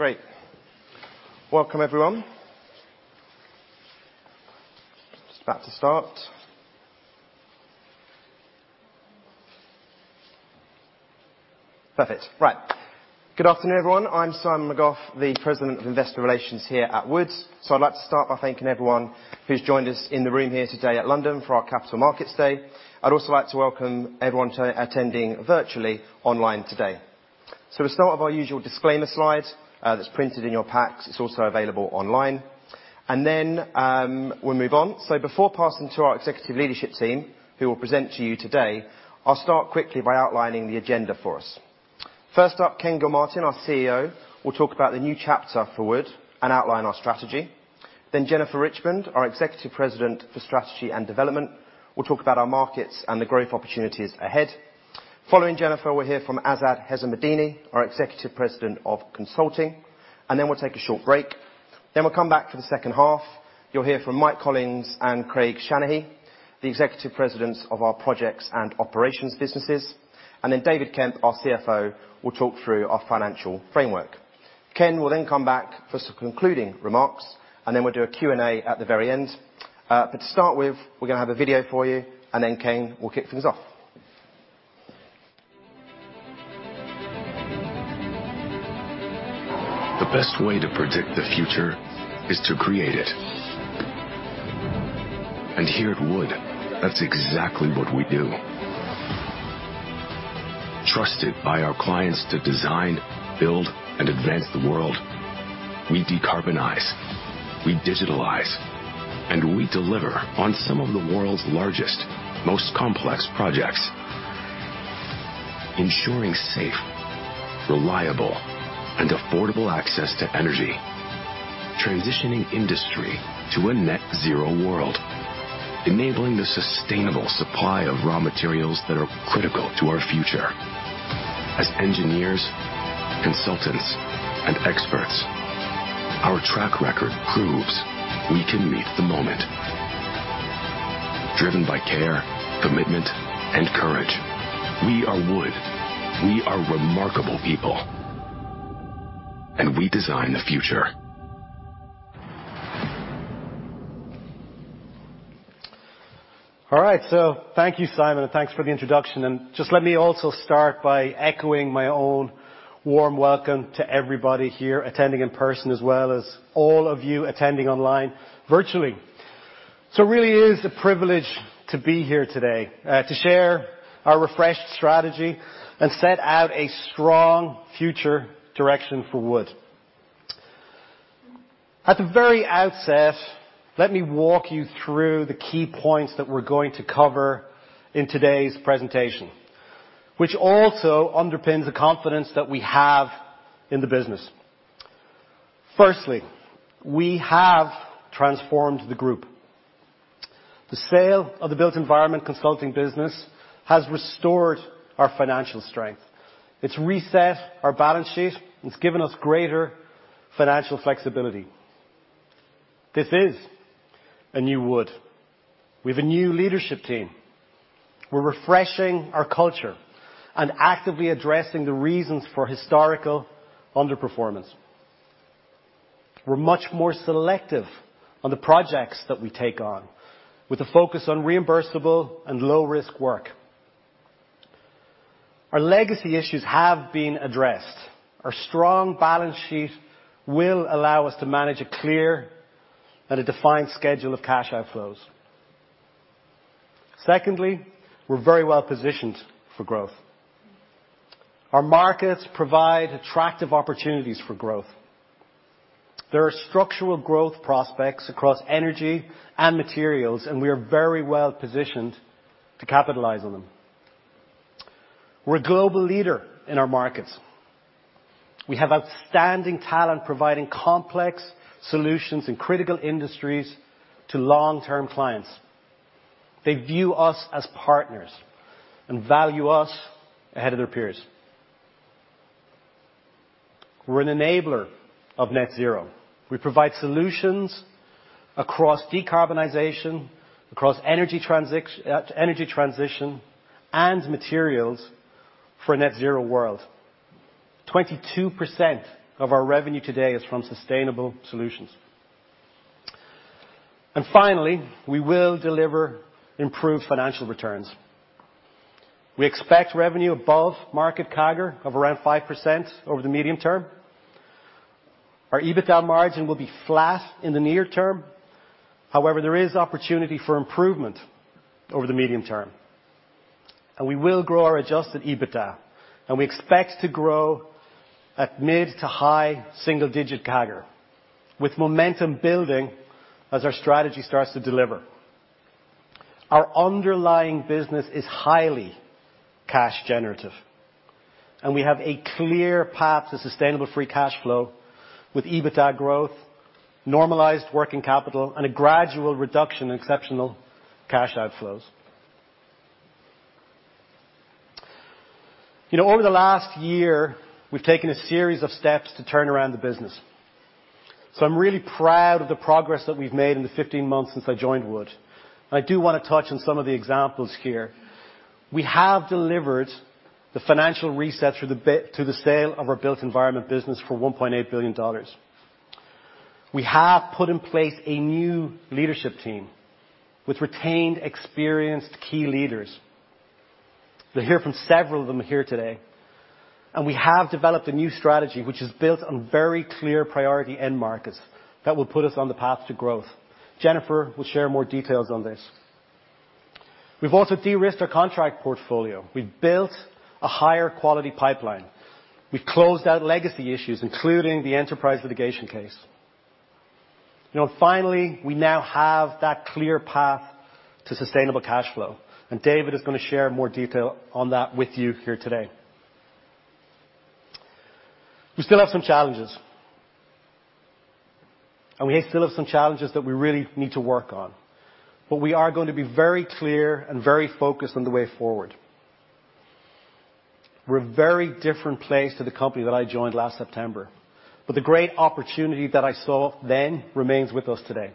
Great. Welcome, everyone. Just about to start. Perfect. Right. Good afternoon, everyone. I'm Simon McGough, the President of Investor Relations here at Wood. I'd like to start by thanking everyone who's joined us in the room here today at London for our Capital Markets Day. I'd also like to welcome everyone attending virtually online today. We'll start with our usual disclaimer slide, that's printed in your packs. It's also available online. We'll move on. Before passing to our executive leadership team, who will present to you today, I'll start quickly by outlining the agenda for us. First up, Ken Gilmartin, our CEO, will talk about the new chapter for Wood and outline our strategy. Jennifer Richmond, our Executive President for Strategy and Development, will talk about our markets and the growth opportunities ahead. Following Jennifer, we'll hear from Azad Hessamodini, our Executive President of Consulting, and then we'll take a short break. We'll come back for the second half. You'll hear from Mike Collins and Craig Shanaghey, the Executive Presidents of our Projects and Operations businesses. David Kemp, our CFO, will talk through our financial framework. Ken will then come back for some concluding remarks, and then we'll do a Q&A at the very end. To start with, we're gonna have a video for you, and then Ken will kick things off. The best way to predict the future is to create it. Here at Wood, that's exactly what we do. Trusted by our clients to design, build, and advance the world, we decarbonize, we digitalize, and we deliver on some of the world's largest, most complex projects. Ensuring safe, reliable, and affordable access to energy. Transitioning industry to a net zero world. Enabling the sustainable supply of raw materials that are critical to our future. As engineers, consultants, and experts, our track record proves we can meet the moment. Driven by care, commitment, and courage. We are Wood. We are remarkable people, we design the future. All right, thank you, Simon, and thanks for the introduction. Just let me also start by echoing my own warm welcome to everybody here attending in person, as well as all of you attending online virtually. It really is a privilege to be here today to share our refreshed strategy and set out a strong future direction for Wood. At the very outset, let me walk you through the key points that we're going to cover in today's presentation, which also underpins the confidence that we have in the business. Firstly, we have transformed the group. The sale of the Built Environment consulting business has restored our financial strength. It's reset our balance sheet. It's given us greater financial flexibility. This is a new Wood. We have a new leadership team. We're refreshing our culture and actively addressing the reasons for historical underperformance. We're much more selective on the projects that we take on, with a focus on reimbursable and low risk work. Our legacy issues have been addressed. Our strong balance sheet will allow us to manage a clear and a defined schedule of cash outflows. Secondly, we're very well-positioned for growth. Our markets provide attractive opportunities for growth. There are structural growth prospects across energy and materials, and we are very well-positioned to capitalize on them. We're a global leader in our markets. We have outstanding talent providing complex solutions in critical industries to long-term clients. They view us as partners and value us ahead of their peers. We're an enabler of net zero. We provide solutions across decarbonization, across energy transition, and materials for a net zero world. 22% of our revenue today is from sustainable solutions. Finally, we will deliver improved financial returns. We expect revenue above market CAGR of around 5% over the medium term. Our EBITDA margin will be flat in the near term. However, there is opportunity for improvement over the medium term. We will grow our Adjusted EBIT, and we expect to grow at mid to high single digit CAGR, with momentum building as our strategy starts to deliver. Our underlying business is highly cash generative, and we have a clear path to sustainable free cash flow with EBITDA growth, normalized working capital, and a gradual reduction in exceptional cash outflows. You know, over the last year, we've taken a series of steps to turn around the business. I'm really proud of the progress that we've made in the 15 months since I joined Wood. I do wanna touch on some of the examples here. We have delivered the financial reset through the sale of our Built Environment business for $1.8 billion. We have put in place a new leadership team with retained experienced key leaders. You'll hear from several of them here today. We have developed a new strategy which is built on very clear priority end markets that will put us on the path to growth. Jennifer will share more details on this. We've also de-risked our contract portfolio. We've built a higher quality pipeline. We've closed out legacy issues, including the Enterprise litigation case. You know, finally, we now have that clear path to sustainable cash flow, and David is gonna share more detail on that with you here today. We still have some challenges. We still have some challenges that we really need to work on, we are going to be very clear and very focused on the way forward. We're a very different place to the company that I joined last September, the great opportunity that I saw then remains with us today,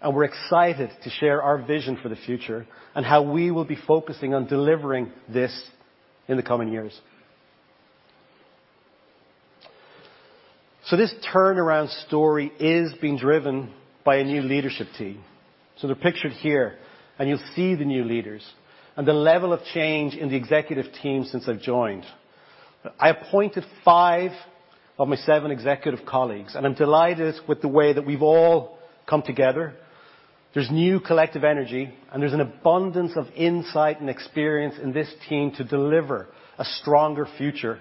and we're excited to share our vision for the future and how we will be focusing on delivering this in the coming years. This turnaround story is being driven by a new leadership team. They're pictured here, and you'll see the new leaders and the level of change in the executive team since I've joined. I appointed five of my seven executive colleagues, and I'm delighted with the way that we've all come together. There's new collective energy, and there's an abundance of insight and experience in this team to deliver a stronger future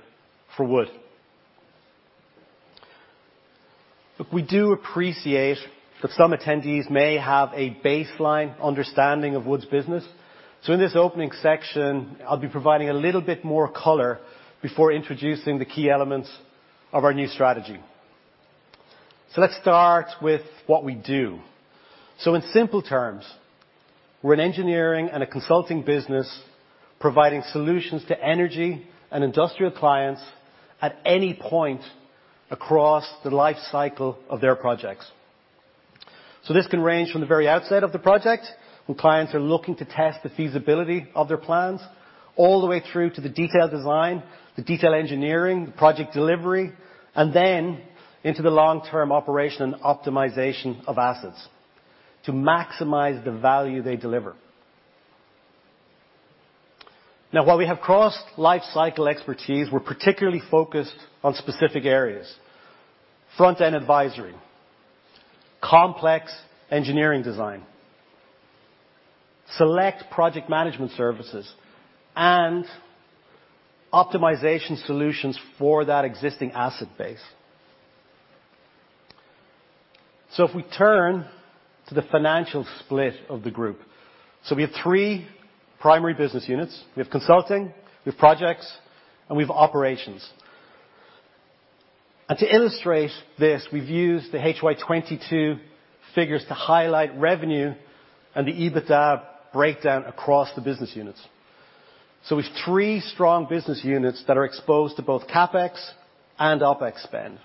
for Wood. Look, we do appreciate that some attendees may have a baseline understanding of Wood business. In this opening section, I'll be providing a little bit more color before introducing the key elements of our new strategy. Let's start with what we do. In simple terms, we're an engineering and a consulting business providing solutions to energy and industrial clients at any point across the life cycle of their projects. This can range from the very outset of the project, when clients are looking to test the feasibility of their plans, all the way through to the detailed design, the detailed engineering, the project delivery, and then into the long-term operation and optimization of assets to maximize the value they deliver. While we have crossed lifecycle expertise, we're particularly focused on specific areas: front-end advisory, complex engineering design, select project management services, and optimization solutions for that existing asset base. If we turn to the financial split of the group. We have 3 primary business units. We have consulting, we have projects, and we have operations. To illustrate this, we've used the HY22 figures to highlight revenue and the EBITDA breakdown across the business units. We've 3 strong business units that are exposed to both CapEx and OpEx spend.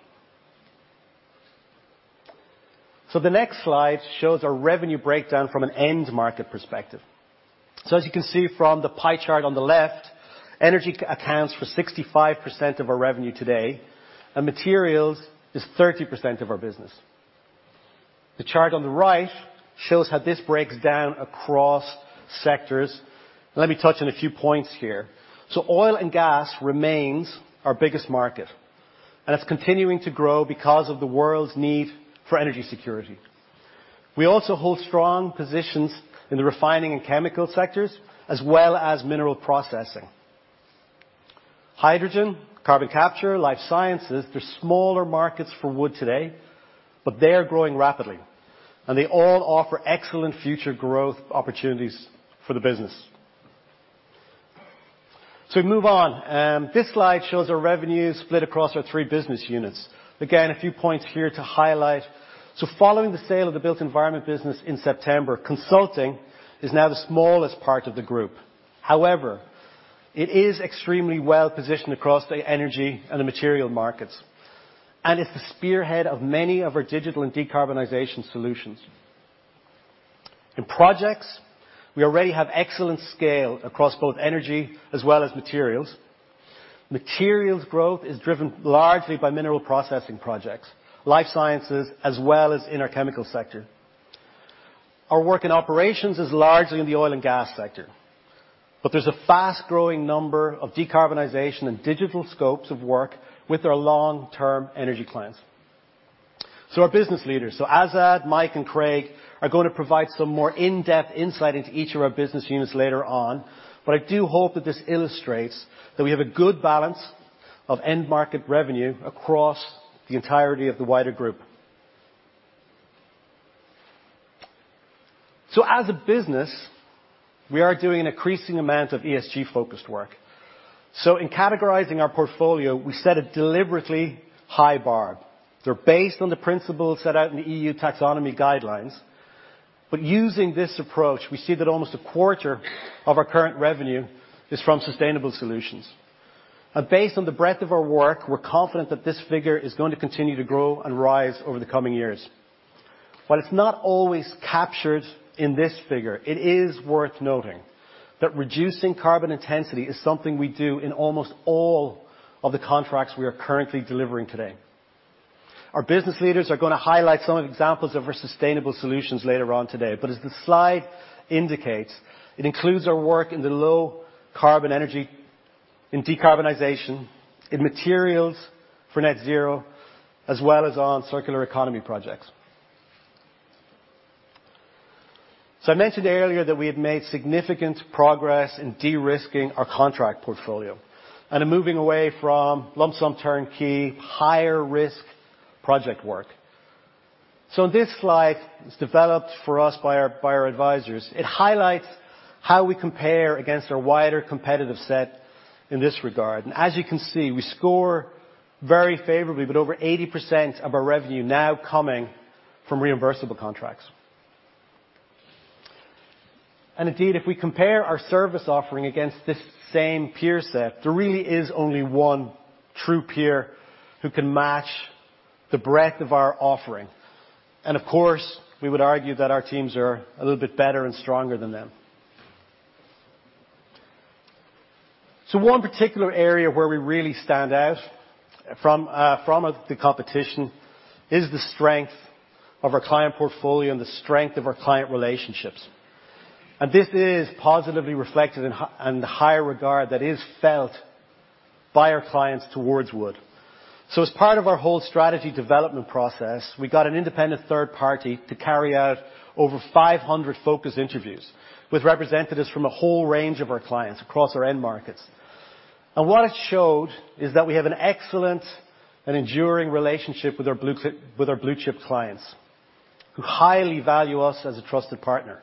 The next slide shows our revenue breakdown from an end market perspective. As you can see from the pie chart on the left, energy accounts for 65% of our revenue today, and materials is 30% of our business. The chart on the right shows how this breaks down across sectors. Let me touch on a few points here. Oil and gas remains our biggest market, and it's continuing to grow because of the world's need for energy security. We also hold strong positions in the refining and chemical sectors, as well as mineral processing. Hydrogen, carbon capture, life sciences, they're smaller markets for Wood today, but they are growing rapidly, and they all offer excellent future growth opportunities for the business. We move on. This slide shows our revenue split across our three business units. Again, a few points here to highlight. Following the sale of the Built Environment business in September, consulting is now the smallest part of the group. However, it is extremely well-positioned across the energy and the material markets, and it's the spearhead of many of our digital and decarbonization solutions. In projects, we already have excellent scale across both energy as well as materials. Materials growth is driven largely by mineral processing projects, life sciences, as well as in our chemical sector. Our work in operations is largely in the oil and gas sector, but there's a fast-growing number of decarbonization and digital scopes of work with our long-term energy clients. Our business leaders, Azad, Mike, and Craig are gonna provide some more in-depth insight into each of our business units later on, but I do hope that this illustrates that we have a good balance of end market revenue across the entirety of the wider group. As a business, we are doing an increasing amount of ESG-focused work. In categorizing our portfolio, we set a deliberately high bar. They're based on the principles set out in the EU Taxonomy guidelines. Using this approach, we see that almost a quarter of our current revenue is from sustainable solutions. Based on the breadth of our work, we're confident that this figure is going to continue to grow and rise over the coming years. While it's not always captured in this figure, it is worth noting that reducing carbon intensity is something we do in almost all of the contracts we are currently delivering today. Our business leaders are going to highlight some of the examples of our sustainable solutions later on today. As the slide indicates, it includes our work in the low carbon energy in decarbonization, in materials for net zero, as well as on circular economy projects. I mentioned earlier that we have made significant progress in de-risking our contract portfolio, and are moving away from lump sum turnkey higher risk project work. This slide is developed for us by our advisors. It highlights how we compare against our wider competitive set in this regard. As you can see, we score very favorably with over 80% of our revenue now coming from reimbursable contracts. Indeed, if we compare our service offering against this same peer set, there really is only one true peer who can match the breadth of our offering. Of course, we would argue that our teams are a little bit better and stronger than them. One particular area where we really stand out from the competition is the strength of our client portfolio and the strength of our client relationships. This is positively reflected in the high regard that is felt by our clients towards Wood. As part of our whole strategy development process, we got an independent third party to carry out over 500 focus interviews with representatives from a whole range of our clients across our end markets. What it showed is that we have an excellent and enduring relationship with our blue chip clients, who highly value us as a trusted partner.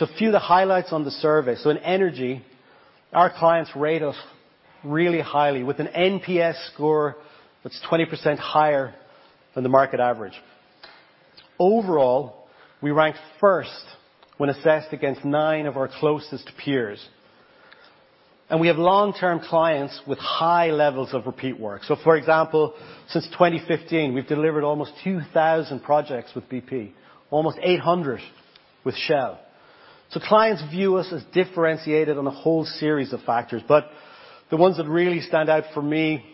A few of the highlights on the survey. In energy, our clients rate us really highly with an NPS score that's 20% higher than the market average. Overall, we ranked first when assessed against nine of our closest peers. We have long-term clients with high levels of repeat work. For example, since 2015 we've delivered almost 2,000 projects with bp, almost 800 with Shell. Clients view us as differentiated on a whole series of factors. The ones that really stand out for me,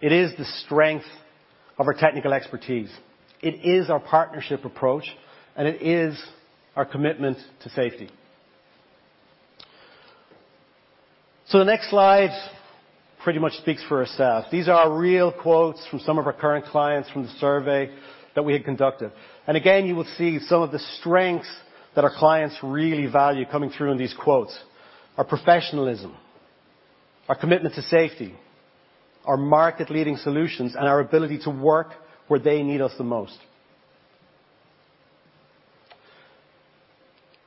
it is the strength of our technical expertise, it is our partnership approach, and it is our commitment to safety. The next slide pretty much speaks for itself. These are real quotes from some of our current clients from the survey that we had conducted. Again, you will see some of the strengths that our clients really value coming through in these quotes. Our professionalism, our commitment to safety, our market-leading solutions, and our ability to work where they need us the most.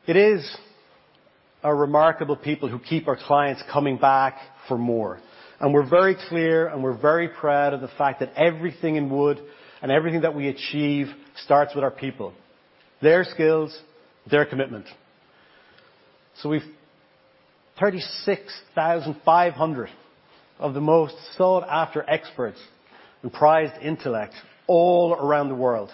It is our remarkable people who keep our clients coming back for more, and we're very clear, and we're very proud of the fact that everything in Wood and everything that we achieve starts with our people, their skills, their commitment. We've 36,500 of the most sought-after experts and prized intellect all around the world.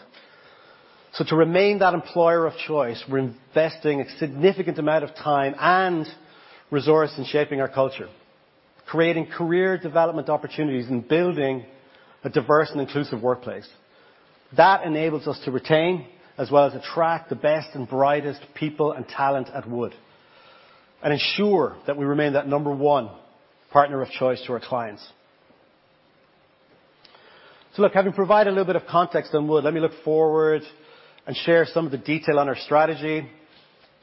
To remain that employer of choice, we're investing a significant amount of time and resource in shaping our culture, creating career development opportunities, and building a diverse and inclusive workplace. That enables us to retain as well as attract the best and brightest people and talent at Wood, and ensure that we remain that number one partner of choice to our clients. Look, having provided a little bit of context on Wood, let me look forward and share some of the detail on our strategy,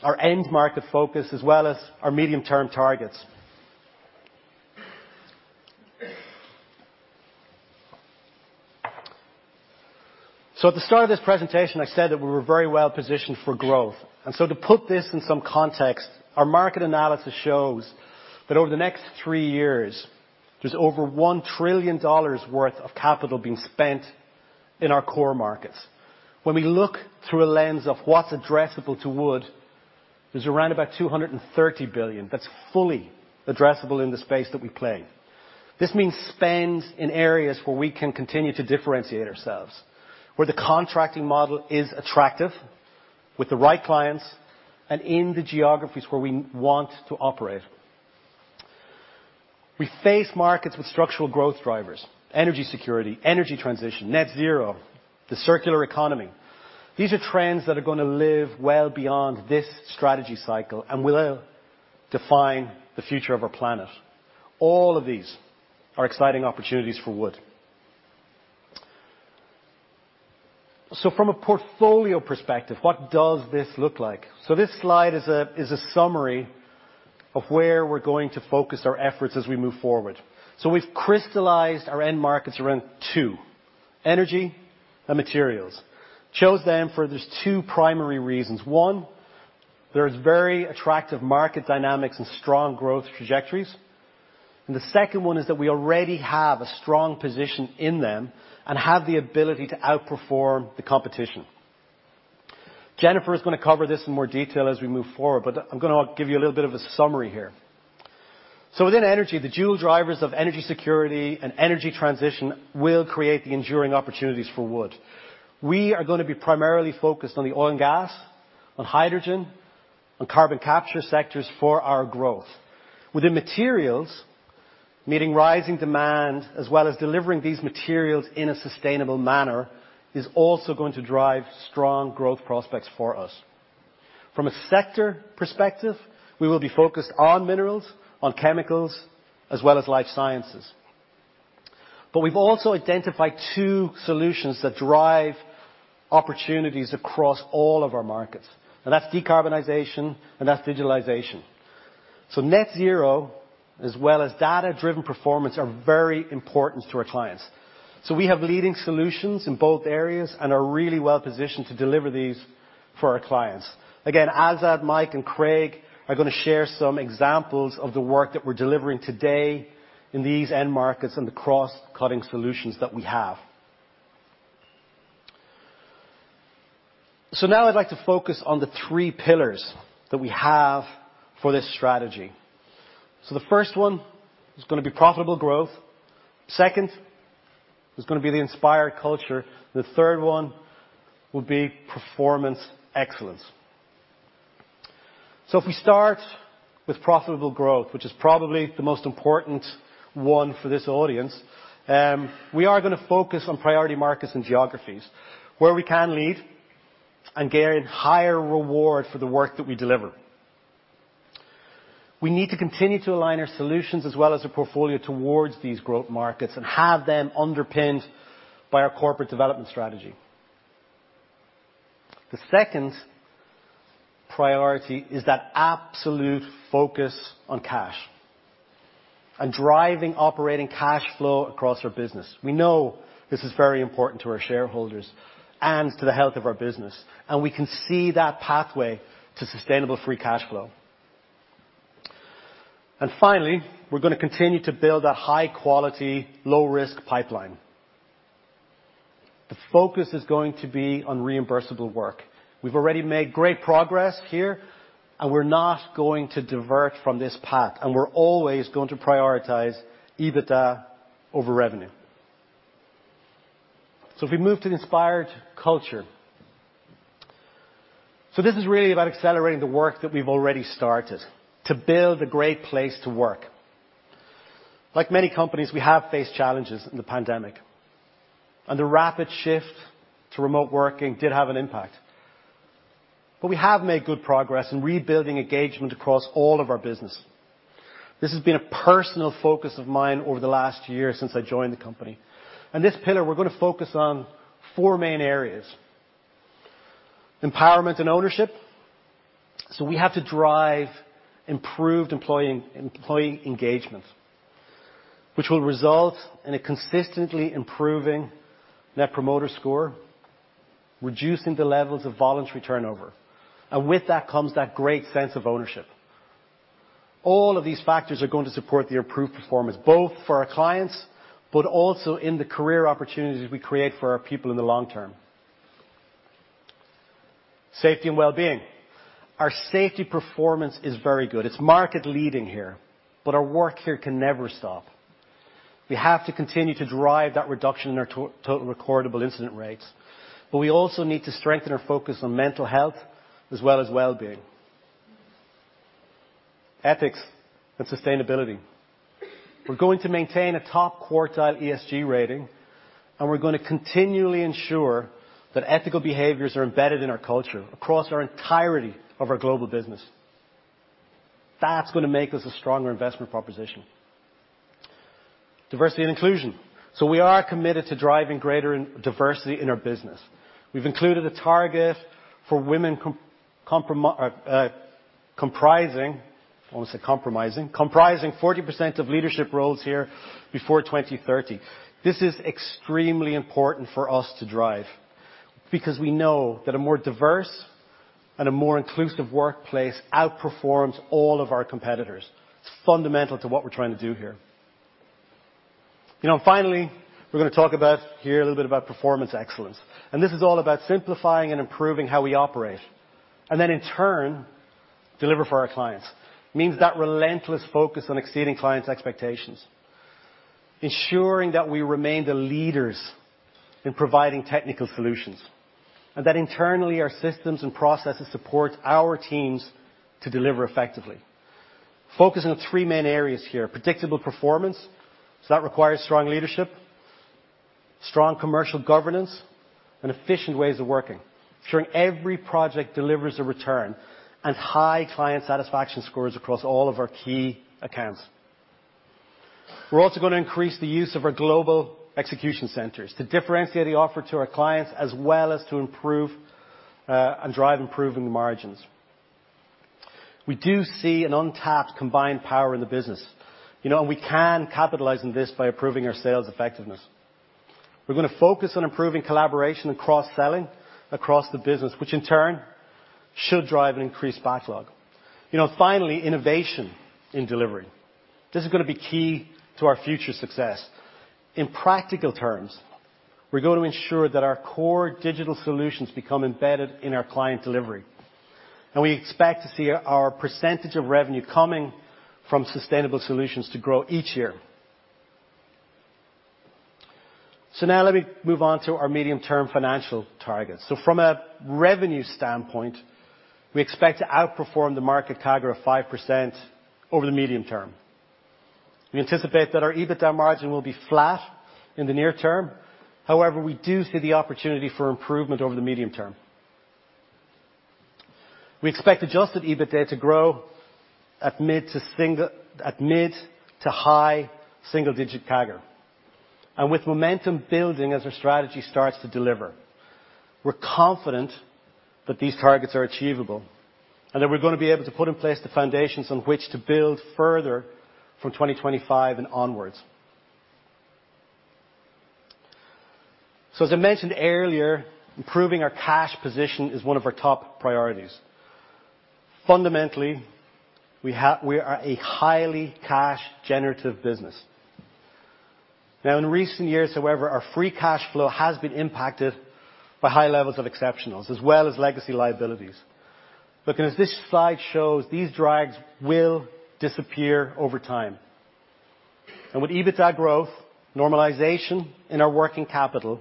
our end market focus, as well as our medium-term targets. At the start of this presentation, I said that we were very well positioned for growth. To put this in some context, our market analysis shows that over the next three years, there's over $1 trillion worth of capital being spent in our core markets. When we look through a lens of what's addressable to Wood, there's around about $230 billion that's fully addressable in the space that we play. This means spend in areas where we can continue to differentiate ourselves, where the contracting model is attractive, with the right clients, and in the geographies where we want to operate. We face markets with structural growth drivers, energy security, energy transition, net zero, the circular economy. These are trends that are gonna live well beyond this strategy cycle and will define the future of our planet. All of these are exciting opportunities for Wood. From a portfolio perspective, what does this look like? This slide is a summary of where we're going to focus our efforts as we move forward. We've crystallized our end markets around two: energy and materials. Chose them for there's two primary reasons. One, there's very attractive market dynamics and strong growth trajectories. The second one is that we already have a strong position in them and have the ability to outperform the competition. Jennifer is gonna cover this in more detail as we move forward, I'm gonna give you a little bit of a summary here. Within energy, the dual drivers of energy security and energy transition will create the enduring opportunities for Wood. We are going to be primarily focused on the oil and gas, on hydrogen, on carbon capture sectors for our growth. Within materials, meeting rising demand as well as delivering these materials in a sustainable manner is also going to drive strong growth prospects for us. From a sector perspective, we will be focused on minerals, on chemicals, as well as life sciences. We've also identified two solutions that drive opportunities across all of our markets, and that's decarbonization and that's digitalization. Net zero as well as data-driven performance are very important to our clients. We have leading solutions in both areas and are really well-positioned to deliver these for our clients. Again, Azad, Mike, and Craig are gonna share some examples of the work that we're delivering today in these end markets and the cross-cutting solutions that we have. Now I'd like to focus on the three pillars that we have for this strategy. The first one is gonna be profitable growth. Second is gonna be the inspired culture. The third one will be performance excellence. If we start with profitable growth, which is probably the most important one for this audience, we are gonna focus on priority markets and geographies where we can lead and gain higher reward for the work that we deliver. We need to continue to align our solutions as well as our portfolio towards these growth markets and have them underpinned by our corporate development strategy. The second priority is that absolute focus on cash and driving operating cash flow across our business. We know this is very important to our shareholders and to the health of our business, and we can see that pathway to sustainable free cash flow. Finally, we're gonna continue to build a high quality, low risk pipeline. The focus is going to be on reimbursable work. We've already made great progress here, and we're not going to divert from this path, and we're always going to prioritize EBITDA over revenue. If we move to inspired culture. This is really about accelerating the work that we've already started to build a great place to work. Like many companies, we have faced challenges in the pandemic, and the rapid shift to remote working did have an impact. We have made good progress in rebuilding engagement across all of our business. This has been a personal focus of mine over the last year since I joined the company. In this pillar, we're gonna focus on four main areas. Empowerment and ownership. We have to drive improved employee engagement, which will result in a consistently improving net promoter score, reducing the levels of voluntary turnover, and with that comes that great sense of ownership. These factors are going to support the improved performance, both for our clients, but also in the career opportunities we create for our people in the long term. Safety and well-being. Our safety performance is very good. It's market leading here, but our work here can never stop. We have to continue to drive that reduction in our total recordable incident rates, but we also need to strengthen our focus on mental health as well-being. Ethics and sustainability. We're going to maintain a top quartile ESG rating, and we're gonna continually ensure that ethical behaviors are embedded in our culture across our entirety of our global business. That's gonna make us a stronger investment proposition. Diversity and inclusion. We are committed to driving greater diversity in our business. We've included a target for women comprising. I almost said compromising. Comprising 40% of leadership roles here before 2030. This is extremely important for us to drive because we know that a more diverse and a more inclusive workplace outperforms all of our competitors. It's fundamental to what we're trying to do here. You know, finally, we're gonna talk about, hear a little bit about performance excellence. This is all about simplifying and improving how we operate, and then in turn, deliver for our clients. Means that relentless focus on exceeding clients' expectations, ensuring that we remain the leaders in providing technical solutions, and that internally our systems and processes support our teams to deliver effectively. Focusing on three main areas here. Predictable performance. That requires strong leadership, strong commercial governance, and efficient ways of working. Ensuring every project delivers a return and high client satisfaction scores across all of our key accounts. We're also gonna increase the use of our global execution centers to differentiate the offer to our clients as well as to improve and drive improvement in the margins. We do see an untapped combined power in the business. You know, we can capitalize on this by improving our sales effectiveness. We're gonna focus on improving collaboration and cross-selling across the business, which in turn should drive an increased backlog. You know, finally, innovation in delivery. This is gonna be key to our future success. In practical terms, we're going to ensure that our core digital solutions become embedded in our client delivery. We expect to see our percentage of revenue coming from sustainable solutions to grow each year. Now let me move on to our medium-term financial targets. From a revenue standpoint, we expect to outperform the market CAGR of 5% over the medium term. We anticipate that our EBITDA margin will be flat in the near term. However, we do see the opportunity for improvement over the medium term. We expect adjusted EBITDA to grow at mid to high single-digit CAGR. With momentum building as our strategy starts to deliver, we're confident that these targets are achievable, and that we're gonna be able to put in place the foundations on which to build further from 2025 and onwards. As I mentioned earlier, improving our cash position is one of our top priorities. Fundamentally, we are a highly cash generative business. Now, in recent years, however, our free cash flow has been impacted by high levels of exceptionals as well as legacy liabilities. As this slide shows, these drags will disappear over time. With EBITDA growth, normalization in our working capital,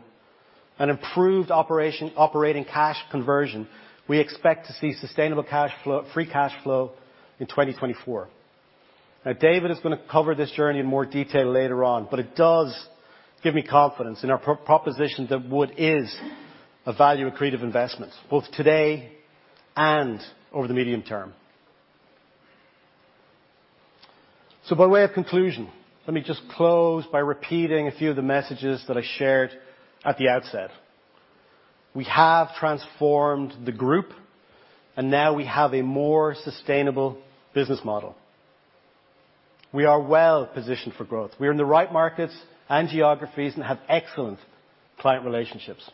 and improved operating cash conversion, we expect to see sustainable cash flow, free cash flow in 2024. David is going to cover this journey in more detail later on, but it does give me confidence in our proposition that Wood is a value-accretive investment, both today and over the medium term. By way of conclusion, let me just close by repeating a few of the messages that I shared at the outset. We have transformed the group, and now we have a more sustainable business model. We are well positioned for growth. We are in the right markets and geographies and have excellent client relationships.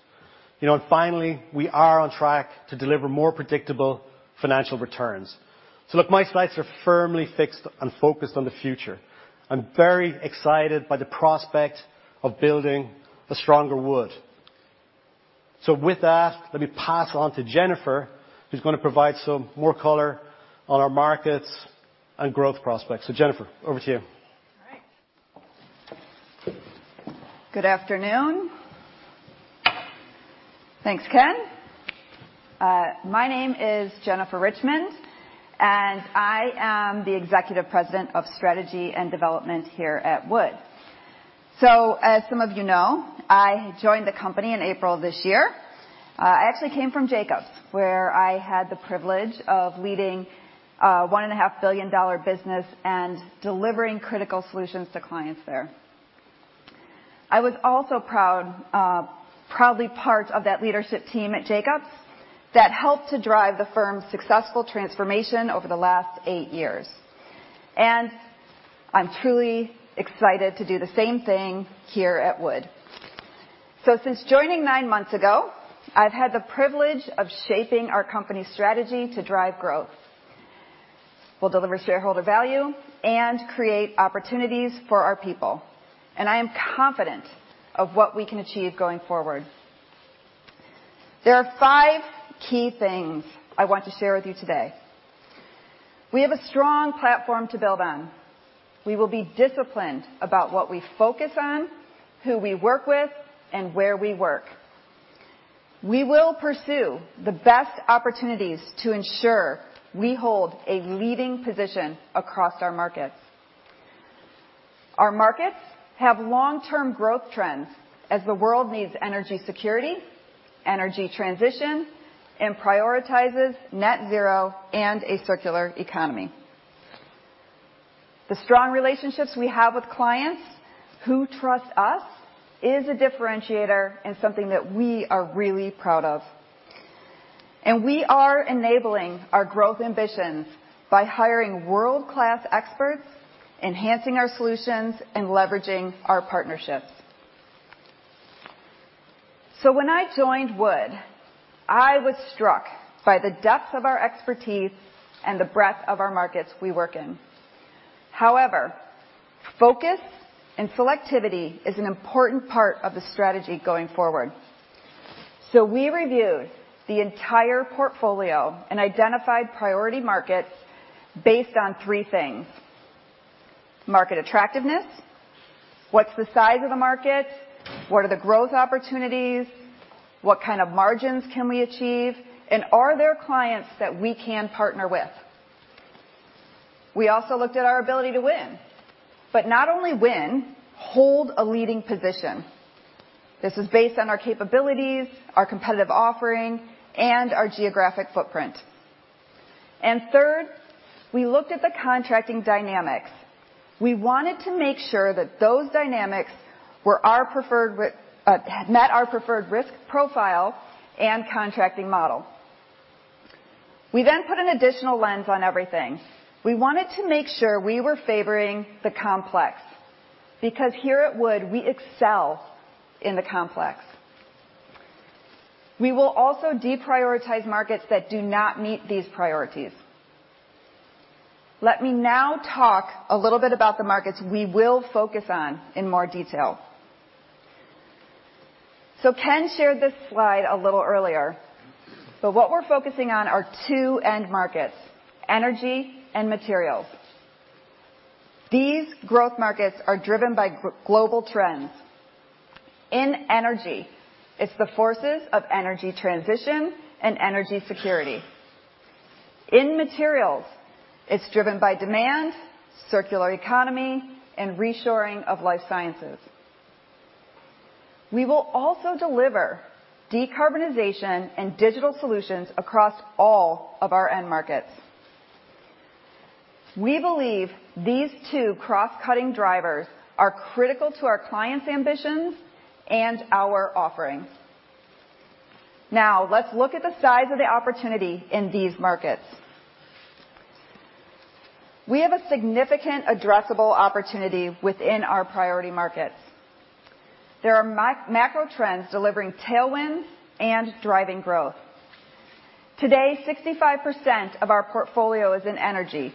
You know, and finally, we are on track to deliver more predictable financial returns. Look, my sights are firmly fixed and focused on the future. I'm very excited by the prospect of building a stronger Wood. With that, let me pass on to Jennifer, who is going to provide some more color on our markets and growth prospects. Jennifer, over to you. All right. Good afternoon. Thanks, Ken. My name is Jennifer Richmond, and I am the Executive President of Strategy and Development here at Wood. As some of you know, I joined the company in April this year. I actually came from Jacobs, where I had the privilege of leading a $1.5 billion business and delivering critical solutions to clients there. I was also proud, proudly part of that leadership team at Jacobs that helped to drive the firm's successful transformation over the last eight years. I'm truly excited to do the same thing here at Wood. Since joining nine months ago, I've had the privilege of shaping our company strategy to drive growth. We'll deliver shareholder value and create opportunities for our people. I am confident of what we can achieve going forward. There are 5 key things I want to share with you today. We have a strong platform to build on. We will be disciplined about what we focus on, who we work with, and where we work. We will pursue the best opportunities to ensure we hold a leading position across our markets. Our markets have long-term growth trends as the world needs energy security, energy transition, and prioritizes net zero and a circular economy. The strong relationships we have with clients who trust us is a differentiator and something that we are really proud of. We are enabling our growth ambitions by hiring world-class experts, enhancing our solutions, and leveraging our partnerships. When I joined Wood, I was struck by the depth of our expertise and the breadth of our markets we work in. However, focus and selectivity is an important part of the strategy going forward. We reviewed the entire portfolio and identified priority markets based on three things: market attractiveness, what's the size of the market, what are the growth opportunities, what kind of margins can we achieve, and are there clients that we can partner with? We also looked at our ability to win, but not only win, hold a leading position. This is based on our capabilities, our competitive offering, and our geographic footprint. Third, we looked at the contracting dynamics. We wanted to make sure that those dynamics met our preferred risk profile and contracting model. We put an additional lens on everything. We wanted to make sure we were favoring the complex. Because here at Wood, we excel in the complex. We will also deprioritize markets that do not meet these priorities. Let me now talk a little bit about the markets we will focus on in more detail. Ken shared this slide a little earlier, but what we're focusing on are two end markets, energy and materials. These growth markets are driven by global trends. In energy, it's the forces of energy transition and energy security. In materials, it's driven by demand, circular economy, and reshoring of life sciences. We will also deliver decarbonization and digital solutions across all of our end markets. We believe these two cross-cutting drivers are critical to our clients' ambitions and our offering. Let's look at the size of the opportunity in these markets. We have a significant addressable opportunity within our priority markets. There are macro trends delivering tailwinds and driving growth. Today, 65% of our portfolio is in energy,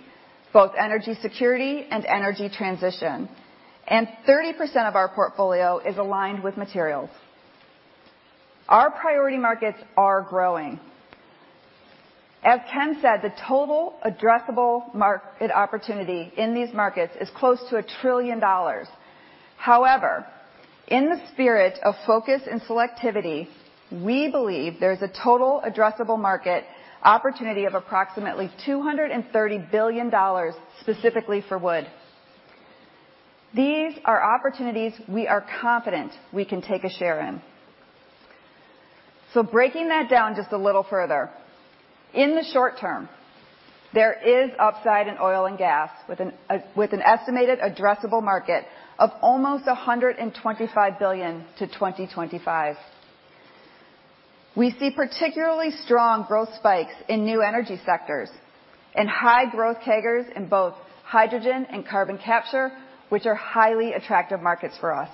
both energy security and energy transition, and 30% of our portfolio is aligned with materials. Our priority markets are growing. As Ken said, the total addressable market opportunity in these markets is close to $1 trillion. However, in the spirit of focus and selectivity, we believe there's a total addressable market opportunity of approximately $230 billion specifically for Wood. These are opportunities we are confident we can take a share in. Breaking that down just a little further. In the short term, there is upside in oil and gas with an estimated addressable market of almost $125 billion to 2025. We see particularly strong growth spikes in new energy sectors and high growth CAGRs in both hydrogen and carbon capture, which are highly attractive markets for us.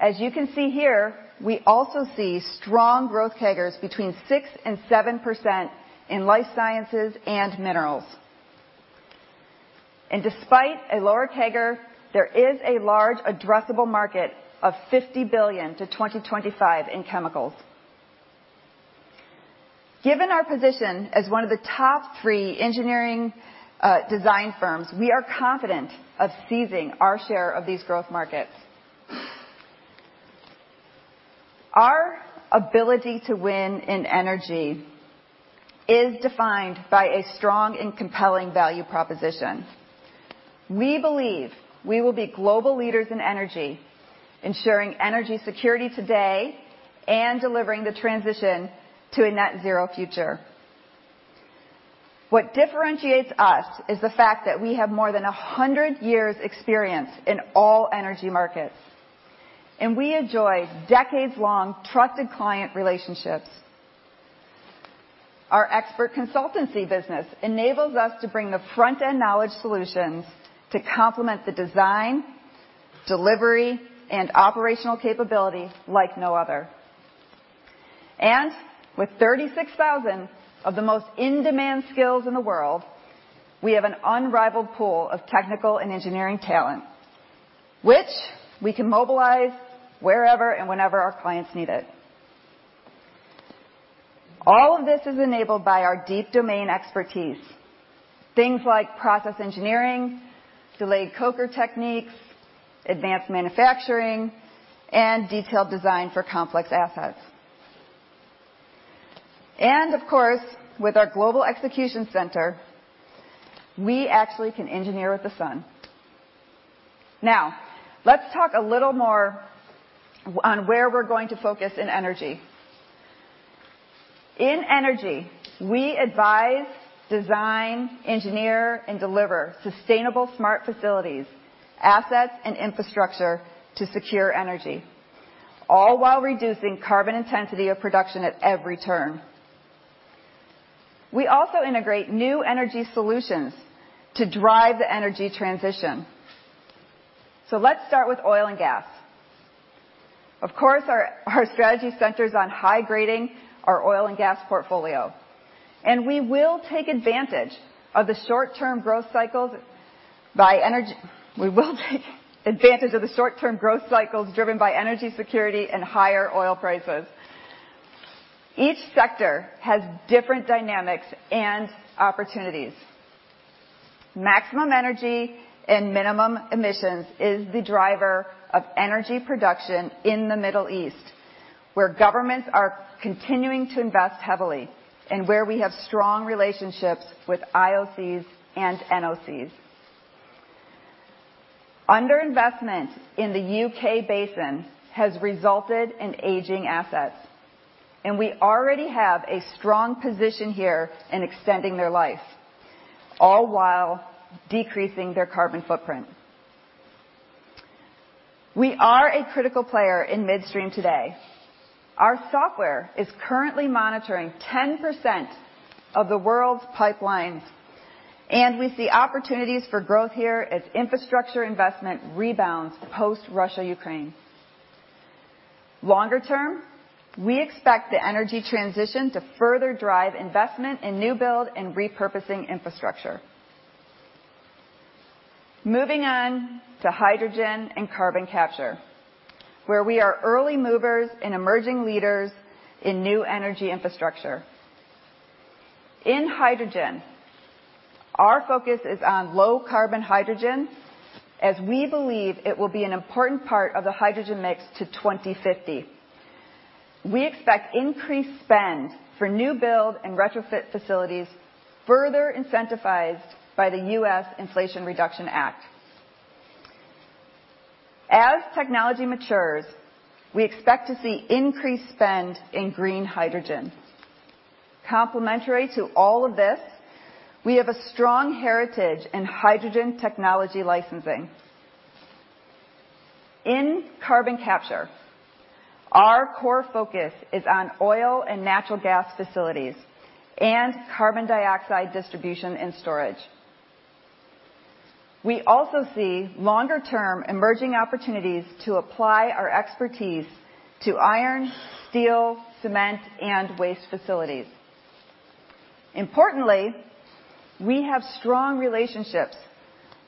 As you can see here, we also see strong growth CAGRs between 6% and 7% in life sciences and minerals. Despite a lower CAGR, there is a large addressable market of $50 billion to 2025 in chemicals. Given our position as one of the top three engineering design firms, we are confident of seizing our share of these growth markets. Our ability to win in energy is defined by a strong and compelling value proposition. We believe we will be global leaders in energy, ensuring energy security today and delivering the transition to a net zero future. What differentiates us is the fact that we have more than 100 years experience in all energy markets, we enjoy decades-long trusted client relationships. Our expert consultancy business enables us to bring the front-end knowledge solutions to complement the design, delivery, and operational capabilities like no other. With 36,000 of the most in-demand skills in the world, we have an unrivaled pool of technical and engineering talent, which we can mobilize wherever and whenever our clients need it. All of this is enabled by our deep domain expertise. Things like process engineering, delayed coker techniques, advanced manufacturing, and detailed design for complex assets. Of course, with our global execution center, we actually can engineer with the sun. Now, let's talk a little more on where we're going to focus in energy. In energy, we advise, design, engineer, and deliver sustainable smart facilities, assets and infrastructure to secure energy, all while reducing carbon intensity of production at every turn. We also integrate new energy solutions to drive the energy transition. Let's start with oil and gas. Of course, our strategy centers on high-grading our oil and gas portfolio. We will take advantage of the short-term growth cycles driven by energy security and higher oil prices. Each sector has different dynamics and opportunities. Maximum energy and minimum emissions is the driver of energy production in the Middle East, where governments are continuing to invest heavily and where we have strong relationships with IOCs and NOCs. Underinvestment in the UK basin has resulted in aging assets. We already have a strong position here in extending their life, all while decreasing their carbon footprint. We are a critical player in midstream today. Our software is currently monitoring 10% of the world's pipelines. We see opportunities for growth here as infrastructure investment rebounds post Russia, Ukraine. Longer term, we expect the energy transition to further drive investment in new build and repurposing infrastructure. Moving on to hydrogen and carbon capture, where we are early movers and emerging leaders in new energy infrastructure. In hydrogen, our focus is on low carbon hydrogen as we believe it will be an important part of the hydrogen mix to 2050. We expect increased spend for new build and retrofit facilities further incentivized by the US Inflation Reduction Act. As technology matures, we expect to see increased spend in green hydrogen. Complementary to all of this, we have a strong heritage in hydrogen technology licensing. In carbon capture, our core focus is on oil and natural gas facilities and carbon dioxide distribution and storage. We also see longer-term emerging opportunities to apply our expertise to iron, steel, cement, and waste facilities. Importantly, we have strong relationships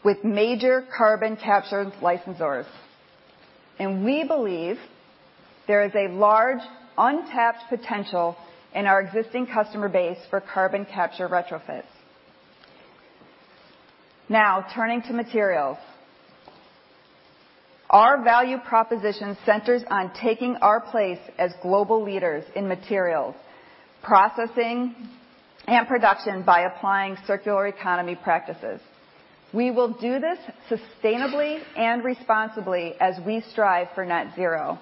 with major carbon capture licensors, and we believe there is a large untapped potential in our existing customer base for carbon capture retrofits. Turning to materials. Our value proposition centers on taking our place as global leaders in materials, processing, and production by applying circular economy practices. We will do this sustainably and responsibly as we strive for net zero.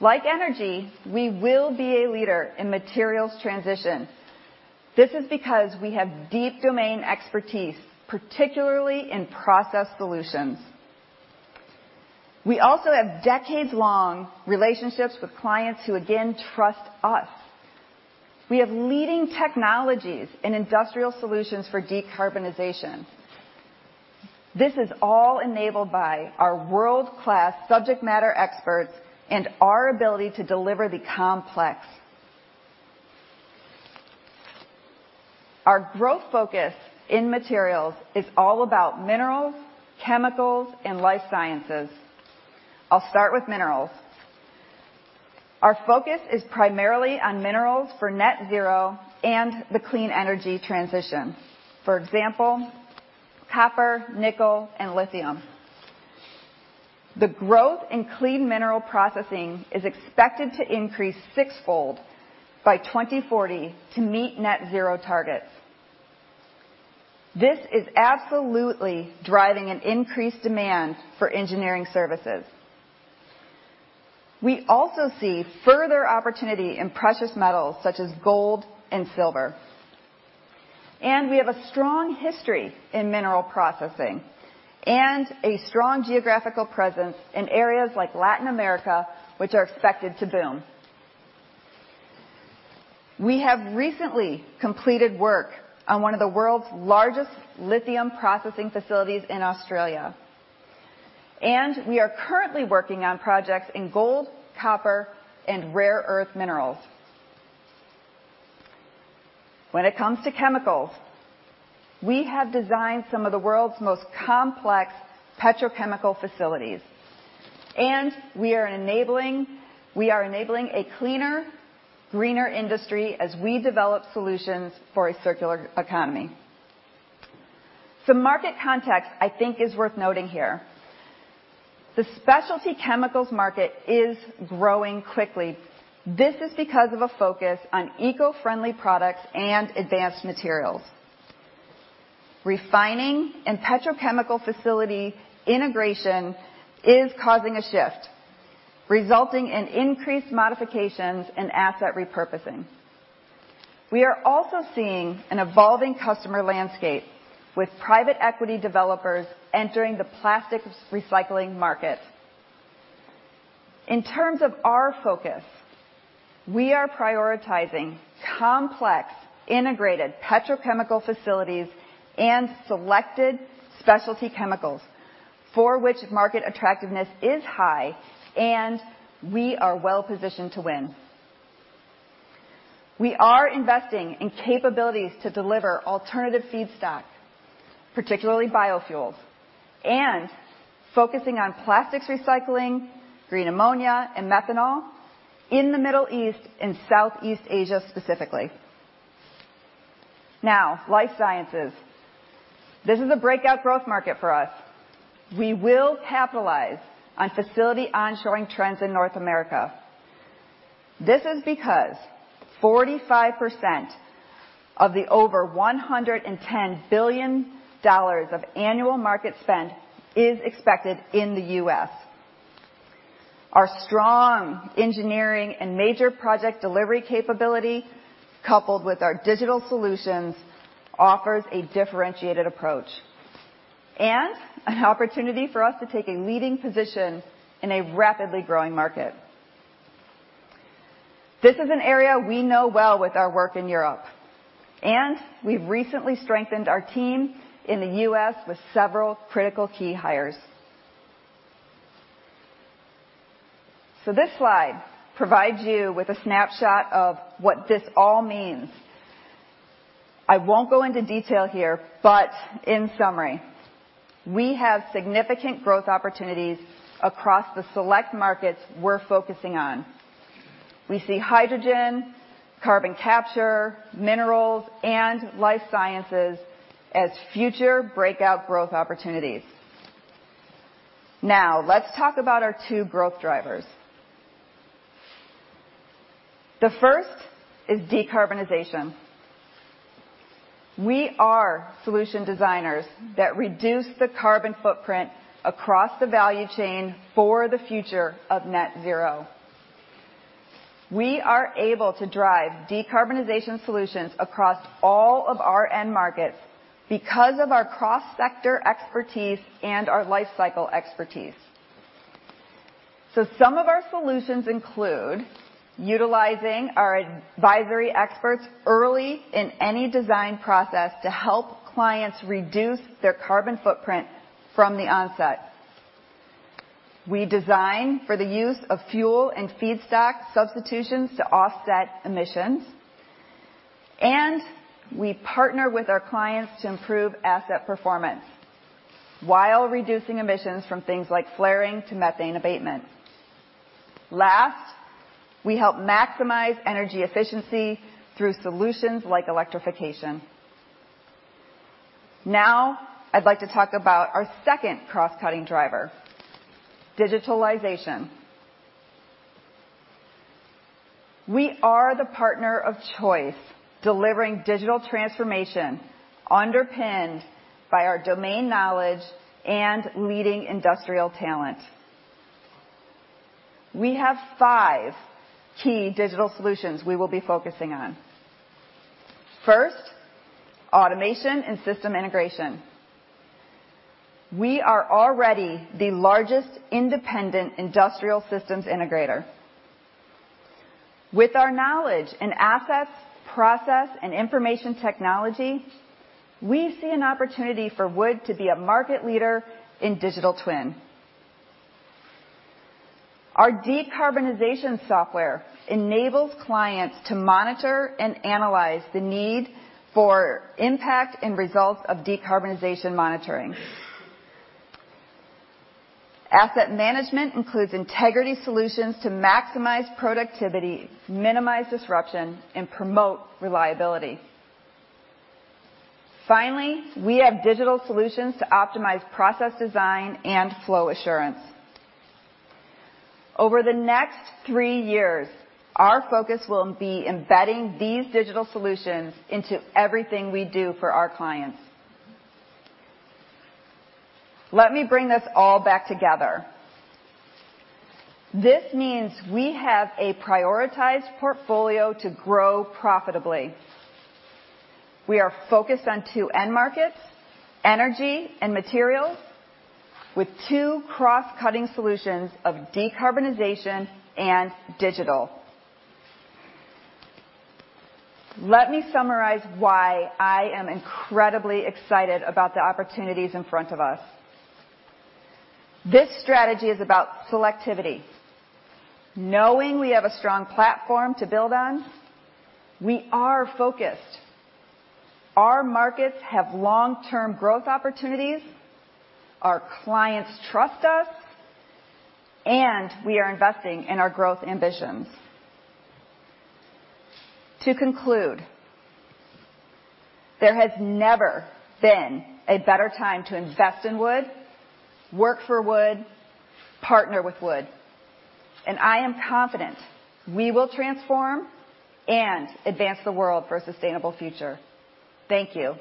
Like energy, we will be a leader in materials transition. This is because we have deep domain expertise, particularly in process solutions. We also have decades long relationships with clients who again, trust us. We have leading technologies in industrial solutions for decarbonization. This is all enabled by our world-class subject matter experts and our ability to deliver the complex. Our growth focus in materials is all about minerals, chemicals and life sciences. I'll start with minerals. Our focus is primarily on minerals for net zero and the clean energy transition. For example, copper, nickel, and lithium. The growth in clean mineral processing is expected to increase 6-fold by 2040 to meet Net Zero targets. This is absolutely driving an increased demand for engineering services. We also see further opportunity in precious metals such as gold and silver. We have a strong history in mineral processing and a strong geographical presence in areas like Latin America, which are expected to boom. We have recently completed work on one of the world's largest lithium processing facilities in Australia, and we are currently working on projects in gold, copper, and rare earth minerals. When it comes to chemicals, we have designed some of the world's most complex petrochemical facilities, and we are enabling a cleaner, greener industry as we develop solutions for a circular economy. Some market context I think is worth noting here. The specialty chemicals market is growing quickly. This is because of a focus on eco-friendly products and advanced materials. Refining and petrochemical facility integration is causing a shift, resulting in increased modifications and asset repurposing. We are also seeing an evolving customer landscape with private equity developers entering the plastics recycling market. In terms of our focus, we are prioritizing complex integrated petrochemical facilities and selected specialty chemicals for which market attractiveness is high and we are well-positioned to win. We are investing in capabilities to deliver alternative feedstock, particularly biofuels and focusing on plastics recycling, green ammonia and methanol in the Middle East and Southeast Asia specifically. Life sciences. This is a breakout growth market for us. We will capitalize on facility onshoring trends in North America. This is because 45% of the over $110 billion of annual market spend is expected in the U.S. Our strong engineering and major project delivery capability, coupled with our digital solutions, offers a differentiated approach and an opportunity for us to take a leading position in a rapidly growing market. This is an area we know well with our work in Europe, and we've recently strengthened our team in the U.S. with several critical key hires. This slide provides you with a snapshot of what this all means. I won't go into detail here, but in summary, we have significant growth opportunities across the select markets we're focusing on. We see hydrogen, carbon capture, minerals, and life sciences as future breakout growth opportunities. Let's talk about our two growth drivers. The first is decarbonization. We are solution designers that reduce the carbon footprint across the value chain for the future of net zero. We are able to drive decarbonization solutions across all of our end markets because of our cross-sector expertise and our lifecycle expertise. Some of our solutions include utilizing our advisory experts early in any design process to help clients reduce their carbon footprint from the onset. We design for the use of fuel and feedstock substitutions to offset emissions, and we partner with our clients to improve asset performance while reducing emissions from things like flaring to methane abatement. Last, we help maximize energy efficiency through solutions like electrification. Now, I'd like to talk about our second cross-cutting driver, digitalization. We are the partner of choice, delivering digital transformation underpinned by our domain knowledge and leading industrial talent. We have five key digital solutions we will be focusing on. First, automation and system integration. We are already the largest independent industrial systems integrator. With our knowledge in assets, process, and information technology, we see an opportunity for Wood to be a market leader in digital twin. Our decarbonization software enables clients to monitor and analyze the need for impact and results of decarbonization monitoring. Asset management includes integrity solutions to maximize productivity, minimize disruption, and promote reliability. We have digital solutions to optimize process design and flow assurance. Over the next three years, our focus will be embedding these digital solutions into everything we do for our clients. Let me bring this all back together. This means we have a prioritized portfolio to grow profitably. We are focused on two end markets, energy and materials, with two cross-cutting solutions of decarbonization and digital. Let me summarize why I am incredibly excited about the opportunities in front of us. This strategy is about selectivity. Knowing we have a strong platform to build on, we are focused. Our markets have long-term growth opportunities, our clients trust us, and we are investing in our growth ambitions. To conclude, there has never been a better time to invest in Wood, work for Wood, partner with Wood, I am confident we will transform and advance the world for a sustainable future. Thank you.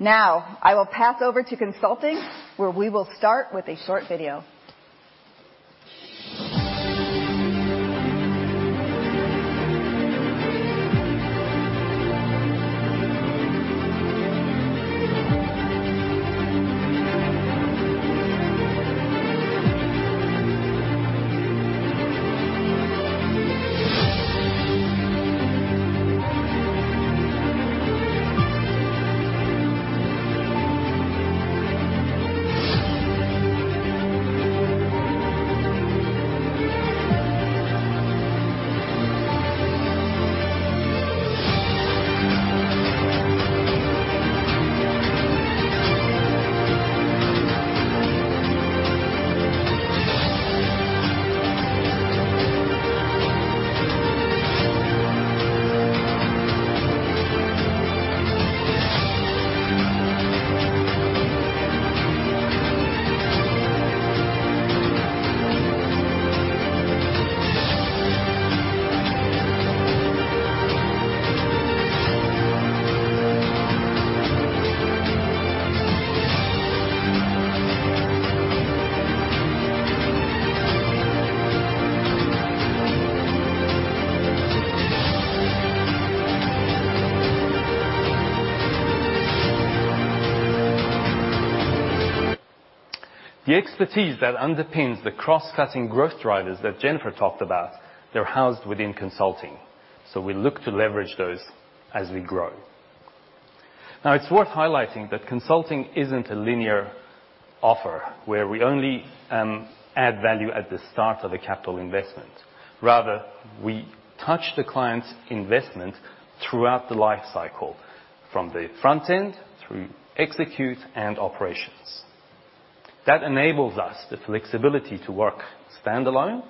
Now, I will pass over to consulting, where we will start with a short video. The expertise that underpins the cross-cutting growth drivers that Jennifer talked about, they're housed within consulting, so we look to leverage those as we grow. It's worth highlighting that consulting isn't a linear offer where we only add value at the start of a capital investment. Rather, we touch the client's investment throughout the life cycle from the front end through execute and operations. That enables us the flexibility to work standalone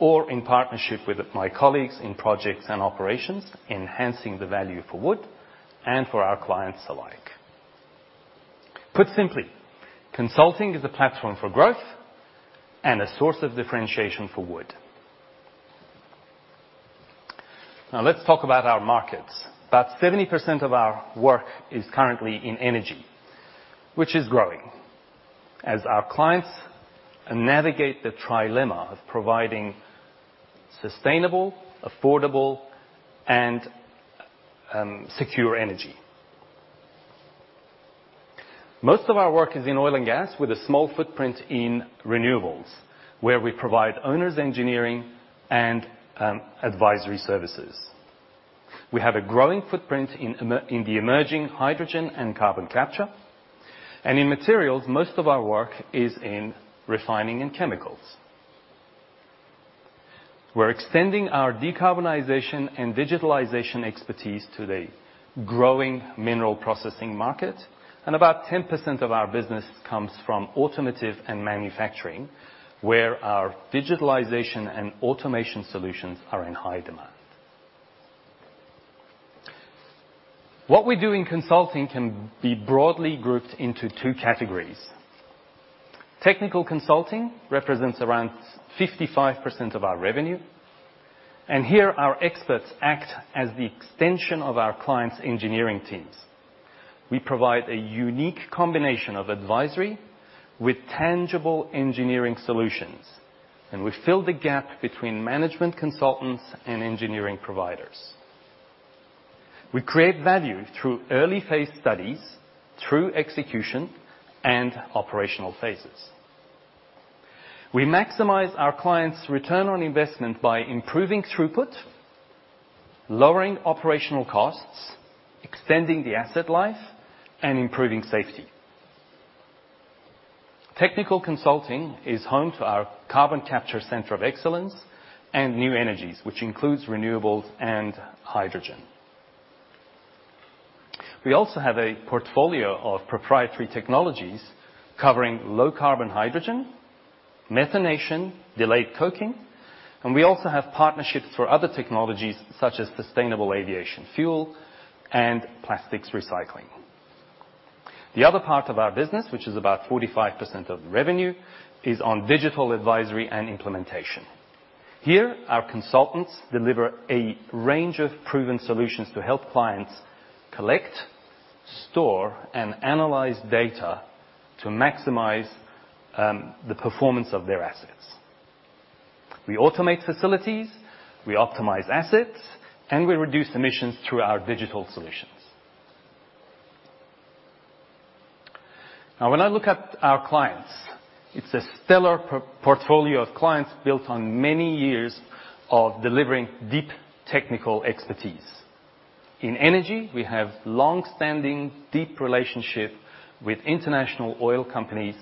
or in partnership with my colleagues in projects and operations, enhancing the value for Wood and for our clients alike. Put simply, consulting is a platform for growth and a source of differentiation for Wood. Let's talk about our markets. About 70% of our work is currently in energy, which is growing as our clients navigate the trilemma of providing sustainable, affordable, and secure energy. Most of our work is in oil and gas with a small footprint in renewables, where we provide owners engineering and advisory services. We have a growing footprint in the emerging hydrogen and carbon capture. In materials, most of our work is in refining and chemicals. We're extending our decarbonization and digitalization expertise to the growing mineral processing market. About 10% of our business comes from automotive and manufacturing, where our digitalization and automation solutions are in high demand. What we do in consulting can be broadly grouped into two categories. Technical consulting represents around 55% of our revenue. Here our experts act as the extension of our clients' engineering teams. We provide a unique combination of advisory with tangible engineering solutions. We fill the gap between management consultants and engineering providers. We create value through early-phase studies, through execution, and operational phases. We maximize our clients' return on investment by improving throughput, lowering operational costs, extending the asset life, and improving safety. Technical consulting is home to our carbon capture center of excellence and new energies, which includes renewables and hydrogen. We also have a portfolio of proprietary technologies covering low-carbon hydrogen, methanation, delayed coking, and we also have partnerships for other technologies such as sustainable aviation fuel and plastics recycling. The other part of our business, which is about 45% of the revenue, is on digital advisory and implementation. Here, our consultants deliver a range of proven solutions to help clients collect, store, and analyze data to maximize the performance of their assets. We automate facilities, we optimize assets, and we reduce emissions through our digital solutions. Now when I look at our clients, it's a stellar portfolio of clients built on many years of delivering deep technical expertise. In energy, we have longstanding, deep relationship with international oil companies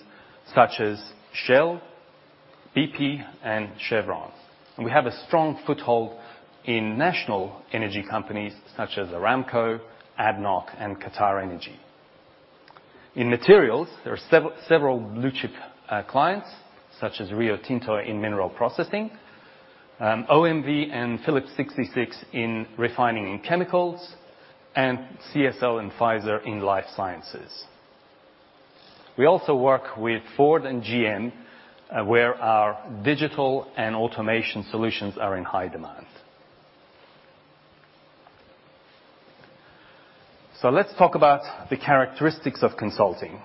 such as Shell, BP, and Chevron, and we have a strong foothold in national energy companies such as Aramco, ADNOC, and QatarEnergy. In materials, there are several blue-chip clients such as Rio Tinto in mineral processing, OMV and Phillips 66 in refining and chemicals, and CSL and Pfizer in life sciences. We also work with Ford and GM, where our digital and automation solutions are in high demand. Let's talk about the characteristics of consulting.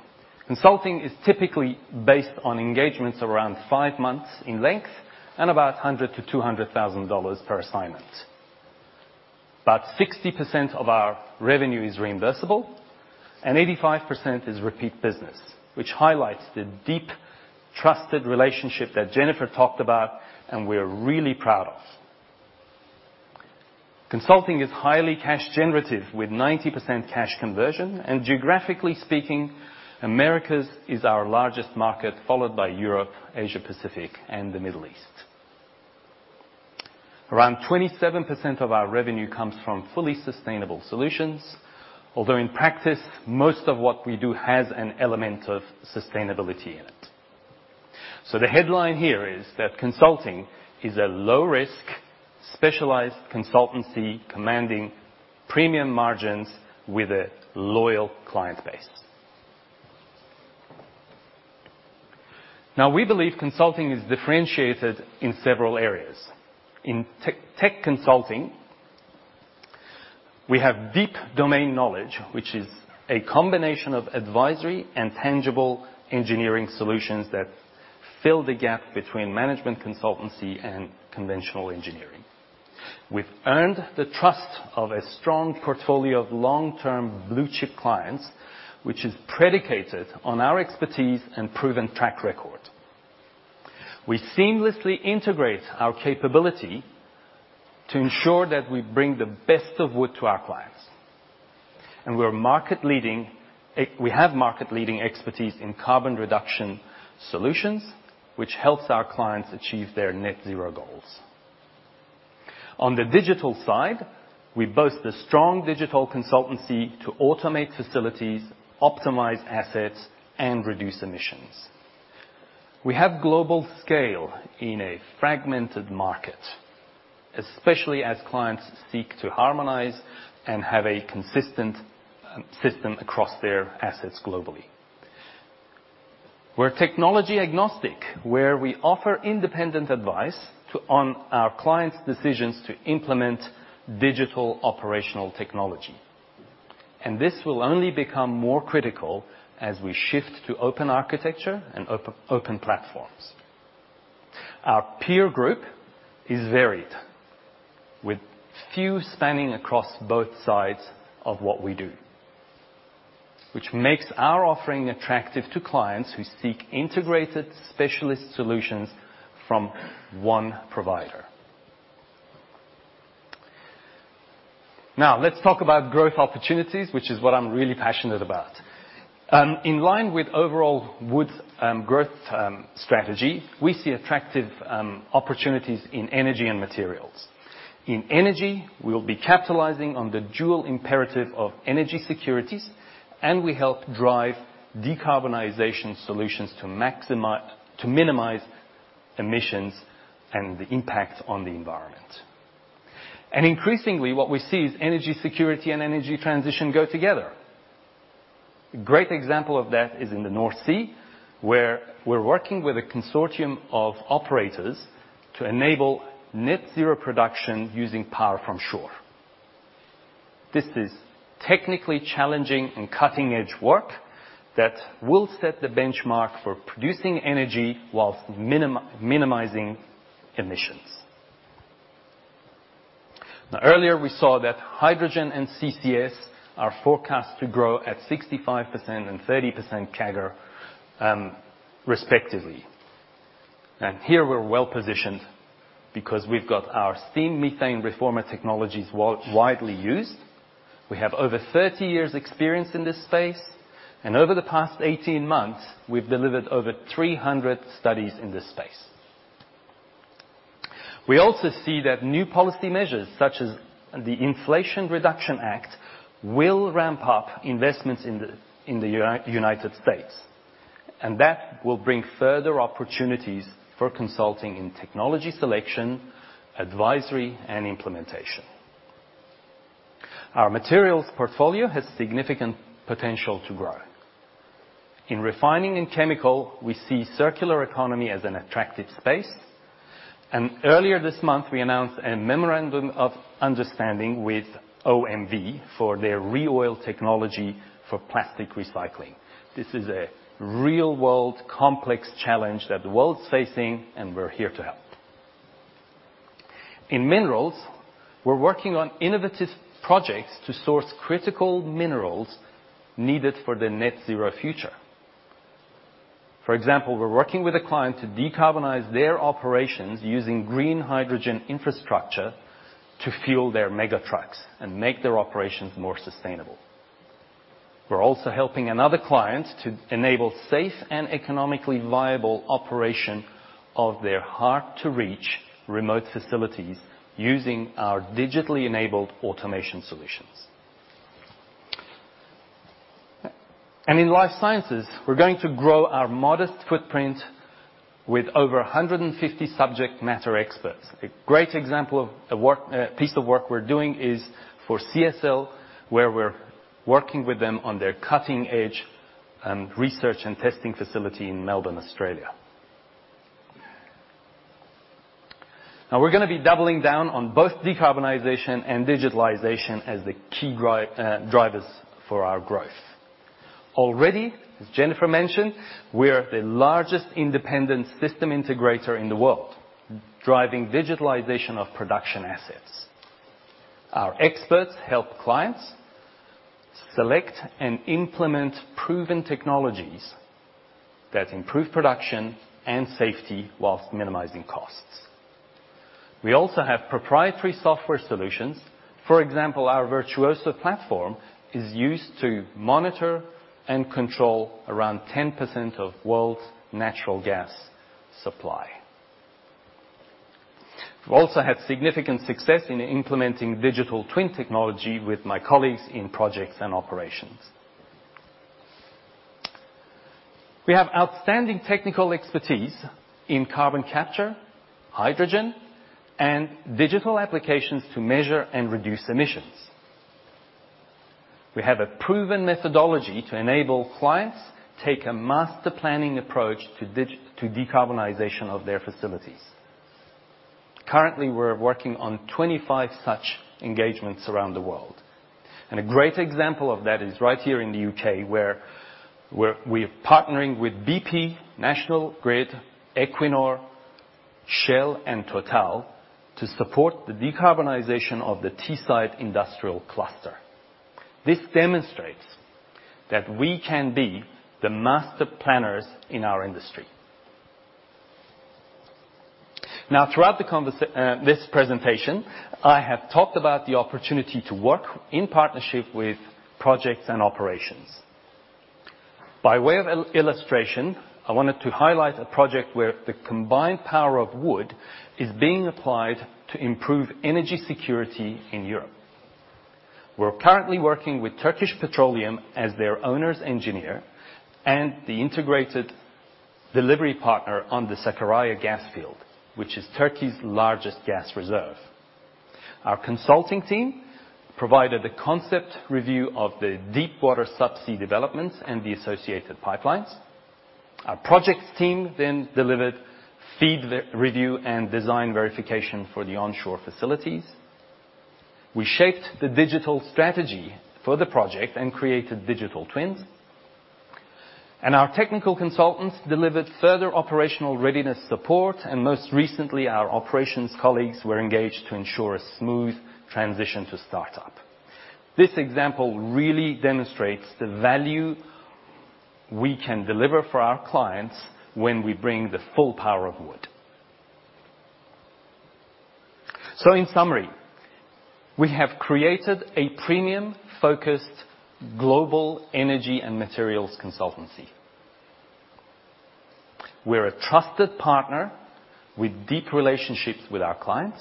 Consulting is typically based on engagements around five months in length and about $100,000-$200,000 per assignment. About 60% of our revenue is reimbursable and 85% is repeat business, which highlights the deep trusted relationship that Jennifer talked about and we're really proud of. Consulting is highly cash generative with 90% cash conversion, and geographically speaking, Americas is our largest market, followed by Europe, Asia-Pacific, and the Middle East. Around 27% of our revenue comes from fully sustainable solutions, although in practice, most of what we do has an element of sustainability in it. The headline here is that consulting is a low-risk, specialized consultancy commanding premium margins with a loyal client base. We believe consulting is differentiated in several areas. In tech consulting, we have deep domain knowledge, which is a combination of advisory and tangible engineering solutions that fill the gap between management consultancy and conventional engineering. We've earned the trust of a strong portfolio of long-term blue chip clients, which is predicated on our expertise and proven track record. We seamlessly integrate our capability to ensure that we bring the best of Wood to our clients. We have market-leading expertise in carbon reduction solutions, which helps our clients achieve their net zero goals. On the digital side, we boast a strong digital consultancy to automate facilities, optimize assets, and reduce emissions. We have global scale in a fragmented market, especially as clients seek to harmonize and have a consistent system across their assets globally. We're technology agnostic, where we offer independent advice on our clients' decisions to implement digital operational technology. This will only become more critical as we shift to open architecture and open platforms. Our peer group is varied, with few spanning across both sides of what we do, which makes our offering attractive to clients who seek integrated specialist solutions from one provider. Let's talk about growth opportunities, which is what I'm really passionate about. In line with overall Wood growth strategy, we see attractive opportunities in energy and materials. In energy, we'll be capitalizing on the dual imperative of energy security, and we help drive decarbonization solutions to minimize emissions and the impact on the environment. Increasingly what we see is energy security and energy transition go together. A great example of that is in the North Sea, where we're working with a consortium of operators to enable net zero production using power from shore. This is technically challenging and cutting-edge work that will set the benchmark for producing energy whilst minimizing emissions. Earlier, we saw that hydrogen and CCS are forecast to grow at 65% and 30% CAGR, respectively. Here we're well-positioned because we've got our steam methane reformer technologies widely used. We have over 30 years experience in this space, and over the past 18 months, we've delivered over 300 studies in this space. We also see that new policy measures, such as the Inflation Reduction Act, will ramp up investments in the United States, and that will bring further opportunities for consulting in technology selection, advisory, and implementation. Our materials portfolio has significant potential to grow. In refining and chemical, we see circular economy as an attractive space, and earlier this month we announced a memorandum of understanding with OMV for their ReOil technology for plastic recycling. This is a real-world complex challenge that the world's facing, and we're here to help. In minerals, we're working on innovative projects to source critical minerals needed for the net zero future. For example, we're working with a client to decarbonize their operations using green hydrogen infrastructure to fuel their mega trucks and make their operations more sustainable. We're also helping another client to enable safe and economically viable operation of their hard-to-reach remote facilities using our digitally enabled automation solutions. In life sciences, we're going to grow our modest footprint with over 150 subject matter experts. A great example of a piece of work we're doing is for CSL, where we're working with them on their cutting-edge research and testing facility in Melbourne, Australia. We're gonna be doubling down on both decarbonization and digitalization as the key drivers for our growth. Already, as Jennifer mentioned, we are the largest independent system integrator in the world, driving digitalization of production assets. Our experts help clients select and implement proven technologies that improve production and safety while minimizing costs. We also have proprietary software solutions. For example, our Virtuoso platform is used to monitor and control around 10% of world's natural gas supply. We've also had significant success in implementing digital twin technology with my colleagues in projects and operations. We have outstanding technical expertise in carbon capture, hydrogen, and digital applications to measure and reduce emissions. We have a proven methodology to enable clients take a master planning approach to decarbonization of their facilities. Currently, we're working on 25 such engagements around the world, and a great example of that is right here in the UK where we're partnering with BP, National Grid, Equinor, Shell and Total to support the decarbonization of the Teesside industrial cluster. This demonstrates that we can be the master planners in our industry. Now, throughout this presentation, I have talked about the opportunity to work in partnership with projects and operations. By way of illustration, I wanted to highlight a project where the combined power of Wood is being applied to improve energy security in Europe. We're currently working with Turkish Petroleum as their owner's engineer and the integrated delivery partner on the Sakarya gas field, which is Turkey's largest gas reserve. Our consulting team provided a concept review of the deep water subsea developments and the associated pipelines. Our projects team delivered FEED re-review and design verification for the onshore facilities. We shaped the digital strategy for the project and created digital twins, our technical consultants delivered further operational readiness support, most recently, our operations colleagues were engaged to ensure a smooth transition to start up. This example really demonstrates the value we can deliver for our clients when we bring the full power of Wood. In summary, we have created a premium-focused global energy and materials consultancy. We're a trusted partner with deep relationships with our clients,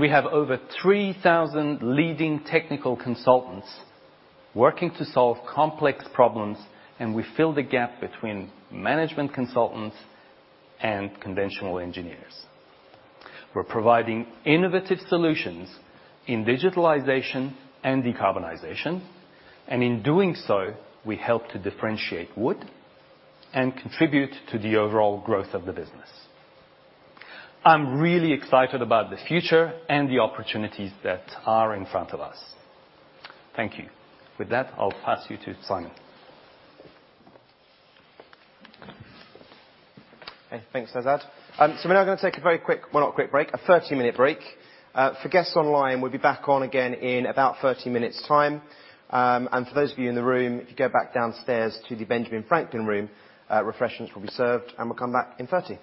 we have over 3,000 leading technical consultants working to solve complex problems, we fill the gap between management consultants and conventional engineers. We're providing innovative solutions in digitalization and decarbonization, in doing so, we help to differentiate Wood and contribute to the overall growth of the business. I'm really excited about the future and the opportunities that are in front of us. Thank you. With that, I'll pass you to Simon. Okay. Thanks, Azad. We're now gonna take not a quick break, a 30-minute break. For guests online, we'll be back on again in about 30 minutes' time. For those of you in the room, if you go back downstairs to the Benjamin Franklin Room, refreshments will be served, we'll come back in 30.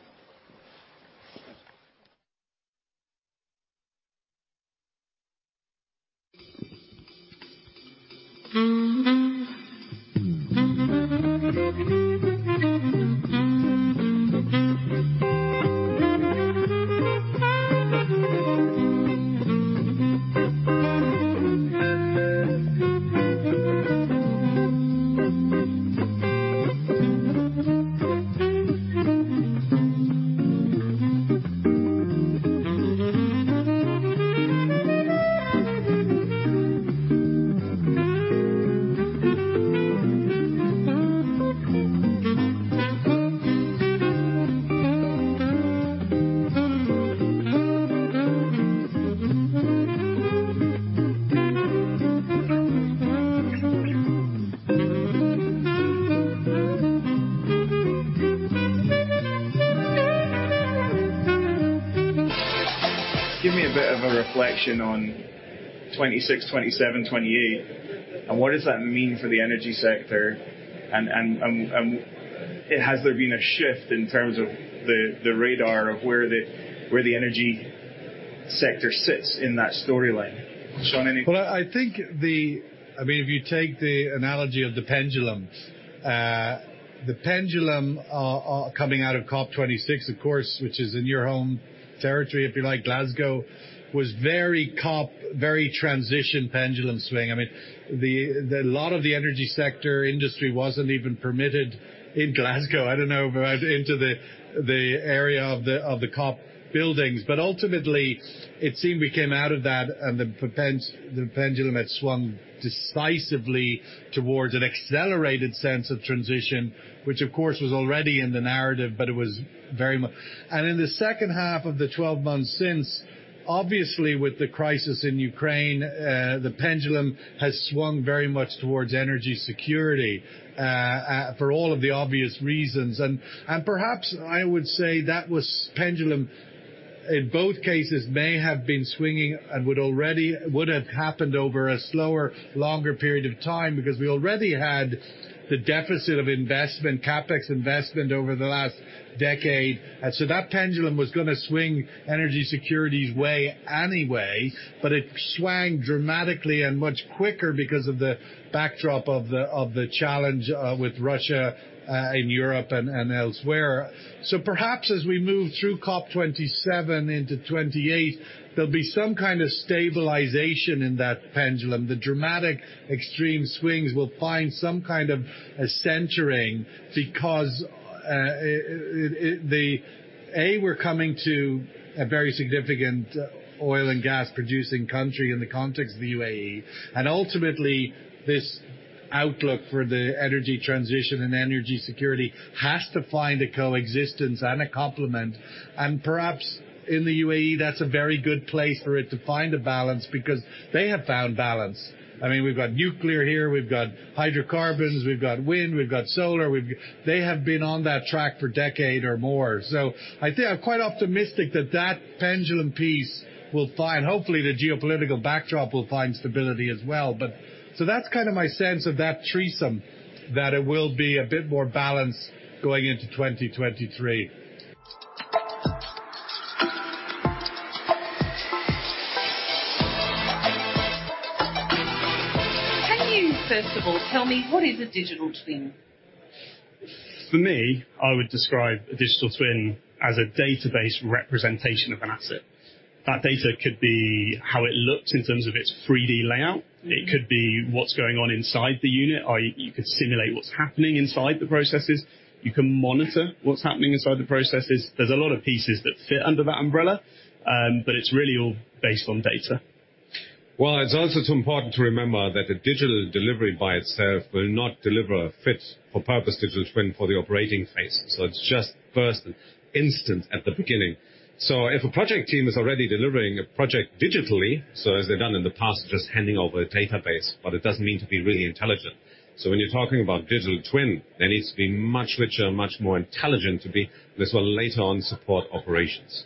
Give me a bit of a reflection on COP26, COP27, COP28, and what does that mean for the energy sector and has there been a shift in terms of the radar of where the energy sector sits in that storyline? Sean. Well, I think the... I mean, if you take the analogy of the pendulum, the pendulum coming out of COP26, of course, which is in your home territory, if you like, Glasgow, was very COP, very transition pendulum swing. I mean, the lot of the energy sector industry wasn't even permitted in Glasgow, I don't know, into the area of the COP buildings. Ultimately, it seemed we came out of that and the pendulum had swung decisively towards an accelerated sense of transition, which of course was already in the narrative, but it was very much... In the second half of the 12 months since, obviously with the crisis in Ukraine, the pendulum has swung very much towards energy security for all of the obvious reasons. Perhaps I would say that was pendulum in both cases may have been swinging and would have happened over a slower, longer period of time because we already had the deficit of investment, CapEx investment over the last decade. That pendulum was gonna swing energy security's way anyway, it swang dramatically and much quicker because of the backdrop of the challenge with Russia in Europe and elsewhere. Perhaps as we move through COP27 into 28, there'll be some kind of stabilization in that pendulum. The dramatic extreme swings will find some kind of a centering because we're coming to a very significant oil and gas producing country in the context of the UAE, and ultimately Outlook for the energy transition and energy security has to find a coexistence and a complement. Perhaps in the UAE, that's a very good place for it to find a balance because they have found balance. I mean, we've got nuclear here, we've got hydrocarbons, we've got wind, we've got solar, we've. They have been on that track for decade or more. I think I'm quite optimistic that that pendulum piece will find. Hopefully, the geopolitical backdrop will find stability as well. That's kinda my sense of that threesome, that it will be a bit more balanced going into 2023. Can you first of all tell me what is a digital twin? For me, I would describe a digital twin as a database representation of an asset. That data could be how it looks in terms of its 3D layout. Mm-hmm. It could be what's going on inside the unit. You could simulate what's happening inside the processes. You can monitor what's happening inside the processes. There's a lot of pieces that fit under that umbrella, but it's really all based on data. Well, it's also important to remember that a digital delivery by itself will not deliver a fit for purpose digital twin for the operating phase. It's just first instance at the beginning. If a project team is already delivering a project digitally, so as they've done in the past, just handing over a database, but it doesn't mean to be really intelligent. When you're talking about digital twin, there needs to be much richer, much more intelligent to be this will later on support operations.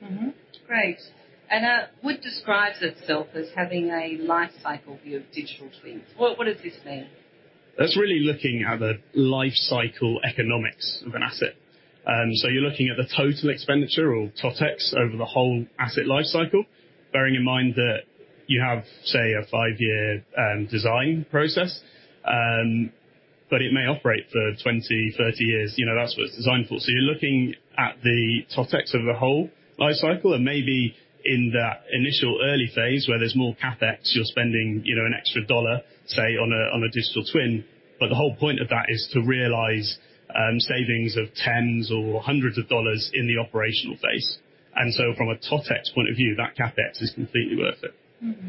Mm-hmm. Great. Wood describes itself as having a life cycle view of digital twins. What does this mean? That's really looking at the life cycle economics of an asset. You're looking at the total expenditure or TotEx over the whole asset life cycle, bearing in mind that you have, say, a 5-year design process, but it may operate for 20, 30 years. You know, that's what it's designed for. You're looking at the TotEx of the whole life cycle, and maybe in that initial early phase where there's more CapEx, you're spending, you know, an extra $1, say, on a digital twin. The whole point of that is to realize savings of $10s or $100s in the operational phase. From a TotEx point of view, that CapEx is completely worth it. Mm-hmm.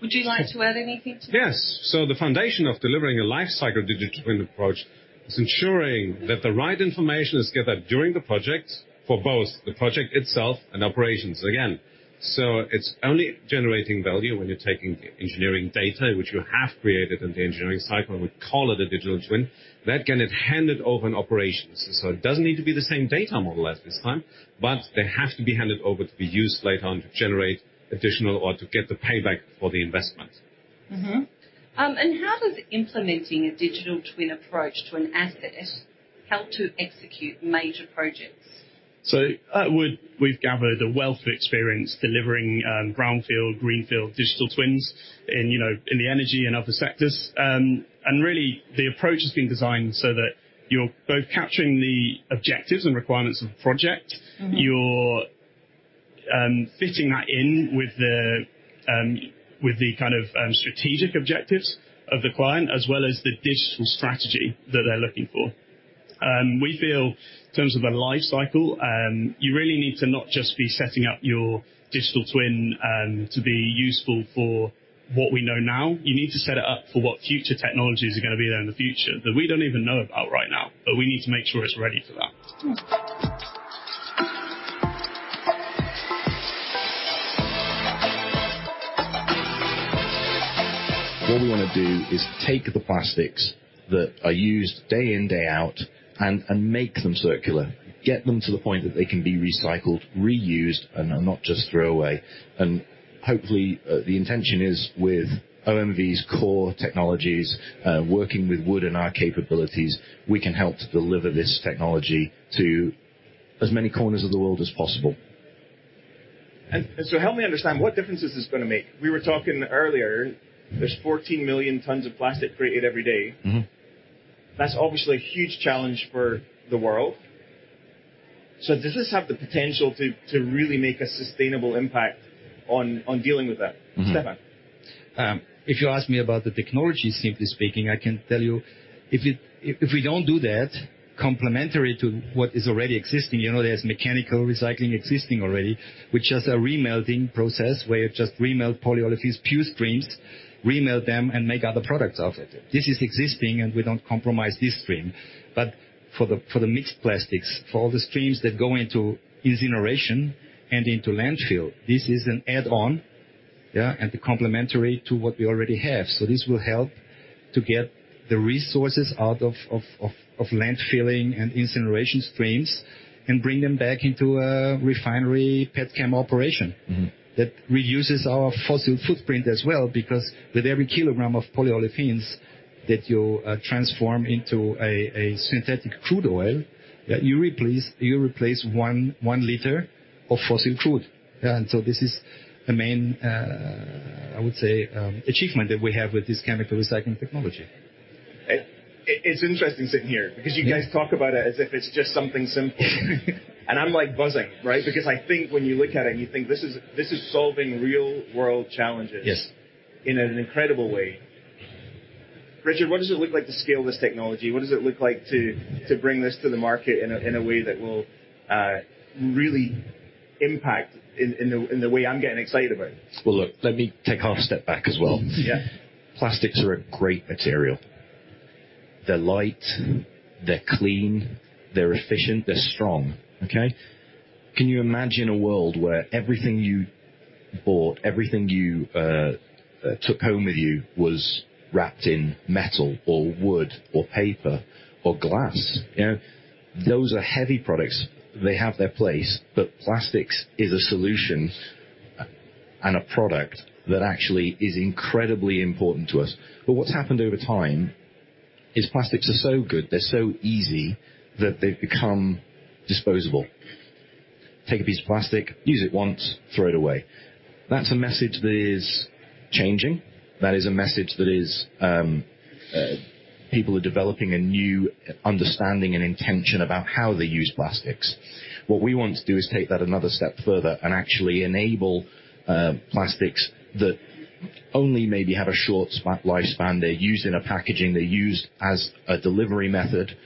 Would you like to add anything to that? Yes. The foundation of delivering a life cycle digital twin approach is ensuring that the right information is gathered during the project for both the project itself and operations, again. It's only generating value when you're taking engineering data, which you have created in the engineering cycle, and we call it a digital twin, that can it handed over in operations. It doesn't need to be the same data model at this time, but they have to be handed over to be used later on to generate additional or to get the payback for the investment. How does implementing a digital twin approach to an asset help to execute major projects? We've gathered a wealth of experience delivering brownfield, greenfield digital twins in, you know, in the energy and other sectors. Really, the approach has been designed so that you're both capturing the objectives and requirements of the project. Mm-hmm. You're fitting that in with the kind of strategic objectives of the client, as well as the digital strategy that they're looking for. We feel in terms of the life cycle, you really need to not just be setting up your digital twin to be useful for what we know now. You need to set it up for what future technologies are gonna be there in the future that we don't even know about right now, but we need to make sure it's ready for that. Mm. What we wanna do is take the plastics that are used day in, day out, and make them circular. Get them to the point that they can be recycled, reused, and not just throw away. Hopefully, the intention is with OMV's core technologies, working with Wood and our capabilities, we can help to deliver this technology to as many corners of the world as possible. Help me understand, what difference is this gonna make? We were talking earlier, there's 14 million tons of plastic created every day. Mm-hmm. That's obviously a huge challenge for the world. Does this have the potential to really make a sustainable impact on dealing with that? Mm-hmm ...Stefan? If you ask me about the technology, simply speaking, I can tell you, if we don't do that, complementary to what is already existing, you know, there's mechanical recycling existing already, which is a re-melting process where you just re-melt polyolefins, pure streams, re-melt them, and make other products of it. This is existing, and we don't compromise this stream. For the, for the mixed plastics, for all the streams that go into incineration and into landfill, this is an add-on, yeah, and complementary to what we already have. This will help to get the resources out of landfilling and incineration streams and bring them back into a refinery petchem operation. Mm-hmm. That reduces our fossil footprint as well because with every kilogram of polyolefins that you transform into a synthetic crude oil, you replace 1 liter of fossil crude. This is the main, I would say, achievement that we have with this chemical recycling technology. It's interesting sitting here. Yeah ...you guys talk about it as if it's just something simple. I'm, like, buzzing, right. I think when you look at it and you think this is solving real world challenges... Yes ...in an incredible way. Richard, what does it look like to scale this technology? What does it look like to bring this to the market in a, in a way that will really Impact in the way I'm getting excited about it. Well, look, let me take half step back as well. Yeah. Plastics are a great material. They're light, they're clean, they're efficient, they're strong. Okay? Can you imagine a world where everything you bought, everything you took home with you was wrapped in metal or wood or paper or glass? You know, those are heavy products. They have their place, plastics is a solution and a product that actually is incredibly important to us. What's happened over time is plastics are so good, they're so easy, that they've become disposable. Take a piece of plastic, use it once, throw it away. That's a message that is changing. That is a message that is People are developing a new understanding and intention about how they use plastics. What we want to do is take that another step further and actually enable plastics that only maybe had a short lifespan. They're used in a packaging. They're used as a delivery method.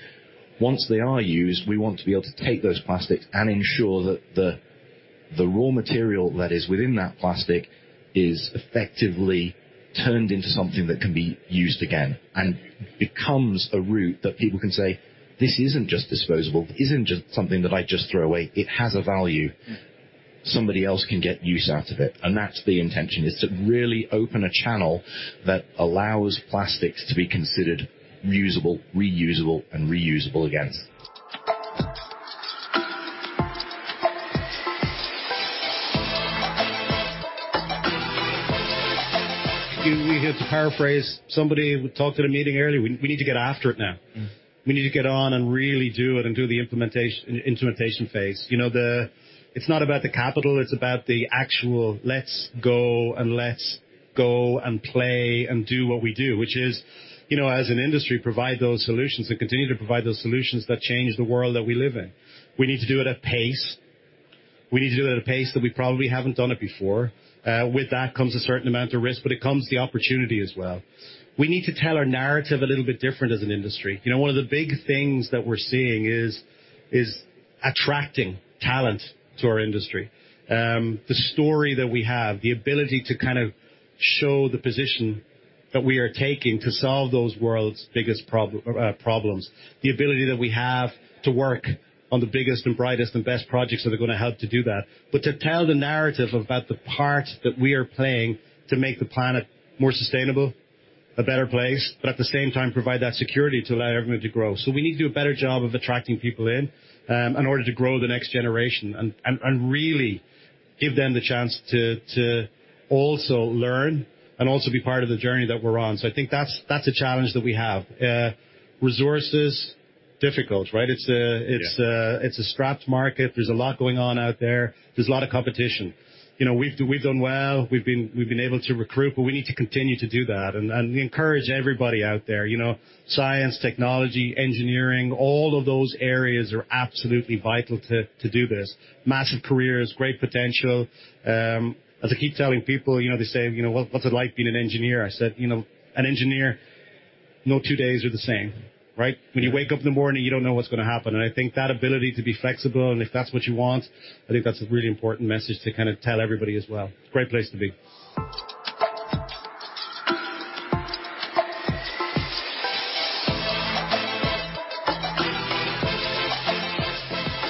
Once they are used, we want to be able to take those plastics and ensure that the raw material that is within that plastic is effectively turned into something that can be used again and becomes a route that people can say, "This isn't just disposable. It isn't just something that I just throw away. It has a value. Somebody else can get use out of it." That's the intention, is to really open a channel that allows plastics to be considered usable, reusable, and reusable again. We heard to paraphrase, somebody talked at a meeting earlier. We need to get after it now. Mm. We need to get on and really do it and do the implementation phase. You know, it's not about the capital, it's about the actual, let's go and play and do what we do, which is, you know, as an industry, provide those solutions and continue to provide those solutions that change the world that we live in. We need to do it at pace. We need to do it at a pace that we probably haven't done it before. With that comes a certain amount of risk, but it comes the opportunity as well. We need to tell our narrative a little bit different as an industry. You know, one of the big things that we're seeing is attracting talent to our industry. The story that we have, the ability to kind of show the position that we are taking to solve those world's biggest problems. The ability that we have to work on the biggest and brightest and best projects that are gonna help to do that. To tell the narrative about the part that we are playing to make the planet more sustainable, a better place, but at the same time provide that security to allow everyone to grow. We need to do a better job of attracting people in in order to grow the next generation and really give them the chance to also learn and also be part of the journey that we're on. I think that's a challenge that we have. Resources, difficult, right? Yeah. It's a strapped market. There's a lot going on out there. There's a lot of competition. You know, we've done well, we've been able to recruit, but we need to continue to do that. We encourage everybody out there, you know, science, technology, engineering, all of those areas are absolutely vital to do this. Massive careers, great potential. As I keep telling people, you know, they say, "You know, what's it like being an engineer?" I said, "You know, an engineer, no two days are the same." Right? When you wake up in the morning, you don't know what's gonna happen. I think that ability to be flexible and if that's what you want, I think that's a really important message to kind of tell everybody as well. Great place to be.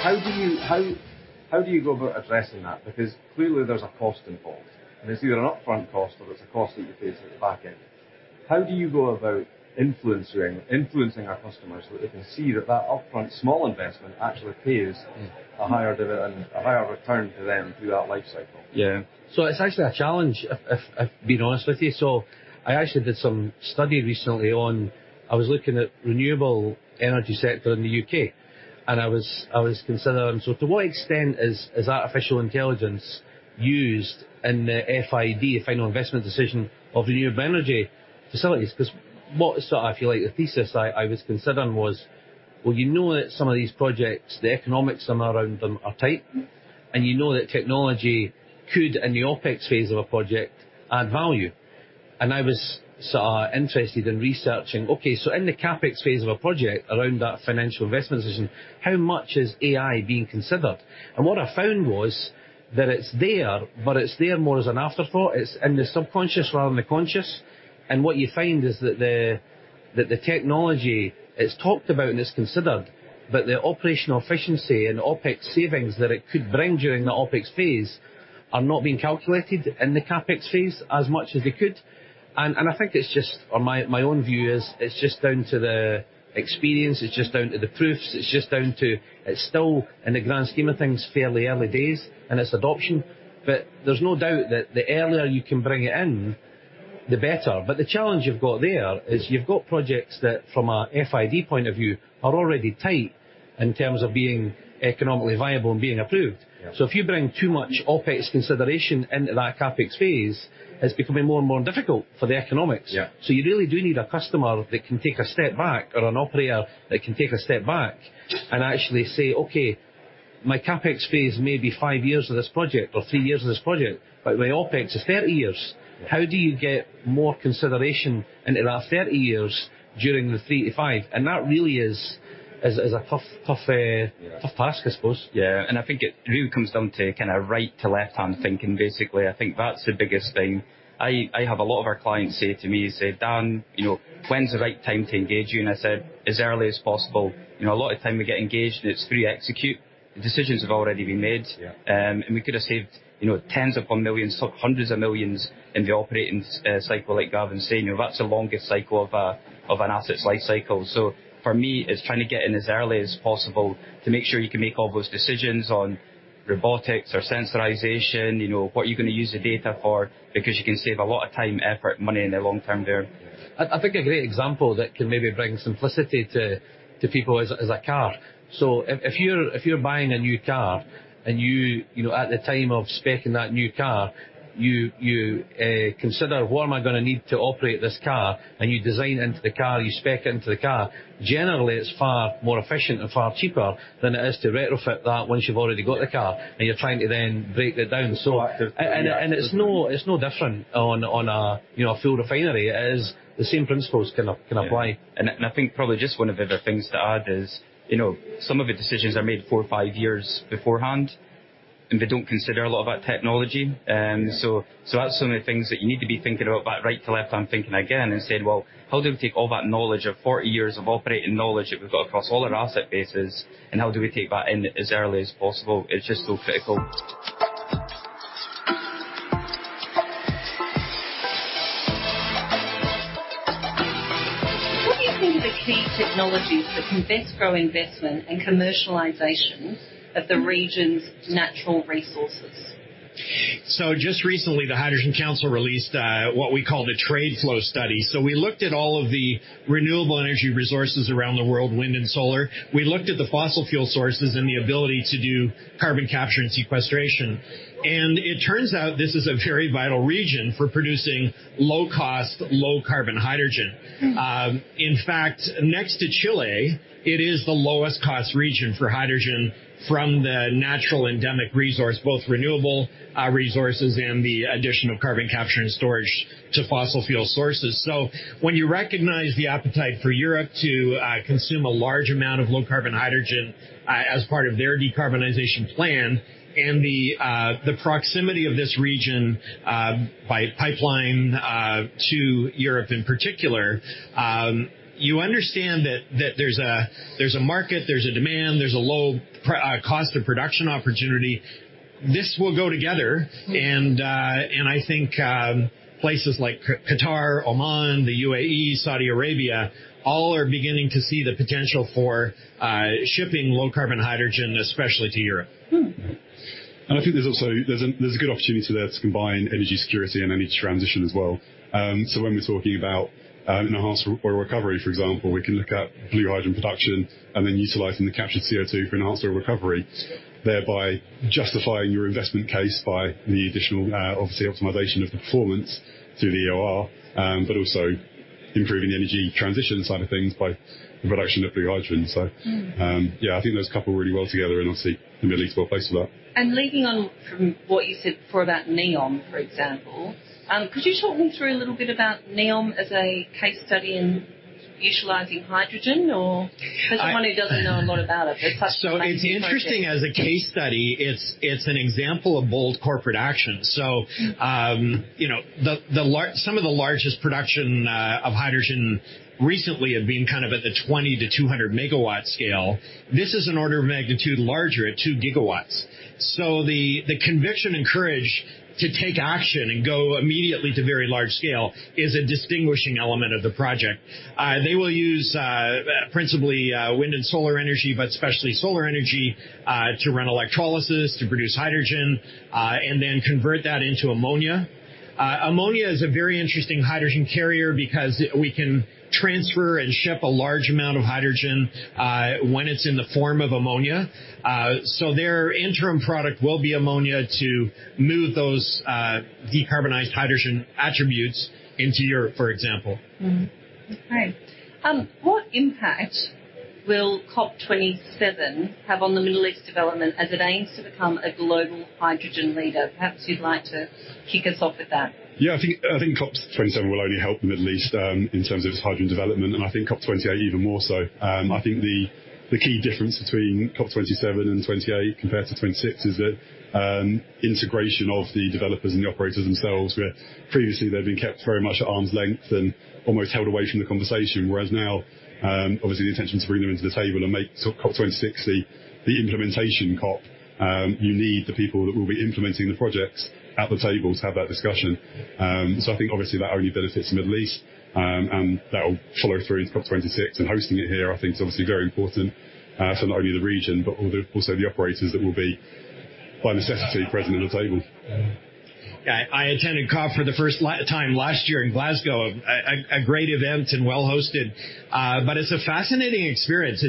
How do you go about addressing that? Clearly there's a cost involved, and it's either an upfront cost or there's a cost that you face at the back end. How do you go about influencing our customers so that they can see that that upfront small investment actually pays- Mm. a higher dividend, a higher return to them through that life cycle? Yeah. It's actually a challenge if being honest with you. I actually did some study recently on. I was looking at renewable energy sector in the U.K. and I was considering, so to what extent is artificial intelligence used in the FID, final investment decision of renewable energy facilities? 'Cause what sort of feel like the thesis I was considering was, well, you know that some of these projects, the economics around them are tight. Mm. You know that technology could, in the OpEx phase of a project add value. I was sort of interested in researching, okay, so in the CapEx phase of a project around that financial investment decision, how much is AI being considered? What I found was that it's there, but it's there more as an afterthought. It's in the subconscious rather than the conscious. What you find is that the technology, it's talked about and it's considered, but the operational efficiency and OpEx savings that it could bring during the OpEx phase are not being calculated in the CapEx phase as much as they could. I think it's just... Or my own view is it's just down to the experience. It's just down to the proofs. It's just down to... It's still, in the grand scheme of things, fairly early days in its adoption. There's no doubt that the earlier you can bring it in, the better. The challenge you've got there is you've got projects that from a FID point of view are already tight in terms of being economically viable and being approved. Yeah. If you bring too much OpEx consideration into that CapEx phase, it's becoming more and more difficult for the economics. Yeah. You really do need a customer that can take a step back or an operator that can take a step back and actually say, "Okay- My CapEx phase may be 5 years of this project or 3 years of this project, but my OpEx is 30 years. Yeah. How do you get more consideration into that 30 years during the 3 to 5? That really is a tough. Yeah. Tough task, I suppose. Yeah. I think it really comes down to kind of right to left-hand thinking, basically. I think that's the biggest thing. I have a lot of our clients say to me, "Dan, you know, when's the right time to engage you?" I say, "As early as possible." You know, a lot of the time we get engaged, and it's pre-execute. The decisions have already been made. Yeah. We could have saved, you know, GBP tens upon millions or GBP hundreds of millions in the operating cycle, like Gavin was saying. You know, that's the longest cycle of an asset's life cycle. For me, it's trying to get in as early as possible to make sure you can make all those decisions on robotics or sensorization. You know, what you're gonna use the data for because you can save a lot of time, effort, money in the long term there. I think a great example that can maybe bring simplicity to people is a car. If you're buying a new car, and you know, at the time of specing that new car, you consider what am I gonna need to operate this car, and you design into the car, you spec into the car. Generally, it's far more efficient and far cheaper than it is to retrofit that once you've already got the car and you're trying to then break that down. Active. Yeah. It's no different on a, you know, a full refinery. It is the same principles can. Yeah. can apply. I think probably just one of the other things to add is, you know, some of the decisions are made 4 or 5 years beforehand, and they don't consider a lot of that technology. That's some of the things that you need to be thinking about, that right to left-hand thinking again and saying, "Well, how do we take all that knowledge of 40 years of operating knowledge that we've got across all our asset bases, and how do we take that in as early as possible?" It's just so critical. What do you think are the key technologies that can best grow investment and commercialization of the region's natural resources? just recently, the Hydrogen Council released what we call the trade flow study. We looked at all of the renewable energy resources around the world, wind and solar. We looked at the fossil fuel sources and the ability to do carbon capture and sequestration. It turns out this is a very vital region for producing low-cost, low-carbon hydrogen. In fact, next to Chile, it is the lowest cost region for hydrogen from the natural endemic resource, both renewable resources and the addition of carbon capture and storage to fossil fuel sources. When you recognize the appetite for Europe to consume a large amount of low-carbon hydrogen as part of their decarbonization plan and the proximity of this region by pipeline to Europe in particular, you understand that there's a market, there's a demand, there's a low cost of production opportunity. This will go together. Mm-hmm. I think places like Qatar, Oman, the UAE, Saudi Arabia, all are beginning to see the potential for shipping low-carbon hydrogen, especially to Europe. Mm-hmm. I think there's also a good opportunity there to combine energy security and energy transition as well. When we're talking about enhanced oil recovery, for example, we can look at blue hydrogen production and then utilizing the captured CO2 for enhanced oil recovery, thereby justifying your investment case by the additional, obviously optimization of the performance through the EOR, but also improving the energy transition side of things by the production of blue hydrogen. Mm-hmm. Yeah, I think those couple really well together, and obviously the Middle East will face that. Leaning on from what you said before about NEOM, for example, could you talk me through a little bit about NEOM as a case study in utilizing hydrogen as someone who doesn't know a lot about it? It's interesting as a case study. It's an example of bold corporate action. Mm-hmm. You know, some of the largest production of hydrogen recently have been kind of at the 20-200 megawatt scale. This is an order of magnitude larger at 2 gigawatts. The conviction and courage to take action and go immediately to very large scale is a distinguishing element of the project. They will use, principally, wind and solar energy, but especially solar energy, to run electrolysis to produce hydrogen, then convert that into ammonia. Ammonia is a very interesting hydrogen carrier because we can transfer and ship a large amount of hydrogen when it's in the form of ammonia. Their interim product will be ammonia to move those decarbonized hydrogen attributes into Europe, for example. Okay. What impact will COP27 have on the Middle East development as it aims to become a global hydrogen leader? Perhaps you'd like to kick us off with that. Yeah. I think COP27 will only help the Middle East, in terms of its hydrogen development. I think COP28 even more so. I think the key difference between COP27 and COP28 compared to 26 is that, integration of the developers and the operators themselves, where previously they've been kept very much at arm's length and almost held away from the conversation. Now, obviously the intention to bring them into the table and make COP26 the implementation COP. You need the people that will be implementing the projects at the table to have that discussion. I think obviously that only benefits the Middle East, and that will follow through into COP26. Hosting it here I think is obviously very important, for not only the region, but also the operators that will be by necessity present at the table. Yeah. I attended COP for the first time last year in Glasgow. A great event and well hosted. It's a fascinating experience.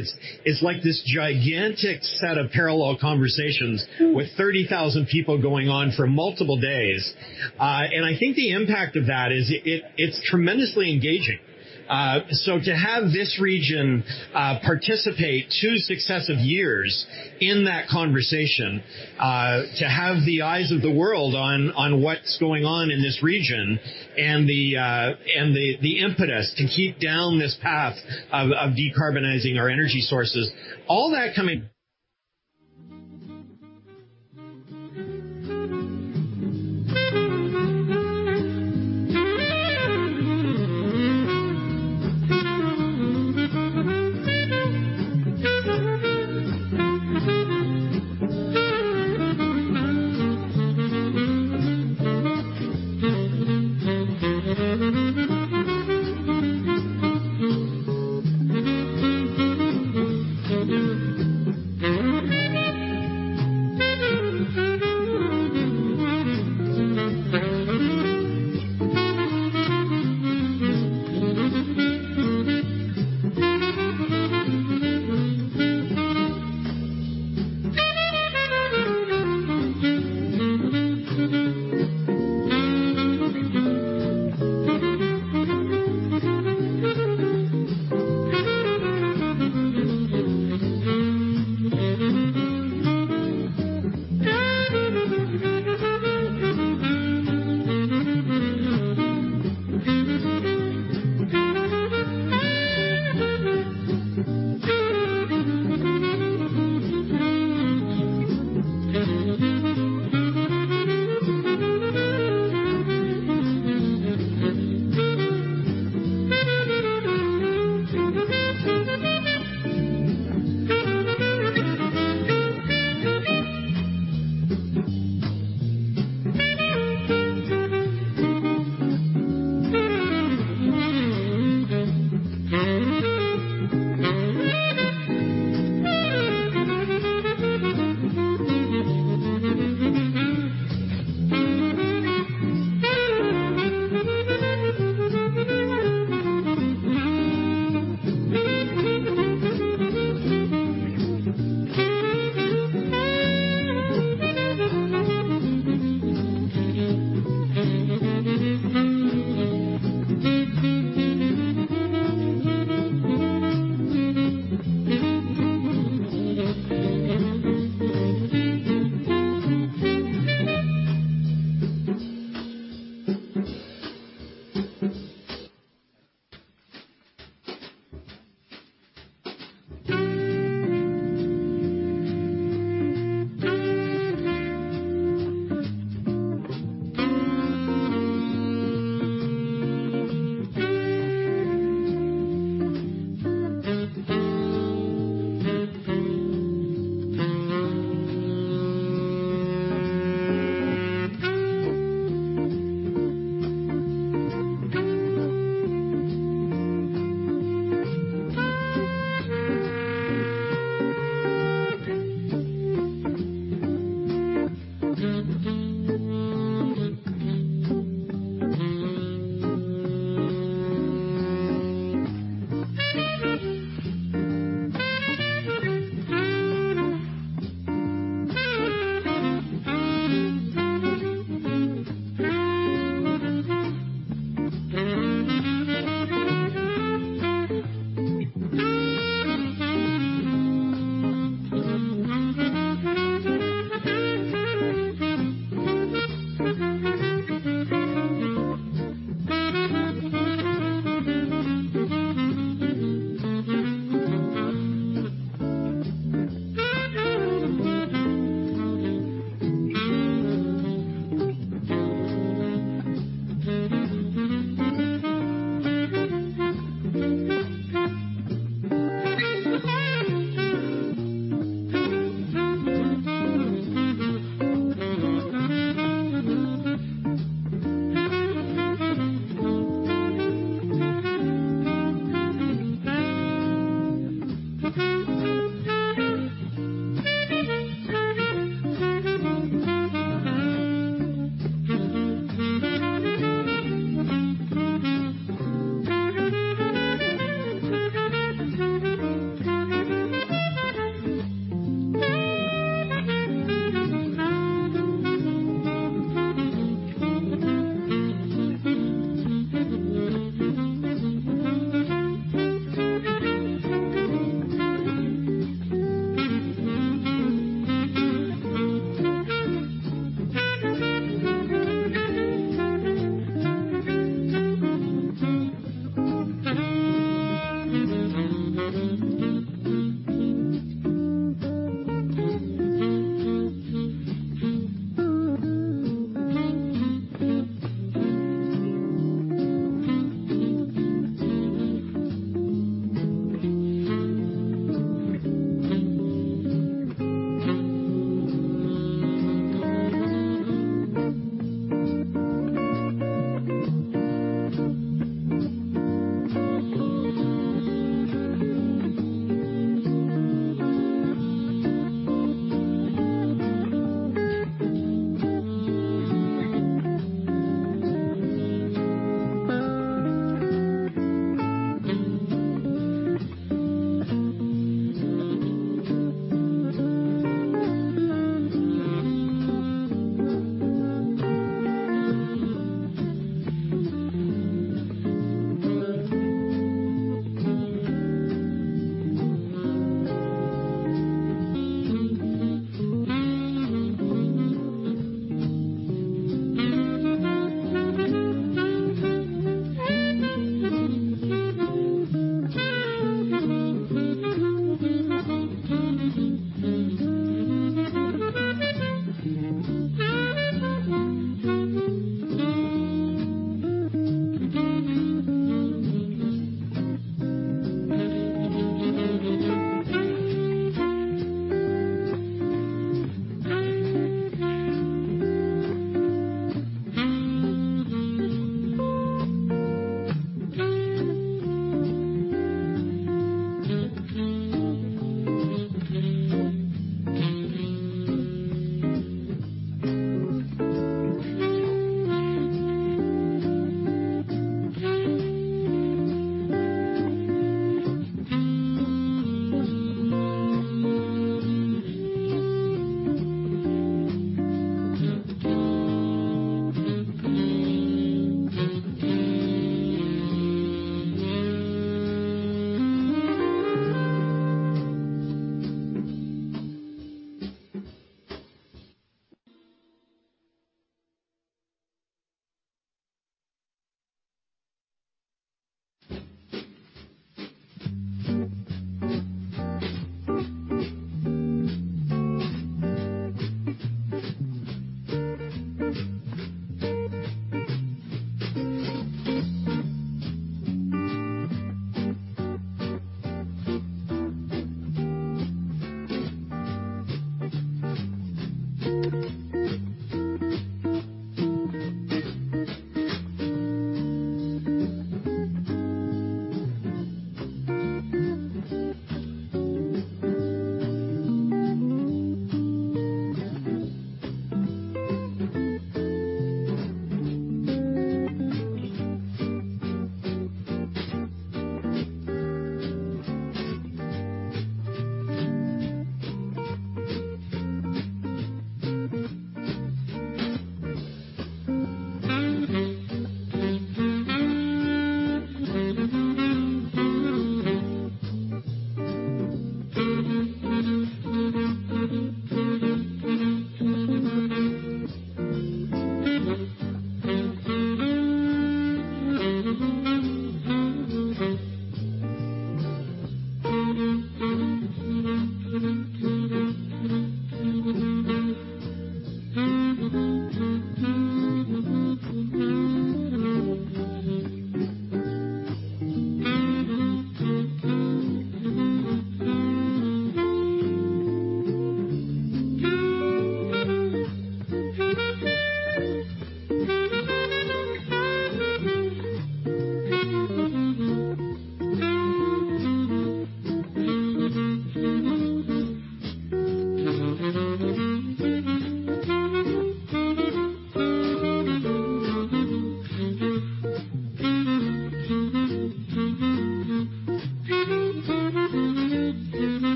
It's like this gigantic set of parallel conversations. Mm-hmm. with 30,000 people going on for multiple days. I think the impact of that is it's tremendously engaging. To have this region participate two successive years in that conversation, to have the eyes of the world on what's going on in this region and the impetus to keep down this path of decarbonizing our energy sources, all that coming...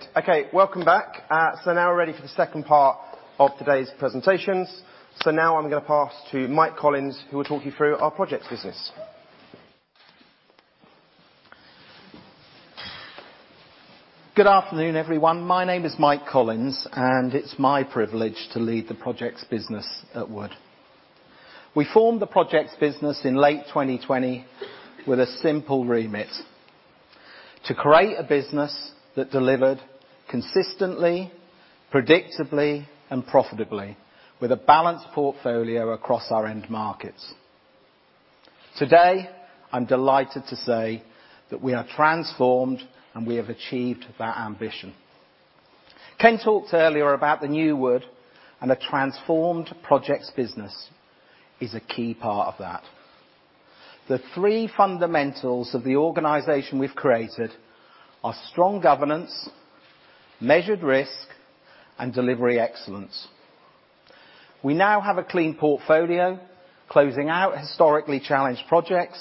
Perfect. Okay, welcome back. Now we're ready for the second part of today's presentations. Now I'm gonna pass to Mike Collins, who will talk you through our projects business. Good afternoon, everyone. My name is Mike Collins, and it's my privilege to lead the projects business at Wood. We formed the projects business in late 2020 with a simple remit: to create a business that delivered consistently, predictably, and profitably with a balanced portfolio across our end markets. Today, I'm delighted to say that we are transformed, and we have achieved that ambition. Ken talked earlier about the new Wood, and a transformed projects business is a key part of that. The 3 fundamentals of the organization we've created are strong governance, measured risk, and delivery excellence. We now have a clean portfolio closing out historically challenged projects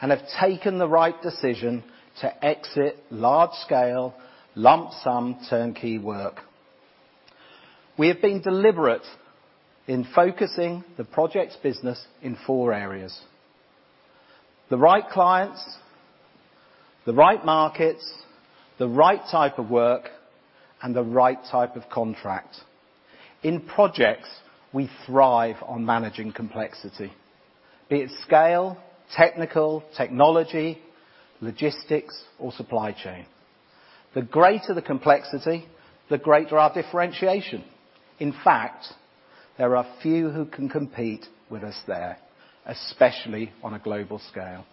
and have taken the right decision to exit large-scale, lump sum turnkey work. We have been deliberate in focusing the projects business in 4 areas: the right clients, the right markets, the right type of work, and the right type of contract. In projects, we thrive on managing complexity, be it scale, technical, technology, logistics, or supply chain. The greater the complexity, the greater our differentiation. In fact, there are few who can compete with us there, especially on a global scale.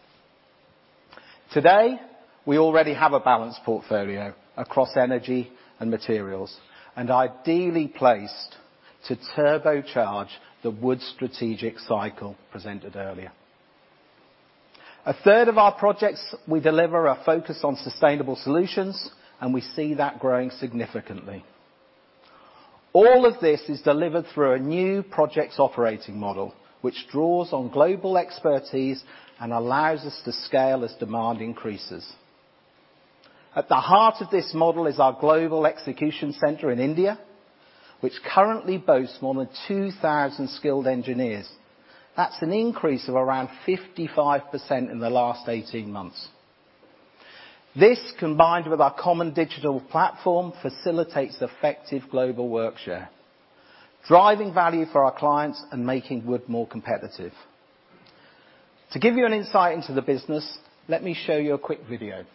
Today, we already have a balanced portfolio across energy and materials, and ideally placed to turbocharge the Wood strategic cycle presented earlier. A third of our projects we deliver are focused on sustainable solutions, and we see that growing significantly. All of this is delivered through a new projects operating model, which draws on global expertise and allows us to scale as demand increases. At the heart of this model is our global execution center in India, which currently boasts more than 2,000 skilled engineers. That's an increase of around 55% in the last 18 months. This, combined with our common digital platform, facilitates effective global work share, driving value for our clients and making Wood more competitive. To give you an insight into the business, let me show you a quick video.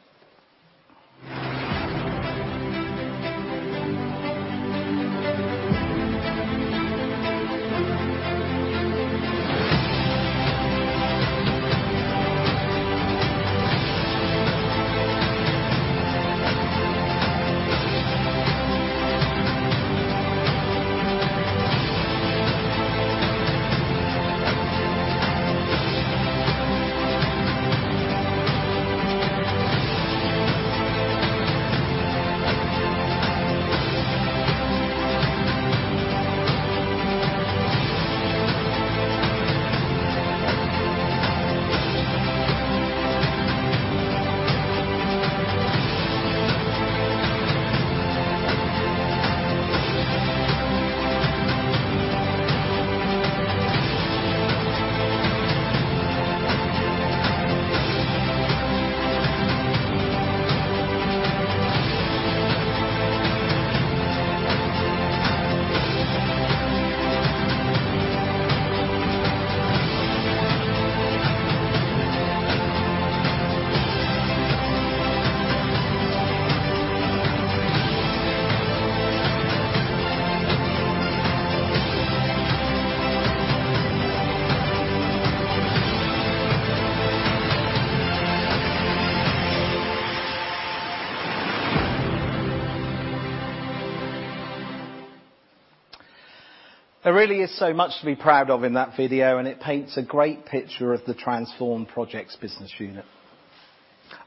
There really is so much to be proud of in that video. It paints a great picture of the transformed projects business unit.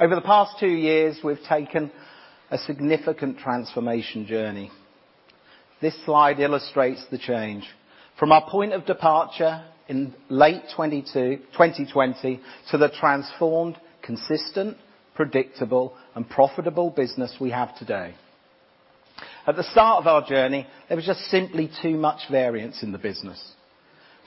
Over the past two years, we've taken a significant transformation journey. This slide illustrates the change from our point of departure in late 2020 to the transformed, consistent, predictable, and profitable business we have today. At the start of our journey, there was just simply too much variance in the business.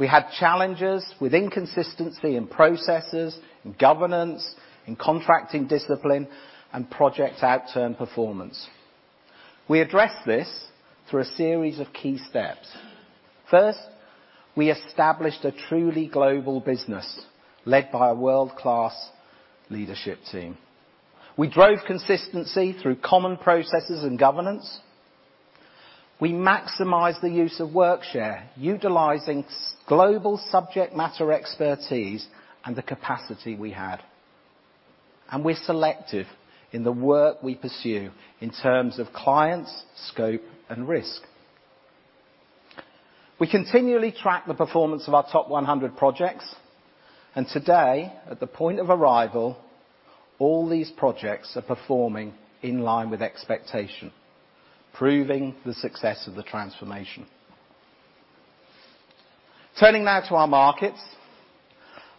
We had challenges with inconsistency in processes, in governance, in contracting discipline, and project outturn performance. We addressed this through a series of key steps. First, we established a truly global business led by a world-class leadership team. We drove consistency through common processes and governance. We maximized the use of workshare, utilizing global subject matter expertise and the capacity we had. We're selective in the work we pursue in terms of clients, scope, and risk. We continually track the performance of our top 100 projects. Today, at the point of arrival, all these projects are performing in line with expectation, proving the success of the transformation. Turning now to our markets.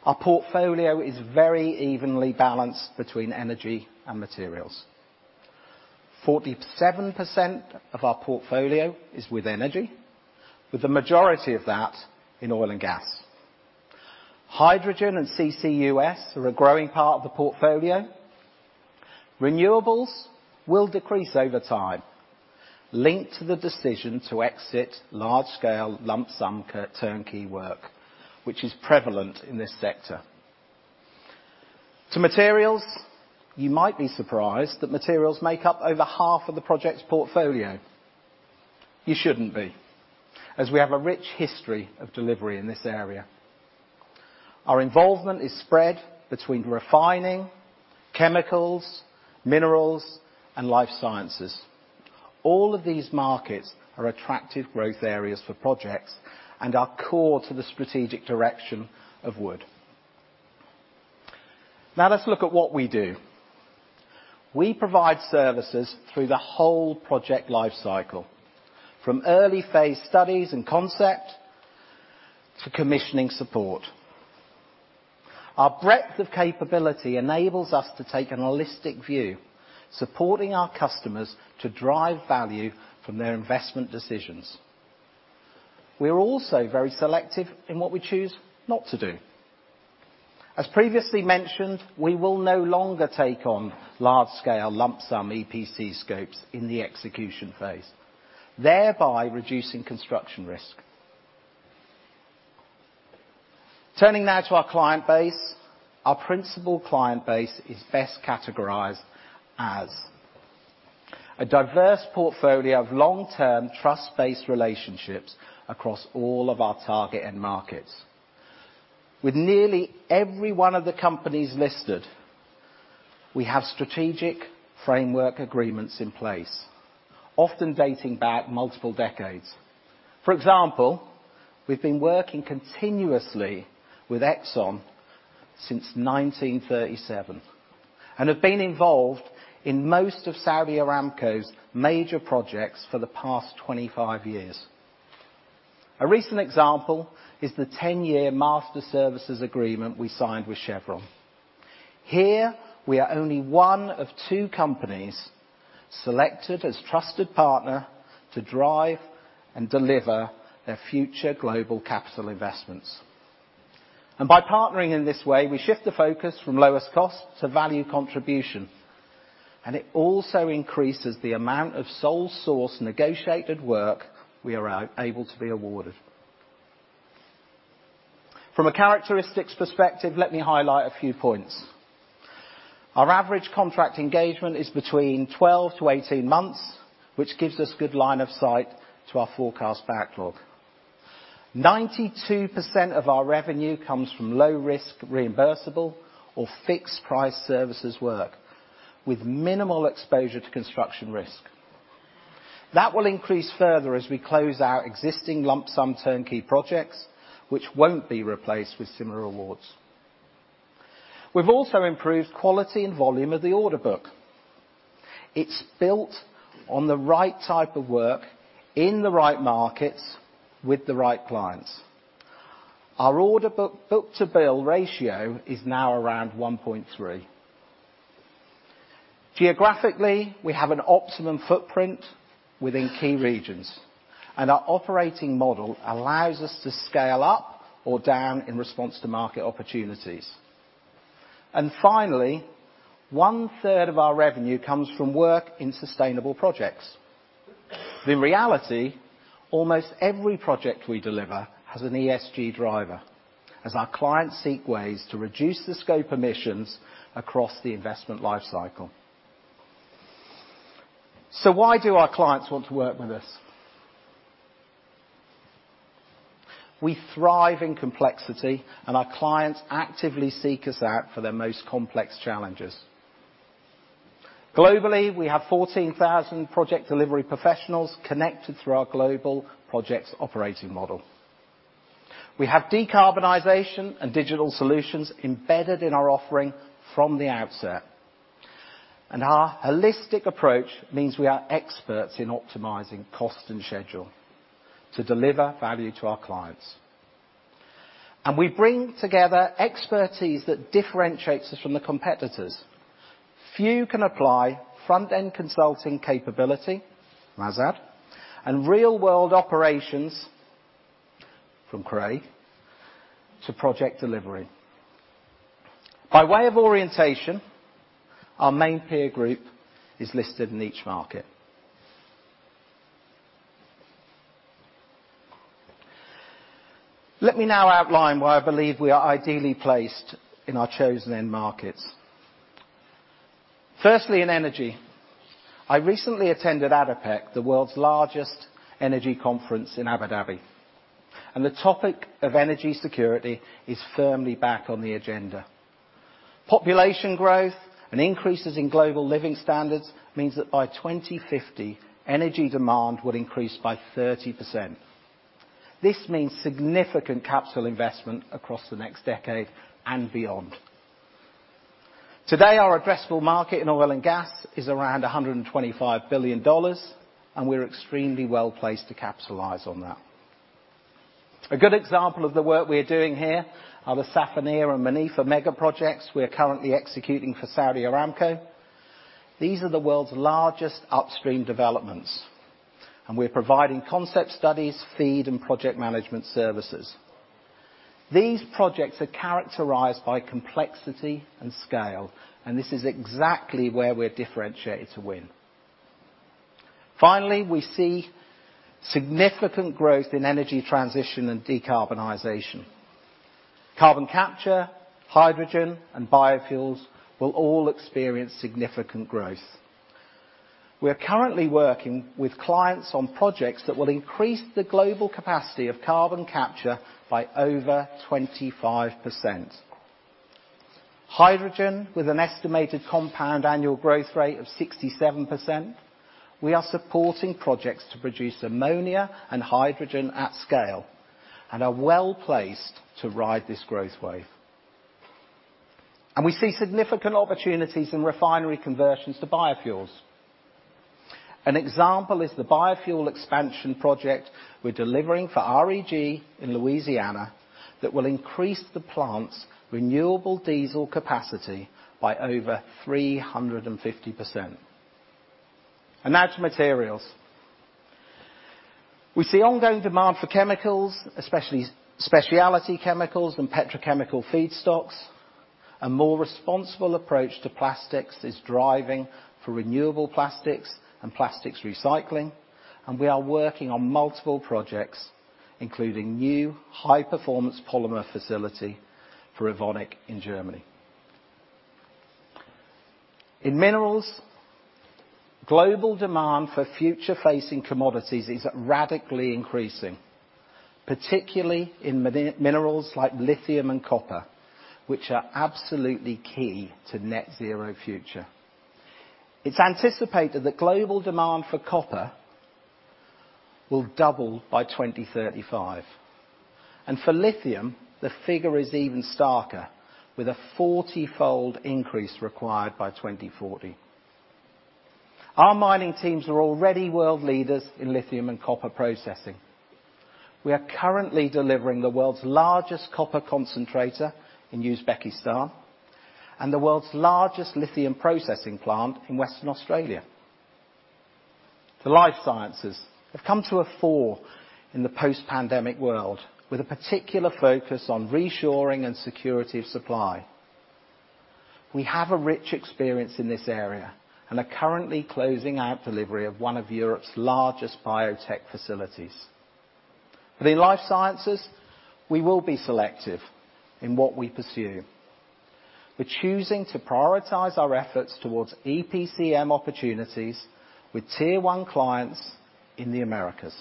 Our portfolio is very evenly balanced between energy and materials. 47% of our portfolio is with energy, with the majority of that in oil and gas. Hydrogen and CCUS are a growing part of the portfolio. Renewables will decrease over time, linked to the decision to exit large-scale lump-sum turnkey work, which is prevalent in this sector. To materials, you might be surprised that materials make up over half of the project's portfolio. You shouldn't be, as we have a rich history of delivery in this area. Our involvement is spread between refining, chemicals, minerals, and life sciences. All of these markets are attractive growth areas for projects and are core to the strategic direction of Wood. Now let's look at what we do. We provide services through the whole project life cycle, from early-phase studies and concept to commissioning support. Our breadth of capability enables us to take an holistic view, supporting our customers to drive value from their investment decisions. We are also very selective in what we choose not to do. As previously mentioned, we will no longer take on large-scale lump-sum EPC scopes in the execution phase, thereby reducing construction risk. Turning now to our client base. Our principal client base is best categorized as a diverse portfolio of long-term trust-based relationships across all of our target end markets. With nearly every one of the companies listed, we have strategic framework agreements in place, often dating back multiple decades. For example, we've been working continuously with Exxon since 1937, and have been involved in most of Saudi Aramco's major projects for the past 25 years. A recent example is the 10-year master services agreement we signed with Chevron. Here, we are only one of 2 companies selected as trusted partner to drive and deliver their future global capital investments. By partnering in this way, we shift the focus from lowest cost to value contribution, and it also increases the amount of sole source negotiated work we are able to be awarded. From a characteristics perspective, let me highlight a few points. Our average contract engagement is between 12 to 18 months, which gives us good line of sight to our forecast backlog. 92% of our revenue comes from low risk reimbursable or fixed price services work, with minimal exposure to construction risk. That will increase further as we close our existing lump sum turnkey projects, which won't be replaced with similar awards. We've also improved quality and volume of the order book. It's built on the right type of work, in the right markets, with the right clients. Our order book-to-bill ratio is now around 1.3. Geographically, we have an optimum footprint within key regions, and our operating model allows us to scale up or down in response to market opportunities. Finally, one-third of our revenue comes from work in sustainable projects. In reality, almost every project we deliver has an ESG driver, as our clients seek ways to reduce the scope emissions across the investment life cycle. Why do our clients want to work with us? We thrive in complexity, our clients actively seek us out for their most complex challenges. Globally, we have 14,000 project delivery professionals connected through our global projects operating model. We have decarbonization and digital solutions embedded in our offering from the outset. Our holistic approach means we are experts in optimizing cost and schedule to deliver value to our clients. We bring together expertise that differentiates us from the competitors. Few can apply front-end consulting capability, Azad, and real-world operations, from Craig, to project delivery. By way of orientation, our main peer group is listed in each market. Let me now outline why I believe we are ideally placed in our chosen end markets. Firstly, in energy. I recently attended ADIPEC, the world's largest energy conference in Abu Dhabi. The topic of energy security is firmly back on the agenda. Population growth and increases in global living standards means that by 2050, energy demand will increase by 30%. This means significant capital investment across the next decade and beyond. Today, our addressable market in oil and gas is around $125 billion. We're extremely well-placed to capitalize on that. A good example of the work we're doing here are the Safaniyah and Manifa mega projects we're currently executing for Saudi Aramco. These are the world's largest upstream developments. We're providing concept studies, FEED, and project management services. These projects are characterized by complexity and scale. This is exactly where we're differentiated to win. Finally, we see significant growth in energy transition and decarbonization. Carbon capture, hydrogen, and biofuels will all experience significant growth. We are currently working with clients on projects that will increase the global capacity of carbon capture by over 25%. Hydrogen, with an estimated compound annual growth rate of 67%, we are supporting projects to produce ammonia and hydrogen at scale and are well-placed to ride this growth wave. We see significant opportunities in refinery conversions to biofuels. An example is the biofuel expansion project we're delivering for REG in Louisiana that will increase the plant's renewable diesel capacity by over 350%. Now to materials. We see ongoing demand for chemicals, especially specialty chemicals and petrochemical feedstocks. A more responsible approach to plastics is driving for renewable plastics and plastics recycling. We are working on multiple projects, including new high-performance polymer facility for Evonik in Germany. In minerals, global demand for future-facing commodities is radically increasing, particularly in minerals like lithium and copper, which are absolutely key to net-zero future. It's anticipated that global demand for copper will double by 2035. For lithium, the figure is even starker, with a 40-fold increase required by 2040. Our mining teams are already world leaders in lithium and copper processing. We are currently delivering the world's largest copper concentrator in Uzbekistan and the world's largest lithium processing plant in Western Australia. The life sciences have come to a fore in the post-pandemic world with a particular focus on reshoring and security of supply. We have a rich experience in this area and are currently closing out delivery of one of Europe's largest biotech facilities. Within life sciences, we will be selective in what we pursue. We're choosing to prioritize our efforts towards EPCM opportunities with tier one clients in the Americas.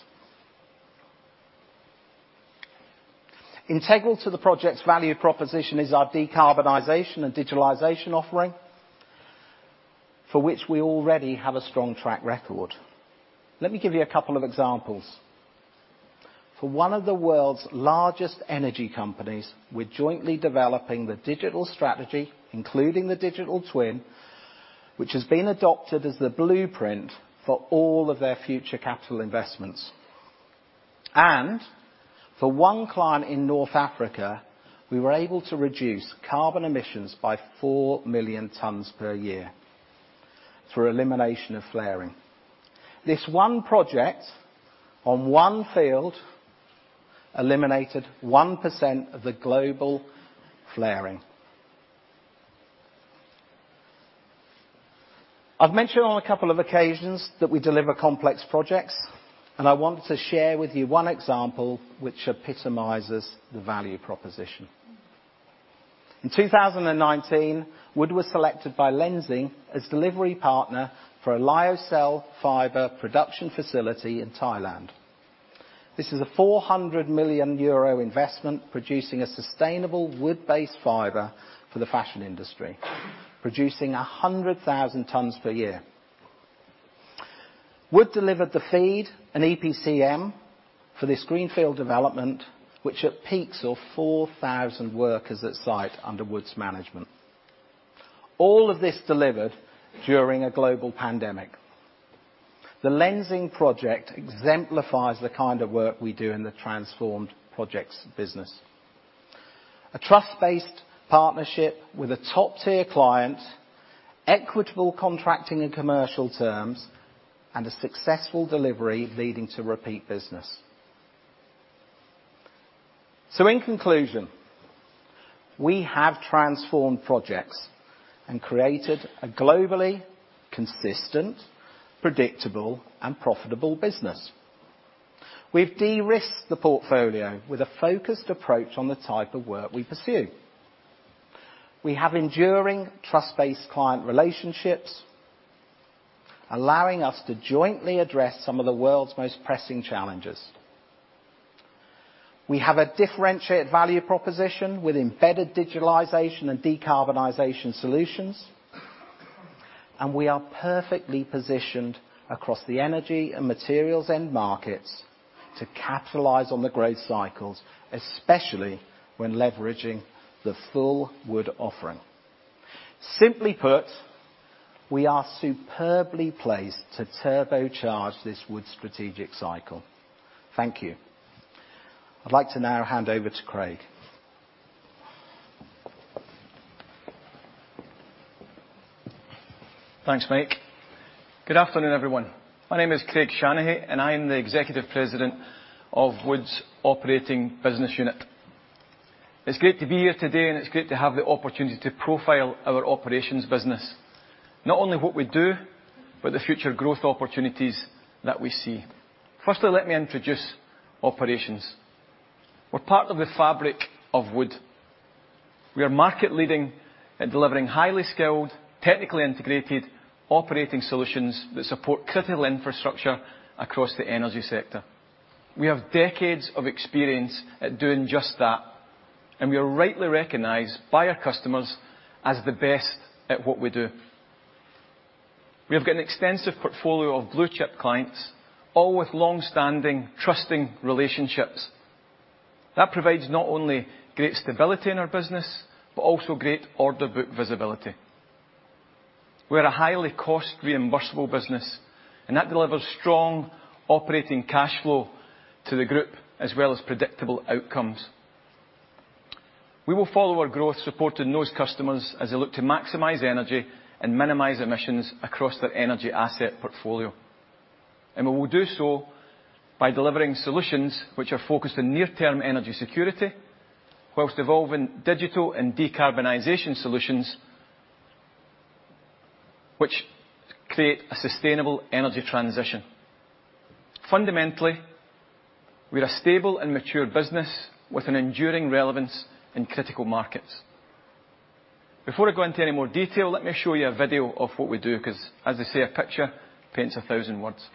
Integral to the project's value proposition is our decarbonization and digitalization offering, for which we already have a strong track record. Let me give you a couple of examples. For one of the world's largest energy companies, we're jointly developing the digital strategy, including the digital twin, which has been adopted as the blueprint for all of their future capital investments. For one client in North Africa, we were able to reduce carbon emissions by 4 million tons per year through elimination of flaring. This one project on one field eliminated 1% of the global flaring. I've mentioned on a couple of occasions that we deliver complex projects, and I want to share with you one example which epitomizes the value proposition. In 2019, Wood was selected by Lenzing as delivery partner for a lyocell fiber production facility in Thailand. This is a 400 million euro investment producing a sustainable wood-based fiber for the fashion industry, producing 100,000 tons per year. Wood delivered the FEED and EPCM for this greenfield development, which at peaks of 4,000 workers at site under Wood management. All of this delivered during a global pandemic. The Lenzing project exemplifies the kind of work we do in the transformed projects business. A trust-based partnership with a top-tier client, equitable contracting and commercial terms, and a successful delivery leading to repeat business. In conclusion, we have transformed projects and created a globally consistent, predictable, and profitable business. We've de-risked the portfolio with a focused approach on the type of work we pursue. We have enduring trust-based client relationships, allowing us to jointly address some of the world's most pressing challenges. We have a differentiated value proposition with embedded digitalization and decarbonization solutions. We are perfectly positioned across the energy and materials end markets to capitalize on the growth cycles, especially when leveraging the full Wood offering. Simply put, we are superbly placed to turbocharge this Wood strategic cycle. Thank you. I'd like to now hand over to Craig. Thanks, Mike. Good afternoon, everyone. My name is Craig Shanaghey. I am the Executive President of Wood Operating Business Unit. It's great to be here today. It's great to have the opportunity to profile our operations business, not only what we do, but the future growth opportunities that we see. Firstly, let me introduce operations. We're part of the fabric of Wood. We are market leading at delivering highly skilled, technically integrated operating solutions that support critical infrastructure across the energy sector. We have decades of experience at doing just that. We are rightly recognized by our customers as the best at what we do. We have got an extensive portfolio of blue-chip clients, all with long-standing, trusting relationships. That provides not only great stability in our business, but also great order book visibility. We're a highly cost-reimbursable business, that delivers strong operating cash flow to the group as well as predictable outcomes. We will follow our growth supporting those customers as they look to maximize energy and minimize emissions across their energy asset portfolio. We will do so by delivering solutions which are focused on near-term energy security whilst evolving digital and decarbonization solutions which create a sustainable energy transition. Fundamentally, we're a stable and mature business with an enduring relevance in critical markets. Before I go into any more detail, let me show you a video of what we do, 'cause as they say, a picture paints 1,000 words.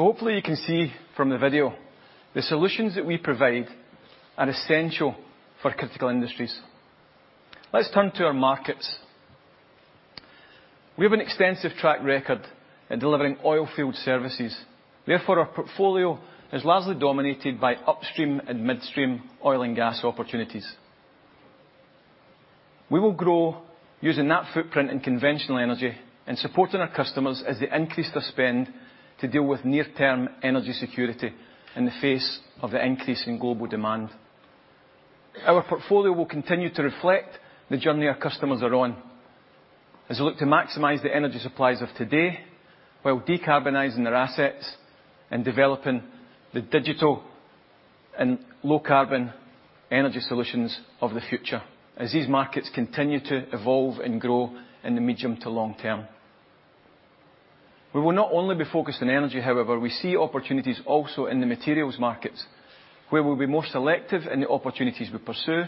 Hopefully you can see from the video the solutions that we provide are essential for critical industries. Let's turn to our markets. We have an extensive track record in delivering oilfield services, therefore our portfolio is largely dominated by upstream and midstream oil and gas opportunities. We will grow using that footprint in conventional energy and supporting our customers as they increase their spend to deal with near-term energy security in the face of the increase in global demand. Our portfolio will continue to reflect the journey our customers are on as they look to maximize the energy supplies of today while decarbonizing their assets and developing the digital and low-carbon energy solutions of the future as these markets continue to evolve and grow in the medium to long term. We will not only be focused on energy, however. We see opportunities also in the materials markets, where we'll be more selective in the opportunities we pursue,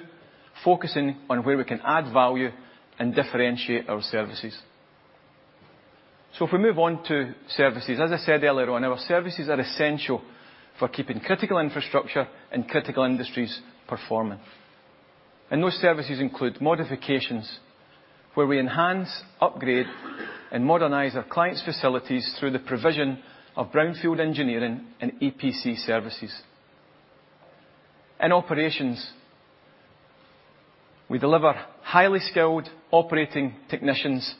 focusing on where we can add value and differentiate our services. If we move on to services, as I said earlier on, our services are essential for keeping critical infrastructure and critical industries performing. Those services include modifications, where we enhance, upgrade, and modernize our clients' facilities through the provision of brownfield engineering and EPC services. In operations, we deliver highly skilled operating technicians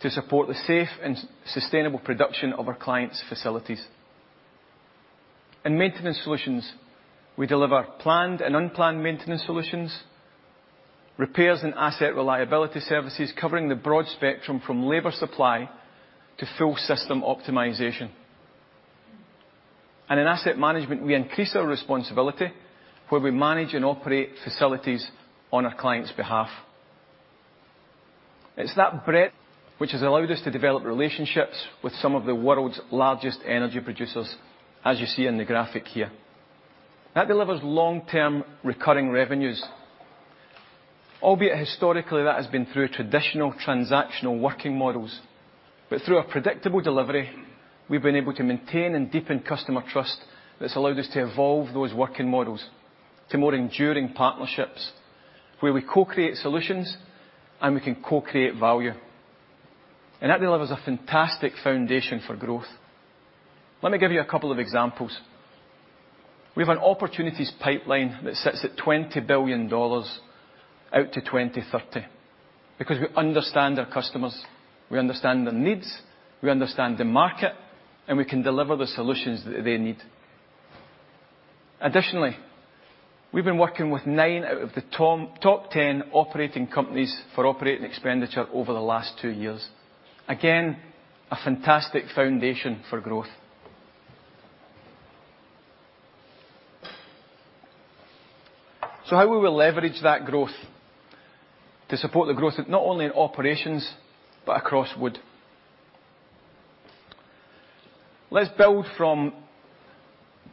to support the safe and sustainable production of our clients' facilities. In maintenance solutions, we deliver planned and unplanned maintenance solutions, repairs, and asset reliability services, covering the broad spectrum from labor supply to full system optimization. In asset management, we increase our responsibility where we manage and operate facilities on our client's behalf. It's that breadth which has allowed us to develop relationships with some of the world's largest energy producers, as you see in the graphic here. That delivers long-term recurring revenues, albeit historically that has been through traditional transactional working models. Through a predictable delivery, we've been able to maintain and deepen customer trust that's allowed us to evolve those working models to more enduring partnerships where we co-create solutions and we can co-create value. That delivers a fantastic foundation for growth. Let me give you a couple of examples. We have an opportunities pipeline that sits at $20 billion out to 2030 because we understand our customers, we understand their needs, we understand the market, and we can deliver the solutions that they need. Additionally, we've been working with 9 out of the top 10 operating companies for operating expenditure over the last two years. Again, a fantastic foundation for growth. How we will leverage that growth to support the growth not only in operations, but across Wood? Let's build from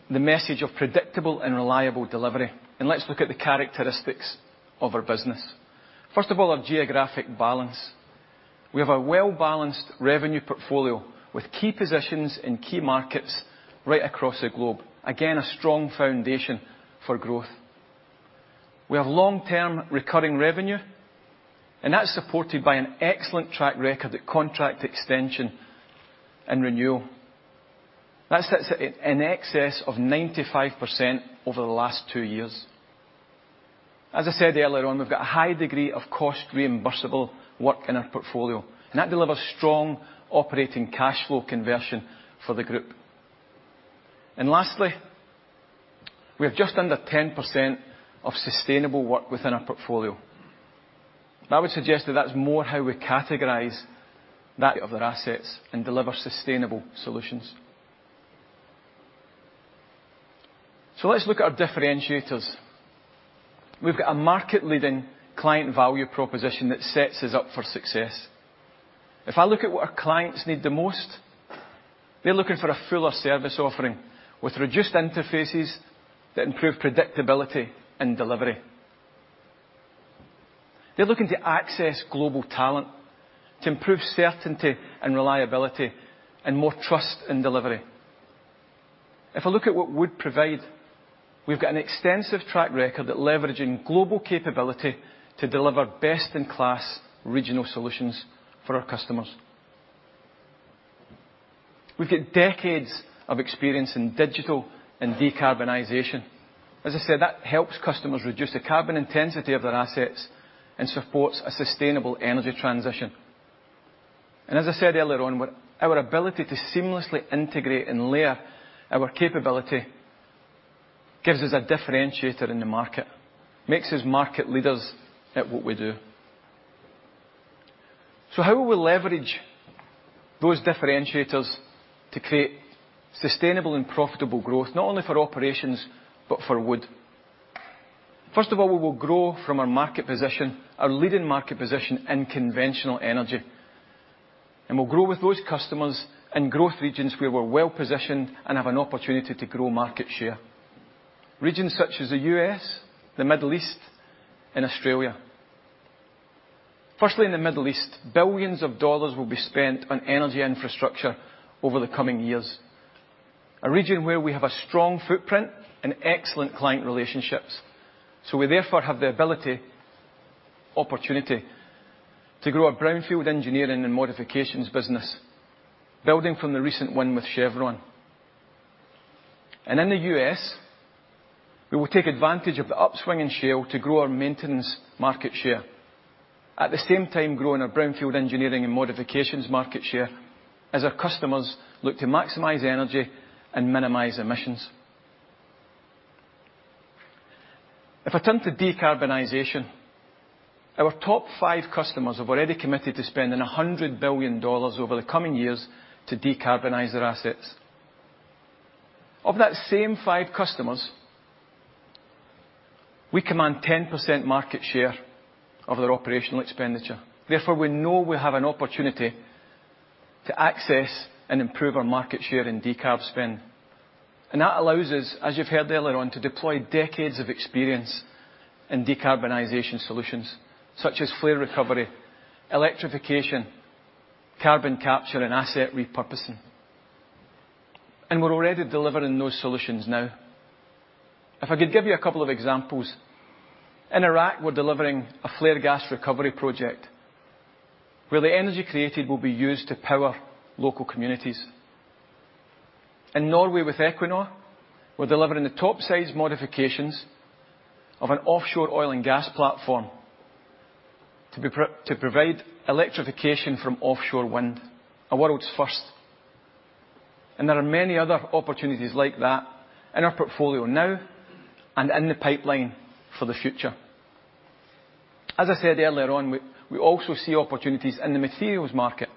the message of predictable and reliable delivery. Let's look at the characteristics of our business. First of all, our geographic balance. We have a well-balanced revenue portfolio with key positions in key markets right across the globe. Again, a strong foundation for growth. We have long-term recurring revenue. That's supported by an excellent track record at contract extension and renewal. That sits at in excess of 95% over the last two years. As I said earlier on, we've got a high degree of cost-reimbursable work in our portfolio. That delivers strong operating cash flow conversion for the group. Lastly, we have just under 10% of sustainable work within our portfolio. I would suggest that that's more how we categorize that of their assets and deliver sustainable solutions. Let's look at our differentiators. We've got a market-leading client value proposition that sets us up for success. If I look at what our clients need the most, they're looking for a fuller service offering with reduced interfaces that improve predictability and delivery. They're looking to access global talent to improve certainty and reliability and more trust in delivery. If I look at what Wood provide, we've got an extensive track record at leveraging global capability to deliver best-in-class regional solutions for our customers. We've got decades of experience in digital and decarbonization. As I said, that helps customers reduce the carbon intensity of their assets and supports a sustainable energy transition. As I said earlier on, our ability to seamlessly integrate and layer our capability gives us a differentiator in the market, makes us market leaders at what we do. How will we leverage those differentiators to create sustainable and profitable growth, not only for operations, but for Wood? First of all, we will grow from our market position, our leading market position in conventional energy, and we'll grow with those customers in growth regions where we're well-positioned and have an opportunity to grow market share, regions such as the U.S., the Middle East, and Australia. Firstly, in the Middle East, billions of dollars will be spent on energy infrastructure over the coming years, a region where we have a strong footprint and excellent client relationships. We therefore have the ability, opportunity to grow our brownfield engineering and modifications business, building from the recent one with Chevron. In the U.S., we will take advantage of the upswing in shale to grow our maintenance market share. At the same time, growing our brownfield engineering and modifications market share as our customers look to maximize energy and minimize emissions. If I turn to decarbonization, our top five customers have already committed to spending $100 billion over the coming years to decarbonize their assets. Of that same five customers, we command 10% market share of their operational expenditure. Therefore, we know we have an opportunity to access and improve our market share in decarb spend. That allows us, as you've heard earlier on, to deploy decades of experience in decarbonization solutions such as flare recovery, electrification, carbon capture, and asset repurposing. We're already delivering those solutions now. If I could give you a couple of examples. In Iraq, we're delivering a flare gas recovery project where the energy created will be used to power local communities. In Norway, with Equinor, we're delivering the topsides modifications of an offshore oil and gas platform to provide electrification from offshore wind, a world's first. There are many other opportunities like that in our portfolio now and in the pipeline for the future. As I said earlier on, we also see opportunities in the materials market,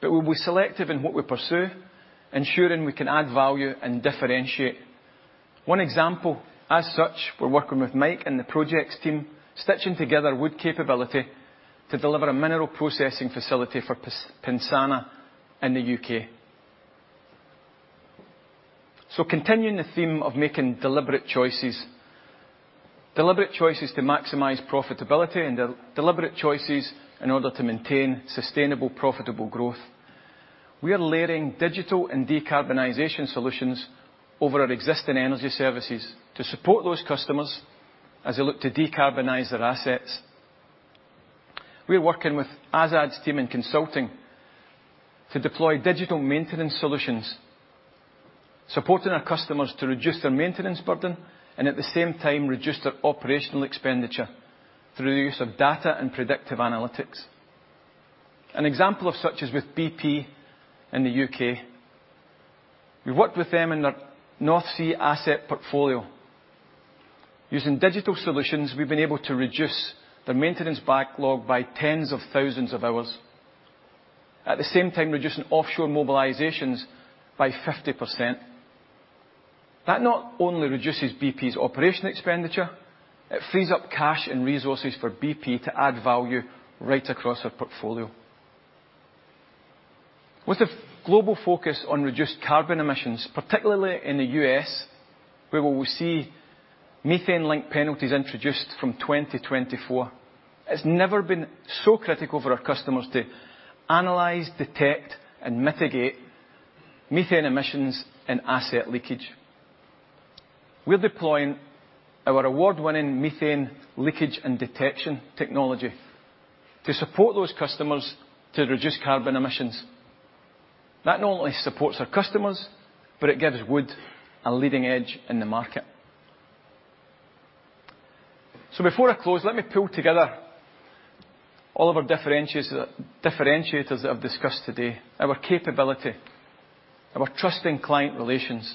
but we'll be selective in what we pursue, ensuring we can add value and differentiate. One example, as such, we're working with Mike and the projects team, stitching together Wood capability to deliver a mineral processing facility for Pensana in the UK. Continuing the theme of making deliberate choices, deliberate choices to maximize profitability and de-deliberate choices in order to maintain sustainable, profitable growth, we are layering digital and decarbonization solutions over our existing energy services to support those customers as they look to decarbonize their assets. We're working with Azad's team in consulting to deploy digital maintenance solutions, supporting our customers to reduce their maintenance burden and at the same time reduce their operational expenditure through the use of data and predictive analytics. An example of such is with bp in the U.K. We worked with them in their North Sea asset portfolio. Using digital solutions, we've been able to reduce their maintenance backlog by tens of thousands of hours, at the same time reducing offshore mobilizations by 50%. That not only reduces bp's operational expenditure, it frees up cash and resources for bp to add value right across our portfolio. With the global focus on reduced carbon emissions, particularly in the U.S., where we see methane-linked penalties introduced from 2024, it's never been so critical for our customers to analyze, detect, and mitigate methane emissions and asset leakage. We're deploying our award-winning methane leakage and detection technology to support those customers to reduce carbon emissions. It not only supports our customers, it gives Wood a leading edge in the market. Before I close, let me pull together all of our differentiators that I've discussed today, our capability, our trusting client relations,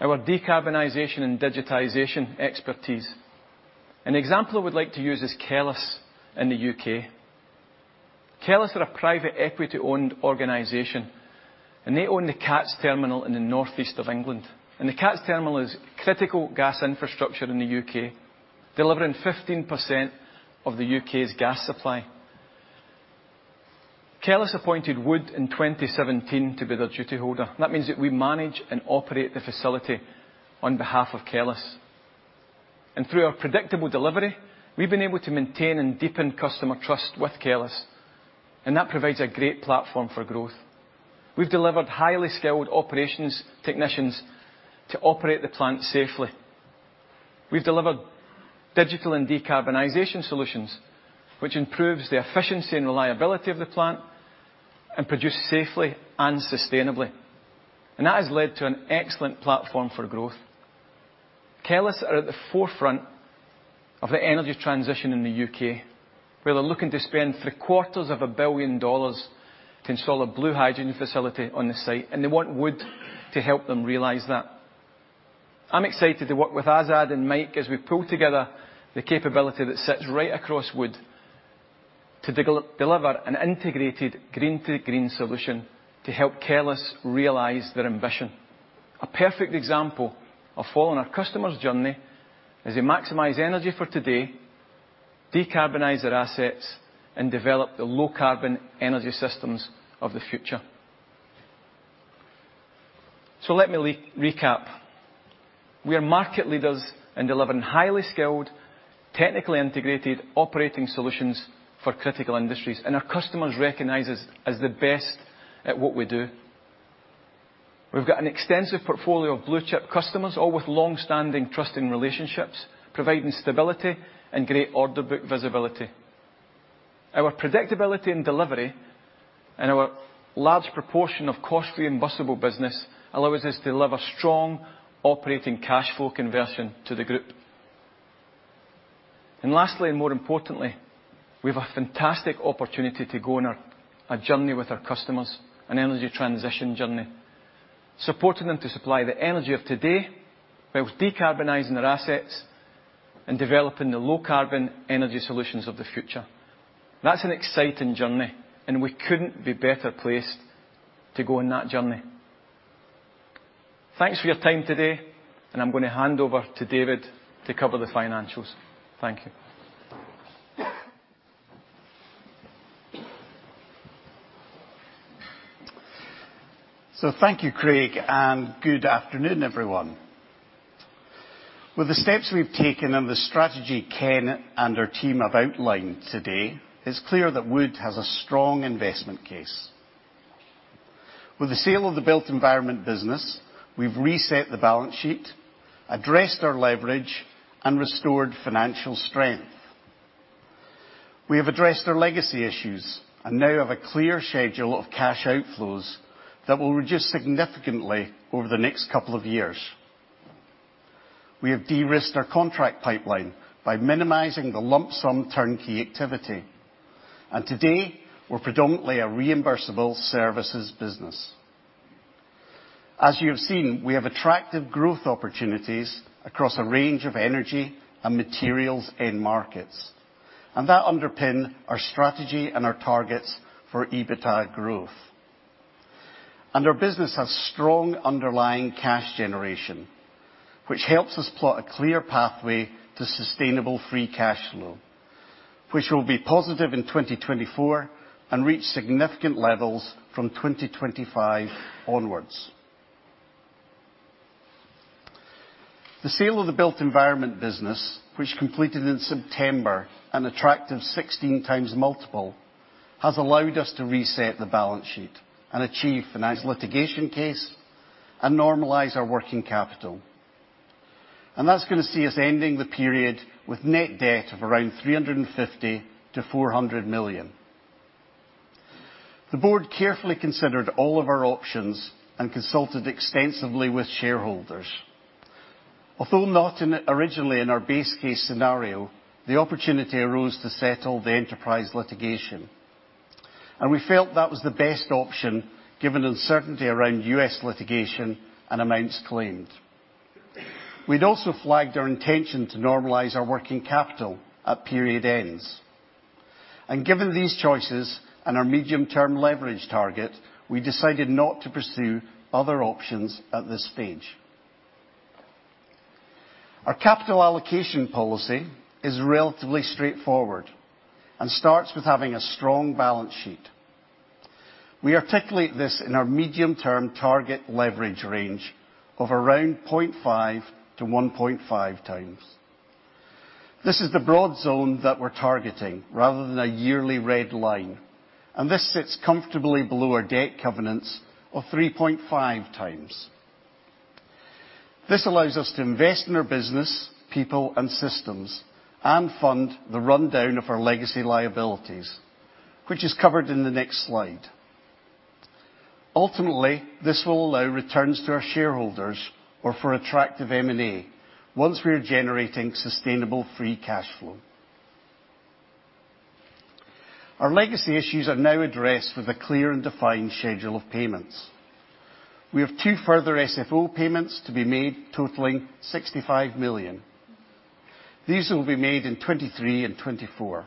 our decarbonization and digitization expertise. An example I would like to use is Kellas in the U.K. Kellas are a private equity-owned organization, they own the CATS Terminal in the northeast of England. The CATS Terminal is critical gas infrastructure in the UK, delivering 15% of the UK's gas supply. Kellas appointed Wood in 2017 to be their duty holder. That means that we manage and operate the facility on behalf of Kellas. Through our predictable delivery, we've been able to maintain and deepen customer trust with Kellas, and that provides a great platform for growth. We've delivered highly skilled operations technicians to operate the plant safely. We've delivered digital and decarbonization solutions, which improves the efficiency and reliability of the plant and produce safely and sustainably. That has led to an excellent platform for growth. Kellas are at the forefront of the energy transition in the UK, where they're looking to spend three-quarters of a billion dollars to install a blue hydrogen facility on the site, and they want Wood to help them realize that. I'm excited to work with Azad and Mike as we pull together the capability that sits right across Wood to deliver an integrated green to green solution to help Kellas realize their ambition. A perfect example of following our customer's journey as they maximize energy for today, decarbonize their assets, and develop the low-carbon energy systems of the future. Let me recap. We are market leaders in delivering highly skilled, technically integrated operating solutions for critical industries, and our customers recognize us as the best at what we do. We've got an extensive portfolio of blue-chip customers, all with long-standing trusting relationships, providing stability and great order book visibility. Our predictability in delivery and our large proportion of cost-reimbursable business allows us to deliver strong operating cash flow conversion to the group. Lastly, and more importantly, we have a fantastic opportunity to go on a journey with our customers, an energy transition journey, supporting them to supply the energy of today whilst decarbonizing their assets and developing the low-carbon energy solutions of the future. That's an exciting journey. We couldn't be better placed to go on that journey. Thanks for your time today. I'm gonna hand over to David to cover the financials. Thank you. Thank you, Craig, and good afternoon, everyone. With the steps we've taken and the strategy Ken and our team have outlined today, it's clear that Wood has a strong investment case. With the sale of the Built Environment business, we've reset the balance sheet, addressed our leverage, and restored financial strength. We have addressed our legacy issues and now have a clear schedule of cash outflows that will reduce significantly over the next couple of years. We have de-risked our contract pipeline by minimizing the lump sum turnkey activity, and today we're predominantly a reimbursable services business. As you have seen, we have attractive growth opportunities across a range of energy and materials end markets, and that underpin our strategy and our targets for EBITDA growth. Our business has strong underlying cash generation, which helps us plot a clear pathway to sustainable free cash flow, which will be positive in 2024 and reach significant levels from 2025 onwards. The sale of the Built Environment business, which completed in September, an attractive 16x multiple, has allowed us to reset the balance sheet and achieve Enterprise litigation case and normalize our working capital. That's going to see us ending the period with net debt of around $350 million-$400 million. The board carefully considered all of our options and consulted extensively with shareholders. Although originally in our base case scenario, the opportunity arose to settle the Enterprise litigation, and we felt that was the best option given the uncertainty around U.S. litigation and amounts claimed. We'd also flagged our intention to normalize our working capital at period ends. Given these choices and our medium-term leverage target, we decided not to pursue other options at this stage. Our capital allocation policy is relatively straightforward and starts with having a strong balance sheet. We articulate this in our medium-term target leverage range of around 0.5-1.5x. This is the broad zone that we're targeting rather than a yearly red line, and this sits comfortably below our debt covenants of 3.5x. This allows us to invest in our business, people, and systems and fund the rundown of our legacy liabilities, which is covered in the next slide. Ultimately, this will allow returns to our shareholders or for attractive M&A once we are generating sustainable free cash flow. Our legacy issues are now addressed with a clear and defined schedule of payments. We have two further SFO payments to be made totaling 65 million. These will be made in 2023 and 2024.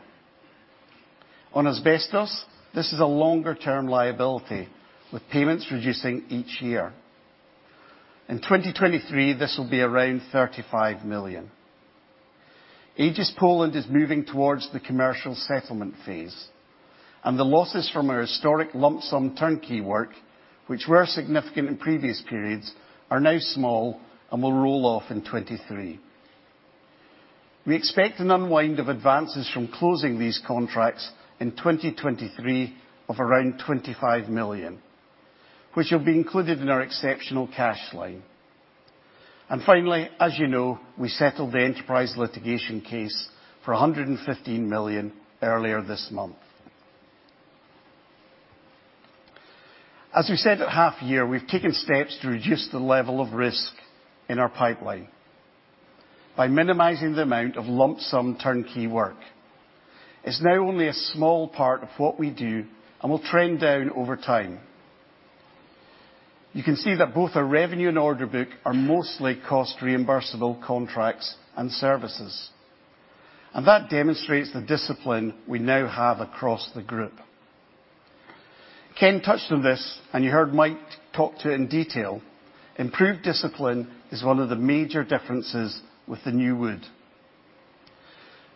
On asbestos, this is a longer term liability, with payments reducing each year. In 2023, this will be around $35 million. AEGIS Poland is moving towards the commercial settlement phase, and the losses from our historic lump sum turnkey work, which were significant in previous periods, are now small and will roll off in 23. We expect an unwind of advances from closing these contracts in 2023 of around $25 million, which will be included in our exceptional cash line. Finally, as you know, we settled the Enterprise litigation case for $115 million earlier this month. As we said at half year, we've taken steps to reduce the level of risk in our pipeline by minimizing the amount of lump sum turnkey work. It's now only a small part of what we do and will trend down over time. You can see that both our revenue and order book are mostly cost-reimbursable contracts and services, and that demonstrates the discipline we now have across the group. Ken touched on this and you heard Mike talk to it in detail. Improved discipline is one of the major differences with the new Wood.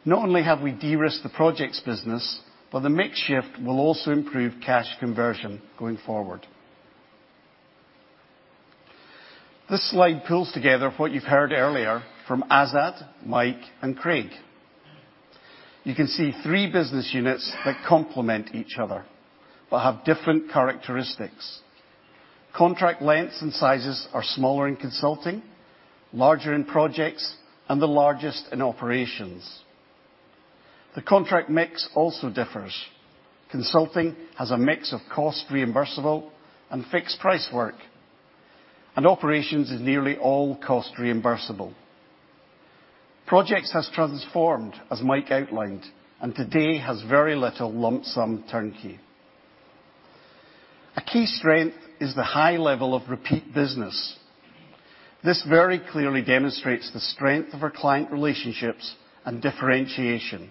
Not only have we de-risked the projects business, but the mix shift will also improve cash conversion going forward. This slide pulls together what you've heard earlier from Azad, Mike, and Craig. You can see three business units that complement each other but have different characteristics. Contract lengths and sizes are smaller in consulting, larger in projects, and the largest in operations. The contract mix also differs. Consulting has a mix of cost-reimbursable and fixed price work, and Operations is nearly all cost-reimbursable. Projects has transformed, as Mike outlined, and today has very little lump sum turnkey. A key strength is the high level of repeat business. This very clearly demonstrates the strength of our client relationships and differentiation.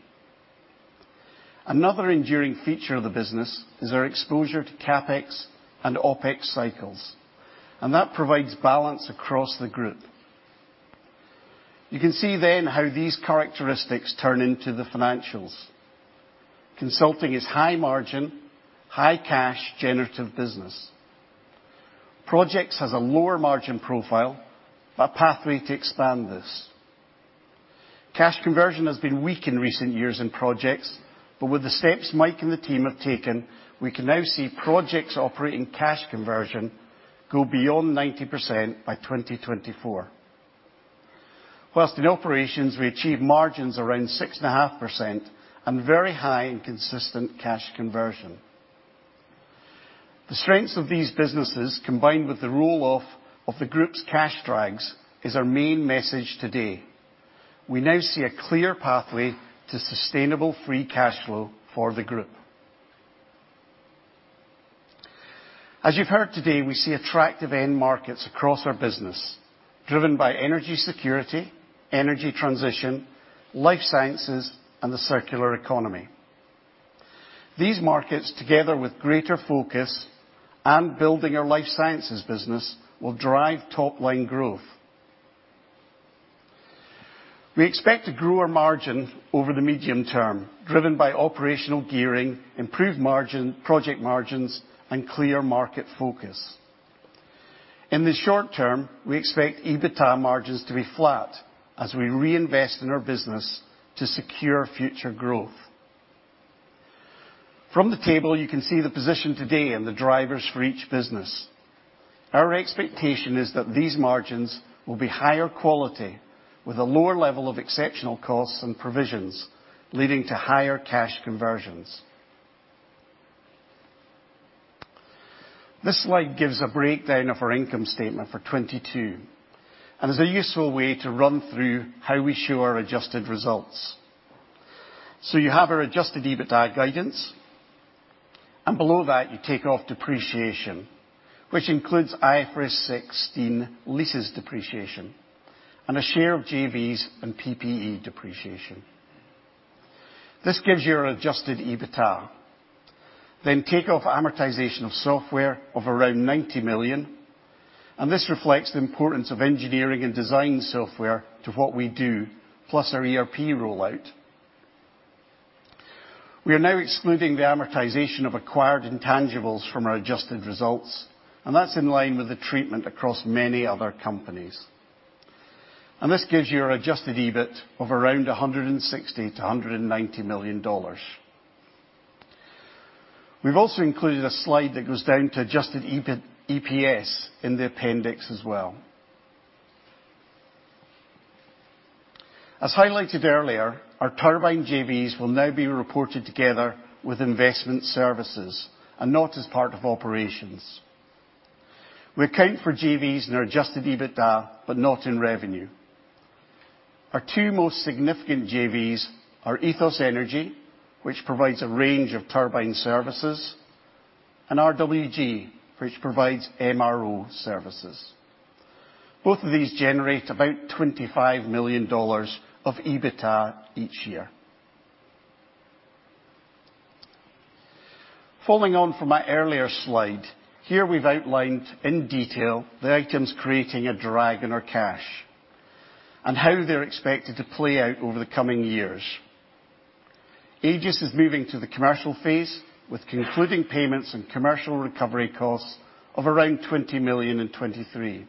Another enduring feature of the business is our exposure to CapEx and OpEx cycles, and that provides balance across the group. You can see then how these characteristics turn into the financials. Consulting is high margin, high cash generative business. Projects has a lower margin profile, but pathway to expand this. Cash conversion has been weak in recent years in Projects, but with the steps Mike and the team have taken, we can now see Projects operating cash conversion go beyond 90% by 2024. Whilst in operations, we achieve margins around 6.5% and very high and consistent cash conversion. The strengths of these businesses, combined with the roll-off of the group's cash drags, is our main message today. We now see a clear pathway to sustainable free cash flow for the group. As you've heard today, we see attractive end markets across our business, driven by energy security, energy transition, life sciences, and the circular economy. These markets, together with greater focus and building our life sciences business, will drive top-line growth. We expect to grow our margin over the medium term, driven by operational gearing, improved margin, project margins, and clear market focus. In the short term, we expect EBITDA margins to be flat as we reinvest in our business to secure future growth. From the table, you can see the position today and the drivers for each business. Our expectation is that these margins will be higher quality with a lower level of exceptional costs and provisions, leading to higher cash conversions. This slide gives a breakdown of our income statement for 2022 and is a useful way to run through how we show our adjusted results. You have our adjusted EBITDA guidance, and below that you take off depreciation, which includes IFRS 16 leases depreciation and a share of JVs and PPE depreciation. This gives you an adjusted EBITDA. Take off amortization of software of around $90 million, and this reflects the importance of engineering and design software to what we do, plus our ERP rollout. We are now excluding the amortization of acquired intangibles from our adjusted results, and that's in line with the treatment across many other companies. This gives you an adjusted EBIT of around $160 million-$190 million. We've also included a slide that goes down to adjusted EPS in the appendix as well. As highlighted earlier, our turbine JVs will now be reported together with investment services and not as part of operations. We account for JVs in our adjusted EBITDA, but not in revenue. Our two most significant JVs are EthosEnergy, which provides a range of turbine services, and RWG, which provides MRO services. Both of these generate about $25 million of EBITDA each year. Following on from my earlier slide, here we've outlined in detail the items creating a drag on our cash and how they're expected to play out over the coming years. AEGIS is moving to the commercial phase with concluding payments and commercial recovery costs of around $20 million in 2023.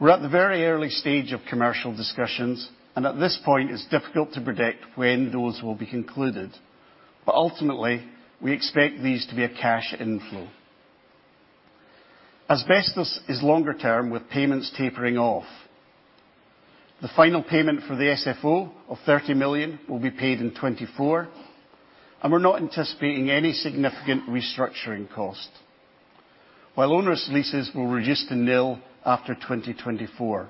We're at the very early stage of commercial discussions, and at this point it's difficult to predict when those will be concluded. Ultimately, we expect these to be a cash inflow. Asbestos is longer term with payments tapering off. The final payment for the SFO of $30 million will be paid in 2024, and we're not anticipating any significant restructuring cost. While onerous leases will reduce to nil after 2024.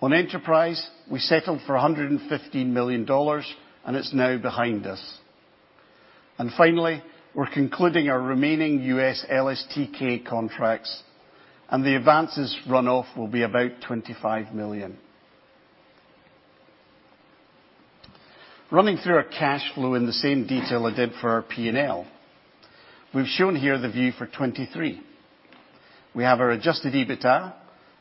On Enterprise, we settled for $115 million and it's now behind us. Finally, we're concluding our remaining U.S. LSTK contracts, and the advances runoff will be about $25 million. Running through our cash flow in the same detail I did for our P&L, we've shown here the view for 2023. We have our Adjusted EBITDA.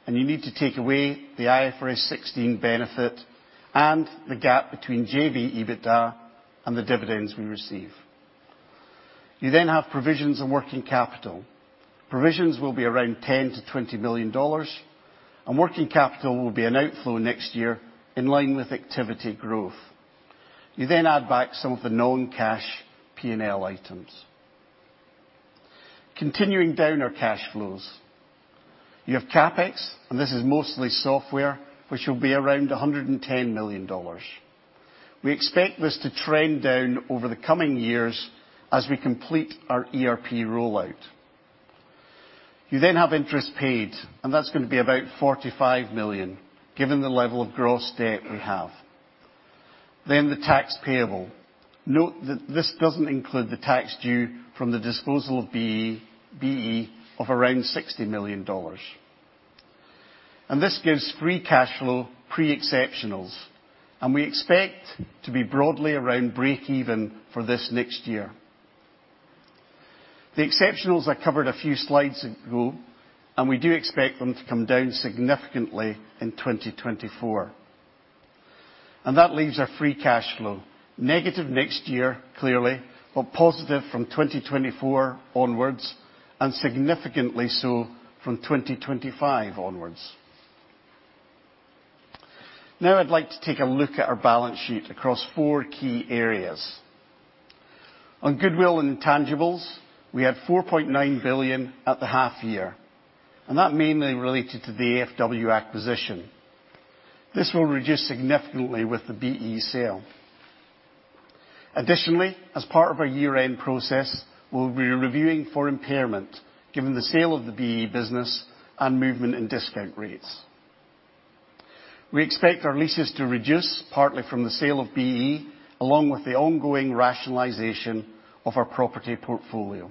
You need to take away the IFRS 16 benefit and the gap between JV EBITDA and the dividends we receive. You have provisions on working capital. Provisions will be around $10 million-$20 million. Working capital will be an outflow next year in line with activity growth. You add back some of the non-cash P&L items. Continuing down our cash flows. You have CapEx. This is mostly software, which will be around $110 million. We expect this to trend down over the coming years as we complete our ERP rollout. You have interest paid. That's gonna be about $45 million, given the level of gross debt we have. The tax payable. Note that this doesn't include the tax due from the disposal of BE of around $60 million. This gives free cash flow pre-exceptionals, and we expect to be broadly around break even for this next year. The exceptionals I covered a few slides ago, and we do expect them to come down significantly in 2024. That leaves our free cash flow negative next year, clearly, but positive from 2024 onwards, and significantly so from 2025 onwards. I'd like to take a look at our balance sheet across four key areas. On goodwill and intangibles, we had $4.9 billion at the half year, and that mainly related to the AFW acquisition. This will reduce significantly with the BE sale. Additionally, as part of our year-end process, we'll be reviewing for impairment, given the sale of the BE business and movement in discount rates. We expect our leases to reduce partly from the sale of BE, along with the ongoing rationalization of our property portfolio.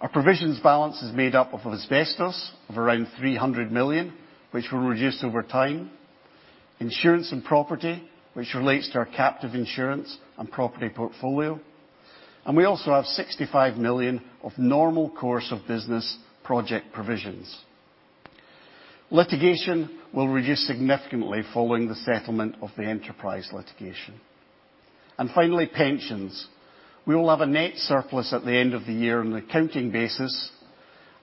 Our provisions balance is made up of asbestos, of around $300 million, which will reduce over time. Insurance and property, which relates to our captive insurance and property portfolio, and we also have $65 million of normal course of business project provisions. Litigation will reduce significantly following the settlement of the Enterprise litigation. Finally, pensions. We will have a net surplus at the end of the year on an accounting basis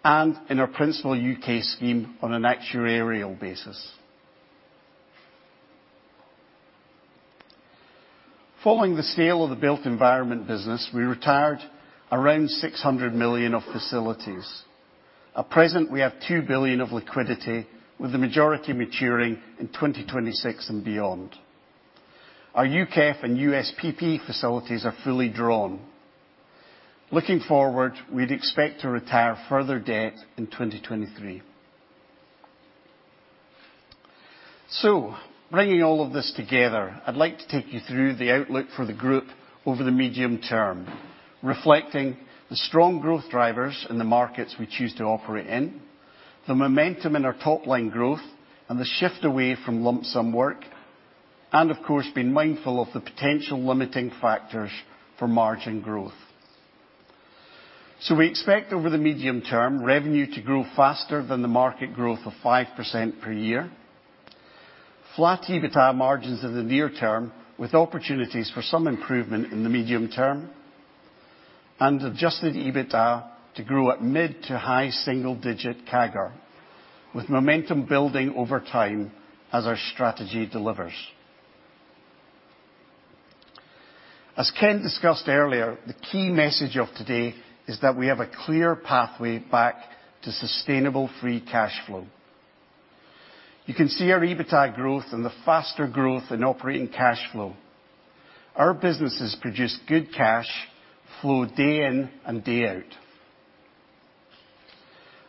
and in our principal U.K. scheme on an actuarial basis. Following the sale of the Built Environment business, we retired around $600 million of facilities. At present, we have $2 billion of liquidity, with the majority maturing in 2026 and beyond. Our UKEF and USPP facilities are fully drawn. Looking forward, we'd expect to retire further debt in 2023. Bringing all of this together, I'd like to take you through the outlook for the group over the medium term, reflecting the strong growth drivers in the markets we choose to operate in, the momentum in our top-line growth and the shift away from lump sum work, and of course, being mindful of the potential limiting factors for margin growth. We expect over the medium term revenue to grow faster than the market growth of 5% per year. Flat EBITDA margins in the near term with opportunities for some improvement in the medium term. Adjusted EBITDA to grow at mid to high single digit CAGR, with momentum building over time as our strategy delivers. As Ken discussed earlier, the key message of today is that we have a clear pathway back to sustainable free cash flow. You can see our EBITDA growth and the faster growth in operating cash flow. Our businesses produce good cash flow day in and day out.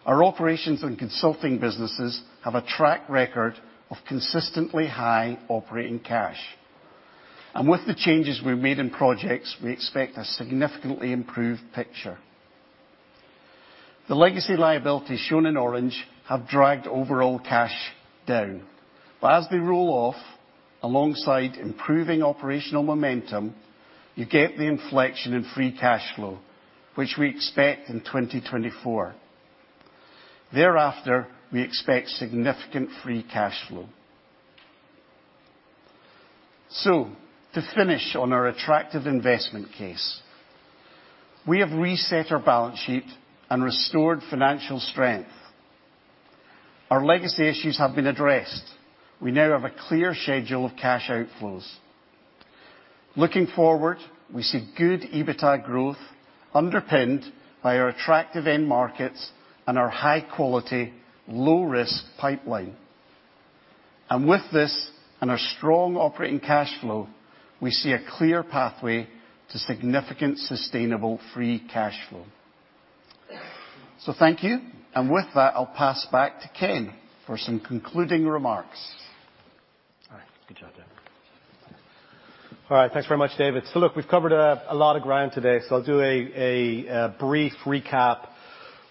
Our operations and consulting businesses have a track record of consistently high operating cash. With the changes we've made in projects, we expect a significantly improved picture. The legacy liabilities shown in orange have dragged overall cash down. As we roll off, alongside improving operational momentum, you get the inflection in free cash flow, which we expect in 2024. Thereafter, we expect significant free cash flow. To finish on our attractive investment case, we have reset our balance sheet and restored financial strength. Our legacy issues have been addressed. We now have a clear schedule of cash outflows. Looking forward, we see good EBITDA growth underpinned by our attractive end markets and our high quality, low risk pipeline. With this and our strong operating cash flow, we see a clear pathway to significant, sustainable free cash flow. Thank you. With that, I'll pass back to Ken for some concluding remarks. All right. Good job, David. All right. Thanks very much, David. Look, we've covered a lot of ground today, so I'll do a brief recap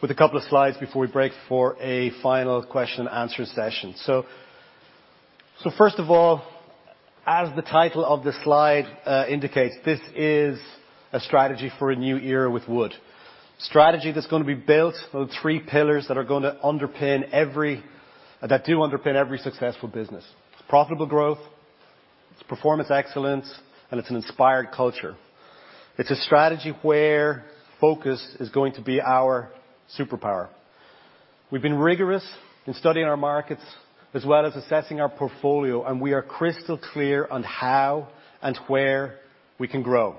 with a couple of slides before we break for a final question and answer session. First of all, as the title of this slide indicates, this is a strategy for a new era with Wood. Strategy that's going to be built on three pillars that are going to underpin every successful business. It's profitable growth, it's performance excellence, and it's an inspired culture. It's a strategy where focus is going to be our superpower. We've been rigorous in studying our markets as well as assessing our portfolio, and we are crystal clear on how and where we can grow.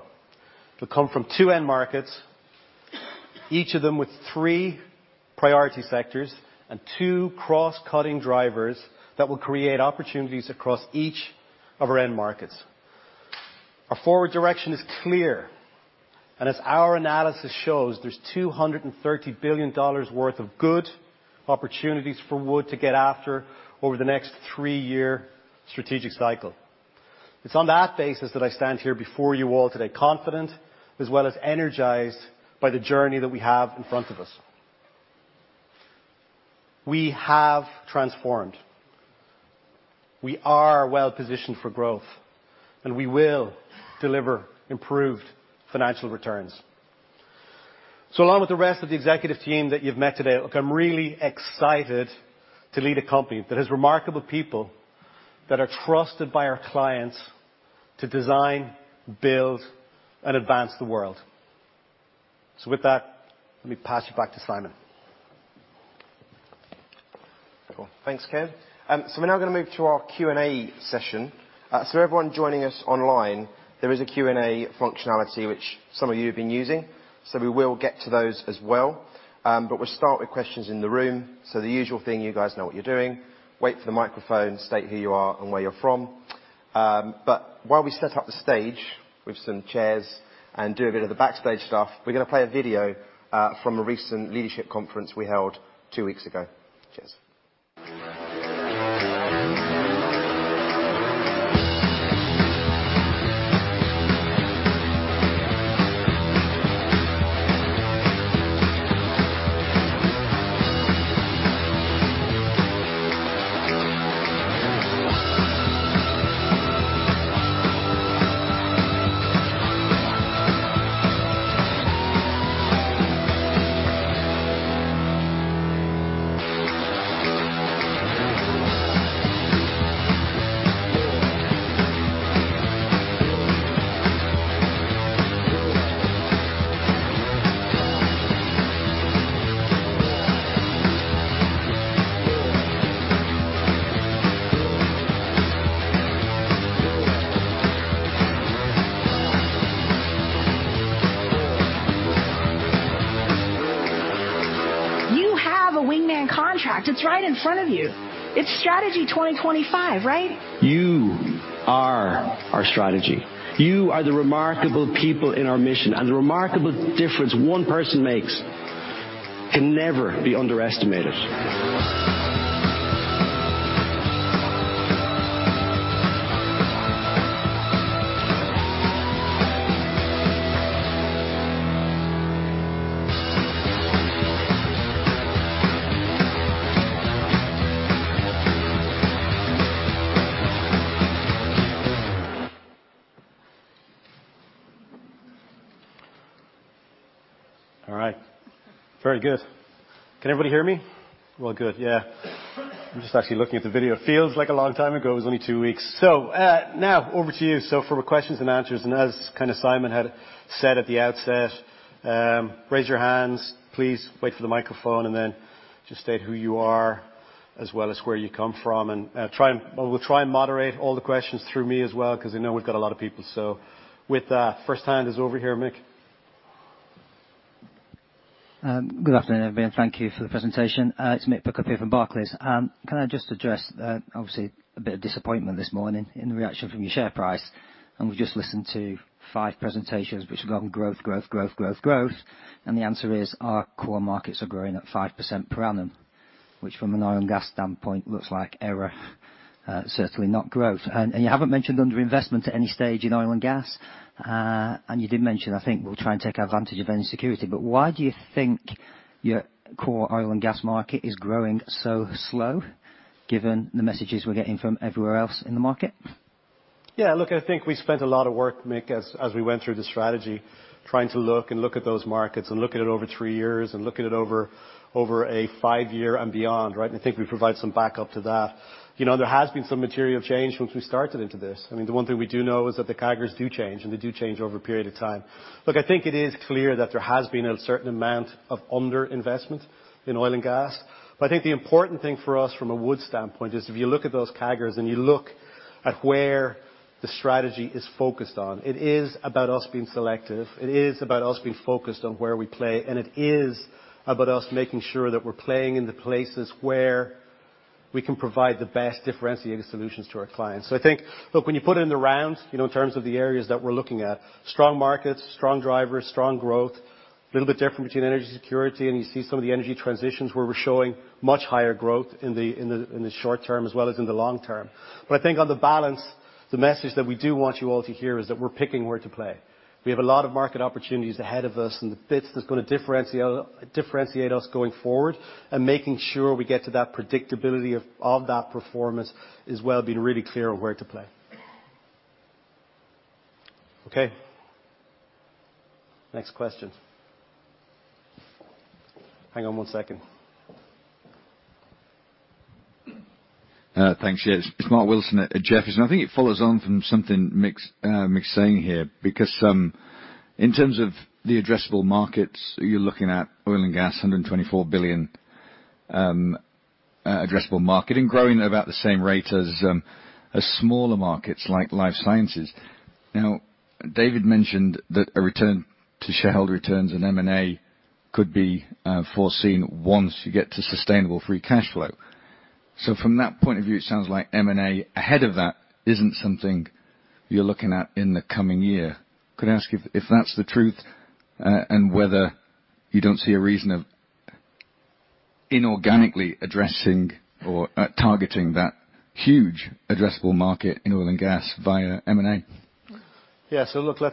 It'll come from 2 end markets, each of them with 3 priority sectors and 2 cross-cutting drivers that will create opportunities across each of our end markets. Our forward direction is clear, and as our analysis shows, there's $230 billion worth of good opportunities for Wood to get after over the next 3-year strategic cycle. It's on that basis that I stand here before you all today, confident as well as energized by the journey that we have in front of us. We have transformed. We are well positioned for growth, and we will deliver improved financial returns. Along with the rest of the executive team that you've met today, look, I'm really excited to lead a company that has remarkable people that are trusted by our clients to design, build, and advance the world. With that, let me pass you back to Simon. Cool. Thanks, Ken. We're now gonna move to our Q&A session. Everyone joining us online, there is a Q&A functionality which some of you have been using, so we will get to those as well. We'll start with questions in the room. The usual thing, you guys know what you're doing. Wait for the microphone, state who you are and where you're from. While we set up the stage with some chairs and do a bit of the backstage stuff, we're gonna play a video from a recent leadership conference we held two weeks ago. Cheers. You have a wingman contract. It's right in front of you. It's Strategy 2025, right? You are our strategy. You are the remarkable people in our mission. The remarkable difference 1 person makes can never be underestimated. All right. Very good. Can everybody hear me? Well, good. Yeah. I'm just actually looking at the video. It feels like a long time ago. It was only 2 weeks. Now over to you. For questions and answers, and as kind of Simon had said at the outset, raise your hands, please wait for the microphone, and then just state who you are as well as where you come from. We'll try and moderate all the questions through me as well, because I know we've got a lot of people. With that, first hand is over here, Mick. Good afternoon, everybody, thank you for the presentation. It's Mick Booker here from Barclays. Can I just address, obviously a bit of disappointment this morning in the reaction from your share price, we've just listened to 5 presentations which were on growth, growth, growth. The answer is our core markets are growing at 5% per annum, which from an oil and gas standpoint looks like error, certainly not growth. You haven't mentioned underinvestment at any stage in oil and gas. You did mention, I think, we'll try and take advantage of any security. Why do you think your core oil and gas market is growing so slow given the messages we're getting from everywhere else in the market? Look, I think we spent a lot of work, Mick, as we went through the strategy, trying to look and look at those markets and look at it over three years and look at it over a five-year and beyond, right? I think we provide some backup to that. You know, there has been some material change since we started into this. I mean, the one thing we do know is that the CAGRs do change, and they do change over a period of time. Look, I think it is clear that there has been a certain amount of underinvestment in oil and gas. I think the important thing for us from a Wood standpoint is if you look at those CAGRs and you look at where the strategy is focused on, it is about us being selective, it is about us being focused on where we play, and it is about us making sure that we're playing in the places where we can provide the best differentiated solutions to our clients. I think, look, when you put in the rounds, you know, in terms of the areas that we're looking at, strong markets, strong drivers, strong growth, little bit different between energy security, and you see some of the energy transitions where we're showing much higher growth in the short term as well as in the long term. I think on the balance, the message that we do want you all to hear is that we're picking where to play. We have a lot of market opportunities ahead of us, and the bits that's gonna differentiate us going forward and making sure we get to that predictability of that performance is we're being really clear on where to play. Okay. Next question. Hang on one second. Thanks. Yeah, it's Mark Wilson at Jefferies. I think it follows on from something Mick's saying here because in terms of the addressable markets, you're looking at oil and gas, a $124 billion addressable market and growing about the same rate as smaller markets like life sciences. Now, David mentioned that a return to shareholder returns in M&A could be foreseen once you get to sustainable free cash flow. From that point of view, it sounds like M&A ahead of that isn't something you're looking at in the coming year. Could I ask if that's the truth, and whether you don't see a reason of inorganically addressing or targeting that huge addressable market in oil and gas via M&A? Yeah. Look, let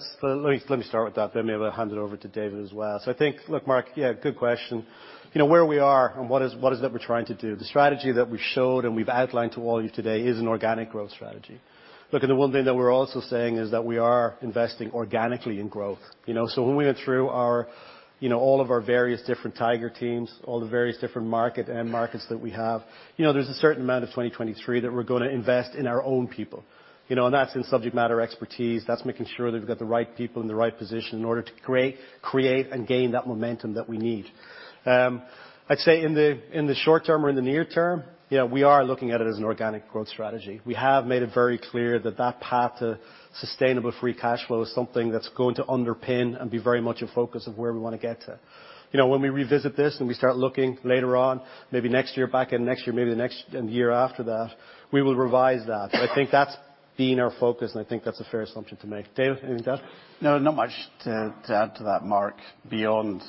me start with that, then maybe I'll hand it over to David as well. I think, look, Mark, yeah, good question. You know, where we are and what is it that we're trying to do? The strategy that we've showed and we've outlined to all of you today is an organic growth strategy. Look, the one thing that we're also saying is that we are investing organically in growth, you know? When we went through our, you know, all of our various different tiger teams, all the various different markets that we have, you know, there's a certain amount of 2023 that we're gonna invest in our own people, you know? That's in subject matter expertise, that's making sure that we've got the right people in the right position in order to create and gain that momentum that we need. I'd say in the short term or in the near term, yeah, we are looking at it as an organic growth strategy. We have made it very clear that that path to sustainable free cash flow is something that's going to underpin and be very much a focus of where we wanna get to. You know, when we revisit this and we start looking later on, maybe next year, back end of next year, maybe the next, and the year after that, we will revise that. I think that's been our focus, and I think that's a fair assumption to make. Dave, anything to add? No, not much to add to that, Mark, beyond,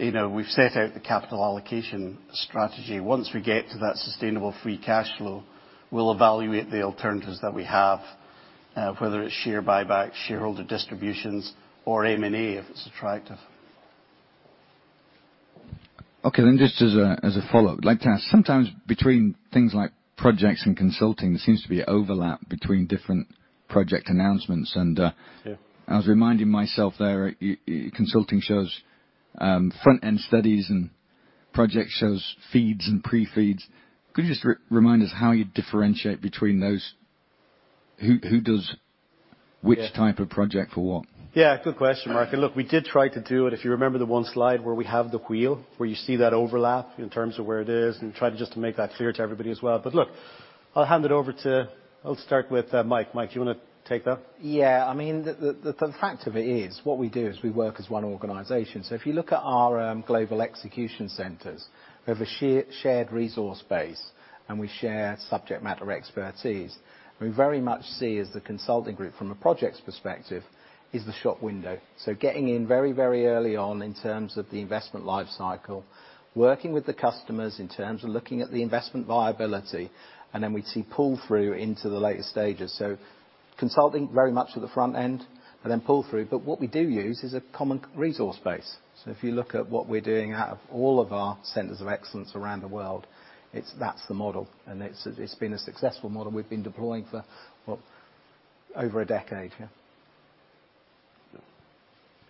you know, we've set out the capital allocation strategy. Once we get to that sustainable free cash flow, we'll evaluate the alternatives that we have, whether it's share buyback, shareholder distributions, or M&A if it's attractive. Okay. Just as a follow-up, I'd like to ask, sometimes between things like projects and consulting, there seems to be overlap between different project announcements. Yeah. I was reminding myself there, consulting shows, front-end studies and project shows feeds and pre-feeds. Could you just remind us how you differentiate between those? Who does- Yeah. Which type of project for what? Yeah, good question, Mark. Look, we did try to do it. If you remember the one slide where we have the wheel, where you see that overlap in terms of where it is, try to just to make that clear to everybody as well. Look, I'll hand it over to... I'll start with Mike. Mike, do you want to take that? Yeah. I mean, the fact of it is, what we do is we work as one organization. If you look at our global execution centers, we have a shared resource base, and we share subject matter expertise. We very much see as the consulting group from a Projects perspective is the shop window. Getting in very, very early on in terms of the investment life cycle, working with the customers in terms of looking at the investment viability, and then we see pull-through into the later stages. Consulting very much at the front end, but then pull through. What we do use is a common resource base. If you look at what we're doing out of all of our centers of excellence around the world, it's, that's the model. It's, it's been a successful model we've been deploying for, what? Over a decade, yeah.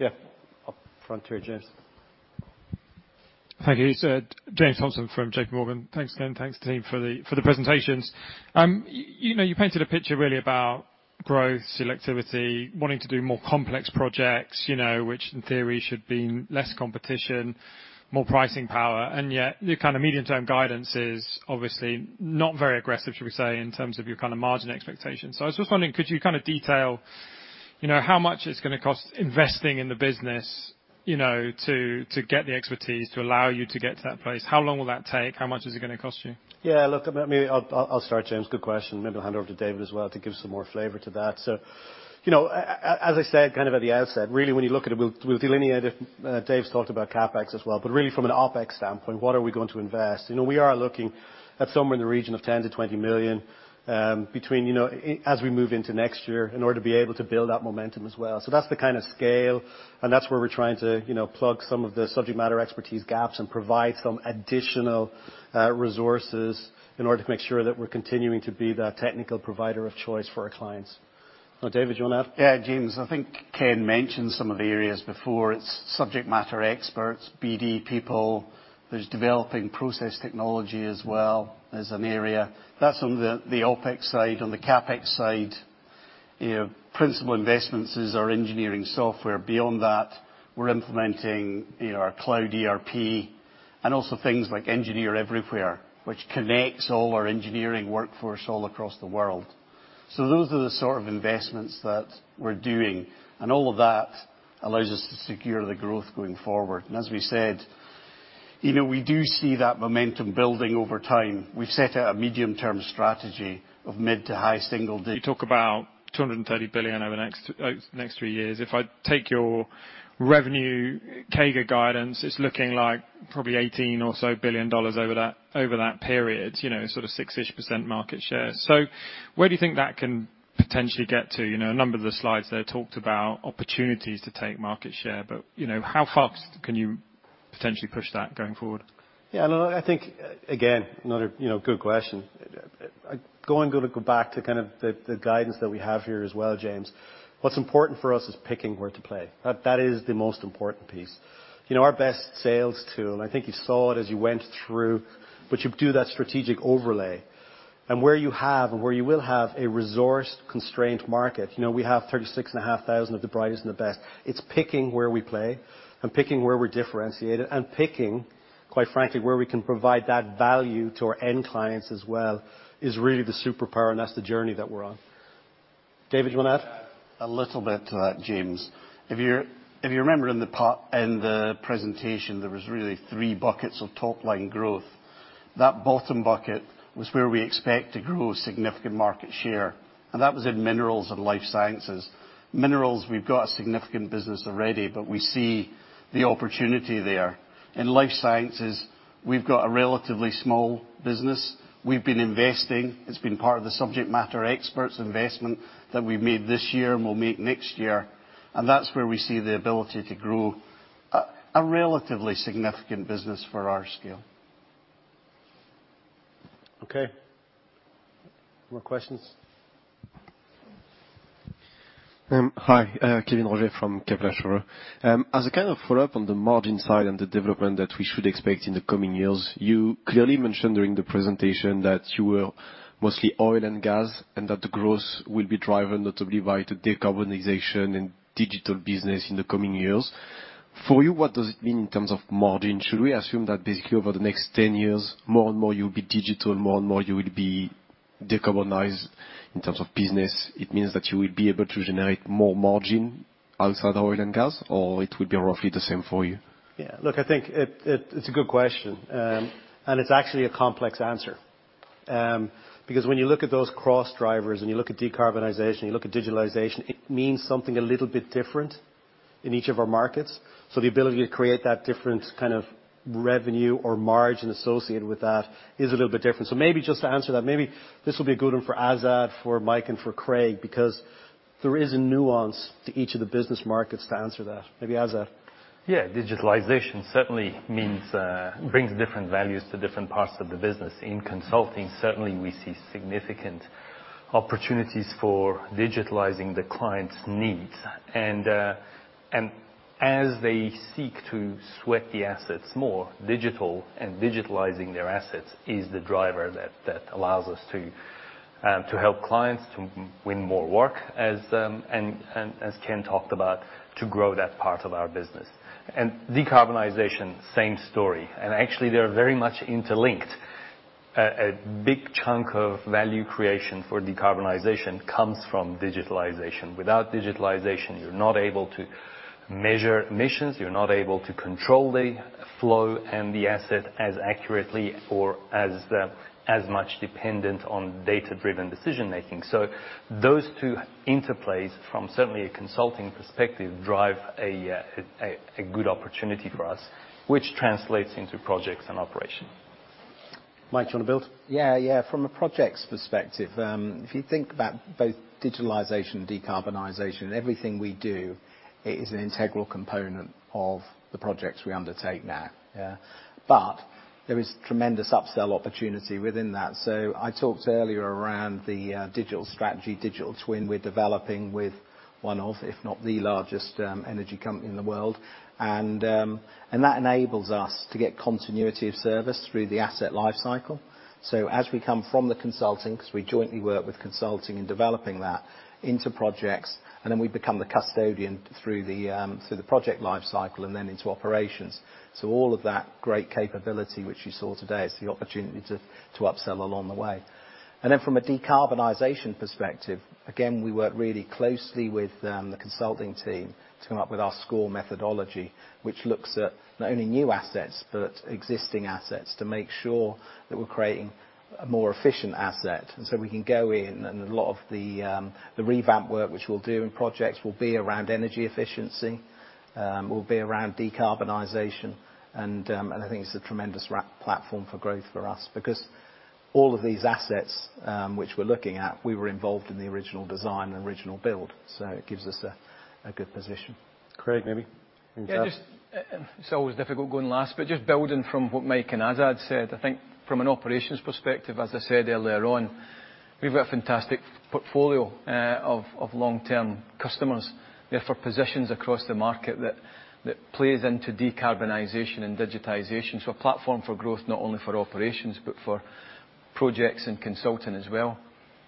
Yeah. Up front here, James. Thank you, sir. James Thompson from JP Morgan. Thanks again, thanks team for the presentations. You know, you painted a picture really about growth, selectivity, wanting to do more complex projects, you know, which in theory should mean less competition, more pricing power, and yet your kinda medium-term guidance is obviously not very aggressive, should we say, in terms of your kinda margin expectations. I was just wondering, could you kinda detail, you know, how much it's gonna cost investing in the business, you know, to get the expertise to allow you to get to that place? How long will that take? How much is it gonna cost you? Yeah. Look, maybe I'll start, James. Good question. Maybe I'll hand over to David as well to give some more flavor to that. You know, as I said kind of at the outset, really when you look at it, we've delineated, Dave's talked about CapEx as well, but really from an OpEx standpoint, what are we going to invest? You know, we are looking at somewhere in the region of $10 million-$20 million between, you know, as we move into next year in order to be able to build that momentum as well. That's the kind of scale, and that's where we're trying to, you know, plug some of the subject matter expertise gaps and provide some additional resources in order to make sure that we're continuing to be that technical provider of choice for our clients. David, do you wanna add? Yeah, James, I think Ken mentioned some of the areas before. It's subject matter experts, BD people. There's developing process technology as well as an area. That's on the OpEx side. On the CapEx side, you know, principal investments is our engineering software. Beyond that, we're implementing, you know, our cloud ERP, and also things like Engineer Everywhere, which connects all our engineering workforce all across the world. Those are the sort of investments that we're doing, and all of that allows us to secure the growth going forward. As we said, you know, we do see that momentum building over time. We've set out a medium-term strategy of mid to high single. You talk about $230 billion over the next three years. If I take your revenue CAGR guidance, it's looking like probably $18 billion over that period, you know, sort of six-ish percent market share. Where do you think that can potentially get to? You know, a number of the slides there talked about opportunities to take market share, but, you know, how far can you potentially push that going forward? Yeah, no, I think, again, another, you know, good question. go back to kind of the guidance that we have here as well, James, what's important for us is picking where to play. That is the most important piece. You know, our best sales tool, and I think you saw it as you went through, but you do that strategic overlay. where you have and where you will have a resource-constrained market, you know, we have 36,500 of the brightest and the best. It's picking where we play and picking where we're differentiated and picking, quite frankly, where we can provide that value to our end clients as well is really the superpower, and that's the journey that we're on. David, do you wanna add? A little bit to that, James. If you're, if you remember in the presentation, there was really 3 buckets of top-line growth. That bottom bucket was where we expect to grow significant market share, and that was in minerals and life sciences. Minerals, we've got a significant business already, but we see the opportunity there. In life sciences, we've got a relatively small business. We've been investing. It's been part of the subject matter experts investment that we've made this year and will make next year, and that's where we see the ability to grow a relatively significant business for our scale. Okay. More questions. Hi. Kévin Roger from Kepler Cheuvreux. As a kind of follow-up on the margin side and the development that we should expect in the coming years, you clearly mentioned during the presentation that you were mostly oil and gas, and that the growth will be driven notably by the decarbonization and digital business in the coming years. For you, what does it mean in terms of margin? Should we assume that basically over the next 10 years, more and more you'll be digital, more and more you will be decarbonized in terms of business? It means that you will be able to generate more margin outside oil and gas, or it will be roughly the same for you? Yeah. Look, I think it's a good question. It's actually a complex answer. When you look at those cross-drivers, and you look at decarbonization, you look at digitalization, it means something a little bit different in each of our markets. The ability to create that different kind of revenue or margin associated with that is a little bit different. Maybe just to answer that, maybe this will be a good one for Azad, for Mike, and for Craig, because there is a nuance to each of the business markets to answer that. Maybe Azad. Yeah. Digitalization certainly means, brings different values to different parts of the business. In consulting, certainly, we see significant opportunities for digitalizing the client's needs. As they seek to sweat the assets more, digital and digitalizing their assets is the driver that allows us to help clients to win more work as, and as Ken talked about, to grow that part of our business. Decarbonization, same story. Actually, they are very much interlinked. A big chunk of value creation for decarbonization comes from digitalization. Without digitalization, you're not able to measure emissions. You're not able to control the flow and the asset as accurately or as much dependent on data-driven decision-making. Those two interplays from certainly a consulting perspective drive a good opportunity for us, which translates into projects and operation. Mike, do you wanna build? Yeah. From a projects perspective, if you think about both digitalization and decarbonization, everything we do is an integral component of the projects we undertake now. Yeah. There is tremendous upsell opportunity within that. I talked earlier around the digital strategy, digital twin we're developing with one of, if not the largest, energy company in the world. That enables us to get continuity of service through the asset life cycle. As we come from the consulting, because we jointly work with consulting and developing that into projects, and then we become the custodian through the project life cycle and then into operations. All of that great capability which you saw today is the opportunity to upsell along the way. From a decarbonization perspective, again, we work really closely with the consulting team to come up with our SCORE methodology, which looks at not only new assets but existing assets to make sure that we're creating a more efficient asset. We can go in and a lot of the revamp work which we'll do in projects will be around energy efficiency, will be around decarbonization, and I think it's a tremendous platform for growth for us. All of these assets, which we're looking at, we were involved in the original design and original build. It gives us a good position. Craig, maybe. Just it's always difficult going last, but just building from what Mike and Azad said, I think from an operations perspective, as I said earlier on, we've got a fantastic portfolio of long-term customers. Positions across the market that plays into decarbonization and digitization. A platform for growth, not only for operations, but for projects and consulting as well.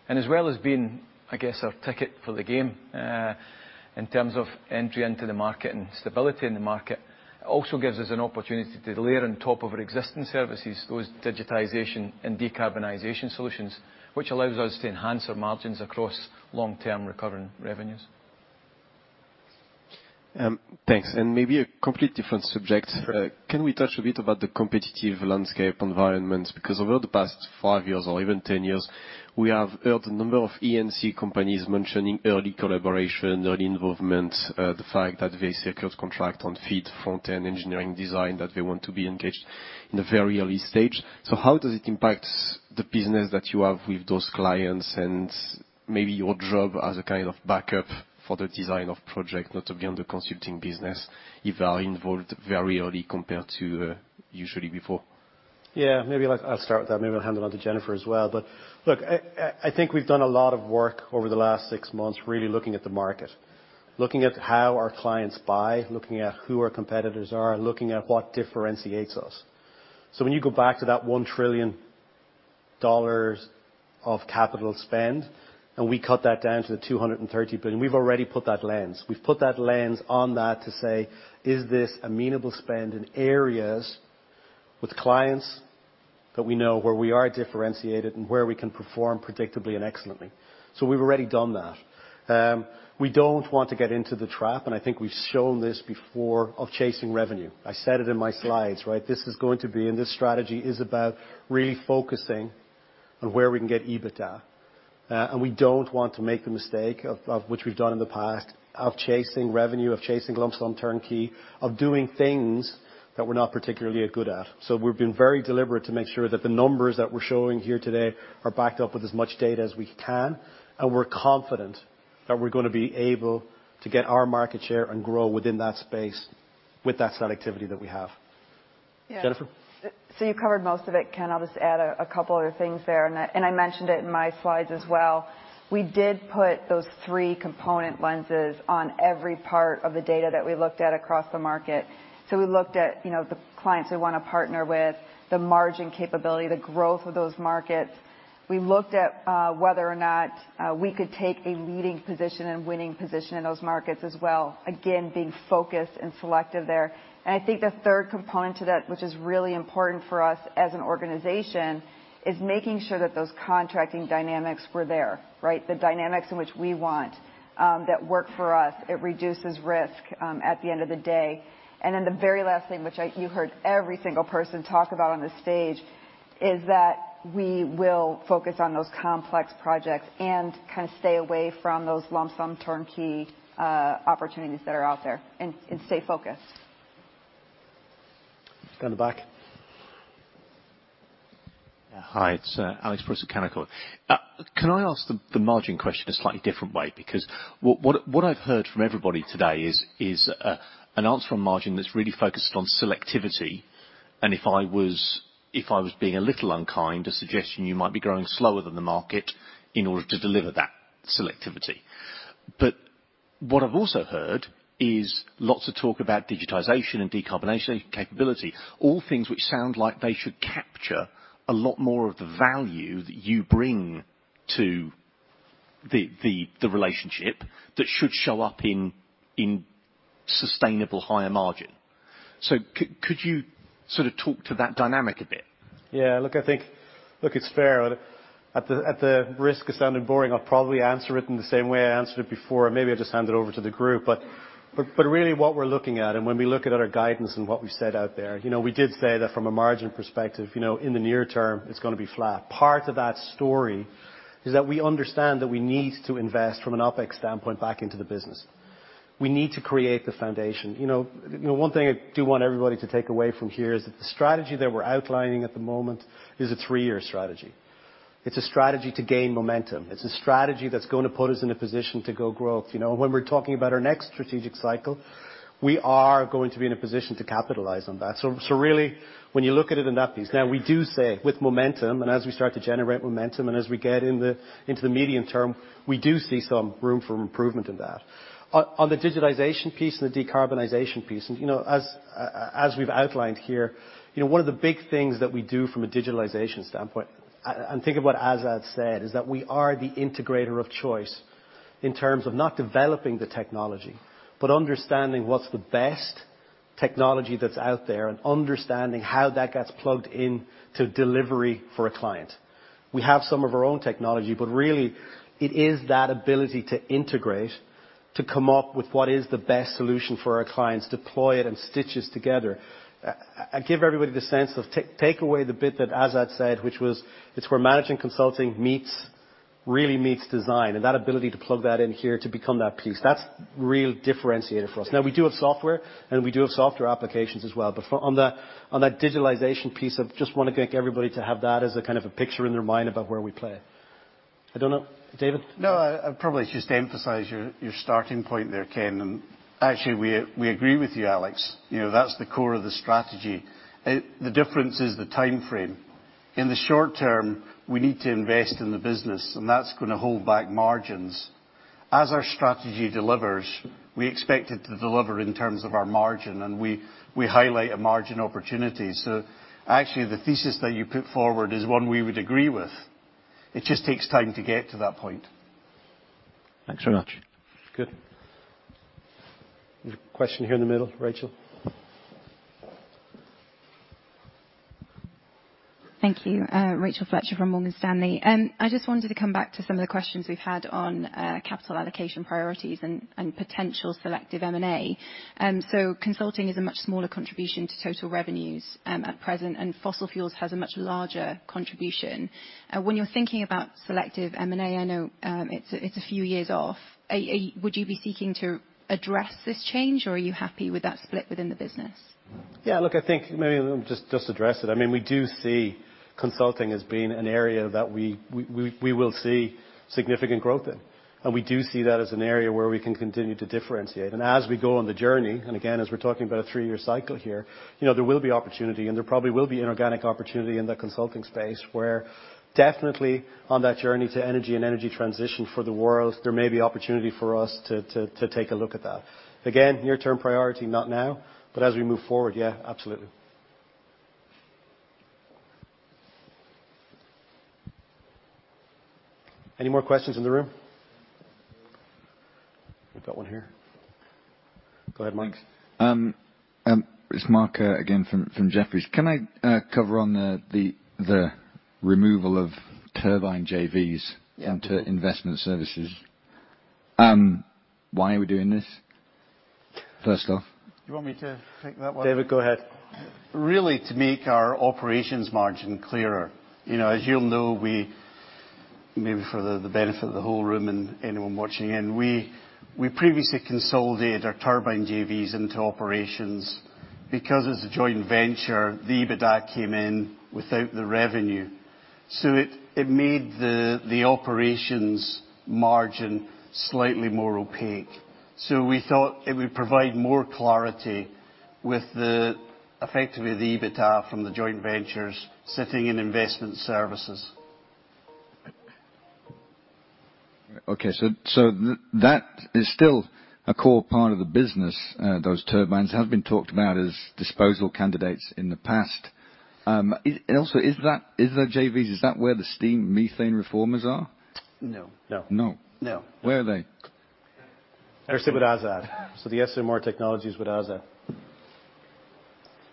As well as being, I guess, our ticket for the game, in terms of entry into the market and stability in the market, it also gives us an opportunity to layer on top of our existing services, those digitization and decarbonization solutions, which allows us to enhance our margins across long-term recurring revenues. Thanks. Maybe a complete different subject. Sure. Can we touch a bit about the competitive landscape environment? Over the past 5 years or even 10 years, we have heard a number of E&C companies mentioning early collaboration, early involvement, the fact that they secured contract on FEED front-end engineering design that they want to be engaged in a very early stage. How does it impact the business that you have with those clients and maybe your job as a kind of backup for the design of project not to be on the consulting business if they are involved very early compared to usually before? Maybe like I'll start with that, maybe I'll hand it on to Jennifer as well. Look, I think we've done a lot of work over the last six months really looking at the market, looking at how our clients buy, looking at who our competitors are, and looking at what differentiates us. When you go back to that $1 trillion of capital spend, and we cut that down to the $230 billion, we've already put that lens. We've put that lens on that to say, "Is this amenable spend in areas with clients that we know where we are differentiated and where we can perform predictably and excellently?" We've already done that. We don't want to get into the trap, and I think we've shown this before, of chasing revenue. I said it in my slides, right? This strategy is about really focusing on where we can get EBITDA. We don't want to make the mistake of which we've done in the past of chasing revenue, of chasing lump sum turnkey, of doing things that we're not particularly are good at. We've been very deliberate to make sure that the numbers that we're showing here today are backed up with as much data as we can, and we're confident that we're gonna be able to get our market share and grow within that space with that selectivity that we have. Yeah. Jennifer. You've covered most of it, Ken. I'll just add a couple other things there. I mentioned it in my slides as well. We did put those three component lenses on every part of the data that we looked at across the market. We looked at, you know, the clients we wanna partner with, the margin capability, the growth of those markets. We looked at whether or not we could take a leading position and winning position in those markets as well, again, being focused and selective there. I think the third component to that, which is really important for us as an organization, is making sure that those contracting dynamics were there, right? The dynamics in which we want that work for us. It reduces risk at the end of the day. The very last thing, which you heard every single person talk about on this stage, is that we will focus on those complex projects and kind of stay away from those lump sum turnkey opportunities that are out there and stay focused. On the back. Hi, it's Alex from Kempen. Can I ask the margin question a slightly different way? What I've heard from everybody today is an answer on margin that's really focused on selectivity, and if I was being a little unkind, a suggestion you might be growing slower than the market in order to deliver that selectivity. What I've also heard is lots of talk about digitization and decarbonization capability, all things which sound like they should capture a lot more of the value that you bring to the relationship that should show up in sustainable higher margin. Could you sort of talk to that dynamic a bit? Yeah. Look, I think... Look, it's fair. At the risk of sounding boring, I'll probably answer it in the same way I answered it before, and maybe I'll just hand it over to the group. Really what we're looking at, and when we look at our guidance and what we've said out there, you know, we did say that from a margin perspective, you know, in the near term, it's gonna be flat. Part of that story is that we understand that we need to invest from an OpEx standpoint back into the business. We need to create the foundation. You know, one thing I do want everybody to take away from here is that the strategy that we're outlining at the moment is a three-year strategy. It's a strategy to gain momentum. It's a strategy that's gonna put us in a position to go growth. You know, when we're talking about our next strategic cycle, we are going to be in a position to capitalize on that. Really when you look at it in that piece. Now we do say with momentum, and as we start to generate momentum and as we get into the medium term, we do see some room for improvement in that. On the digitization piece and the decarbonization piece, you know, as we've outlined here, you know, one of the big things that we do from a digitalization standpoint, and think of what Azad said, is that we are the integrator of choice in terms of not developing the technology, but understanding what's the best technology that's out there and understanding how that gets plugged in to delivery for a client. We have some of our own technology, but really it is that ability to integrate, to come up with what is the best solution for our clients, deploy it, and stitch us together. Give everybody the sense of take away the bit that Azad said, which was, it's where management consulting Really meets design, and that ability to plug that in here to become that piece, that's real differentiator for us. We do have software, and we do have software applications as well. On that digitalization piece, I just wanna get everybody to have that as a kind of a picture in their mind about where we play. I don't know. David? I probably just to emphasize your starting point there, Ken. Actually, we agree with you, Alex. You know, that's the core of the strategy. The difference is the timeframe. In the short term, we need to invest in the business, and that's gonna hold back margins. As our strategy delivers, we expect it to deliver in terms of our margin, and we highlight a margin opportunity. Actually the thesis that you put forward is one we would agree with. It just takes time to get to that point. Thanks very much. Good. Question here in the middle. Rachel. Thank you. Rachel Fletcher from Morgan Stanley. I just wanted to come back to some of the questions we've had on capital allocation priorities and potential selective M&A. Consulting is a much smaller contribution to total revenues at present, and fossil fuels has a much larger contribution. When you're thinking about selective M&A, I know it's a few years off. Would you be seeking to address this change, or are you happy with that split within the business? Look, I think maybe I'll just address it. I mean, we do see consulting as being an area that we will see significant growth in, and we do see that as an area where we can continue to differentiate. As we go on the journey, and again, as we're talking about a 3-year cycle here, you know, there will be opportunity, and there probably will be inorganic opportunity in the consulting space, where definitely on that journey to energy and energy transition for the world, there may be opportunity for us to take a look at that. Again, near term priority, not now. As we move forward, absolutely. Any more questions in the room? We've got 1 here. Go ahead, Mike. It's Mark again from Jefferies. Can I cover on the removal of turbine JVs? Yeah. into investment services? why are we doing this, first off? You want me to take that one? David, go ahead. Really to make our operations margin clearer. You know, as you'll know, maybe for the benefit of the whole room and anyone watching in, we previously consolidated our turbine JVs into operations. As a joint venture, the EBITDA came in without the revenue, so it made the operations margin slightly more opaque. We thought it would provide more clarity with effectively the EBITDA from the joint ventures sitting in investment services. Okay. That is still a core part of the business, those turbines. Have been talked about as disposal candidates in the past. also is that, is the JVs, is that where the steam methane reformers are? No. No. No. No. Where are they? They're sit with Azad Hessamodini. The SMR technology is with Azad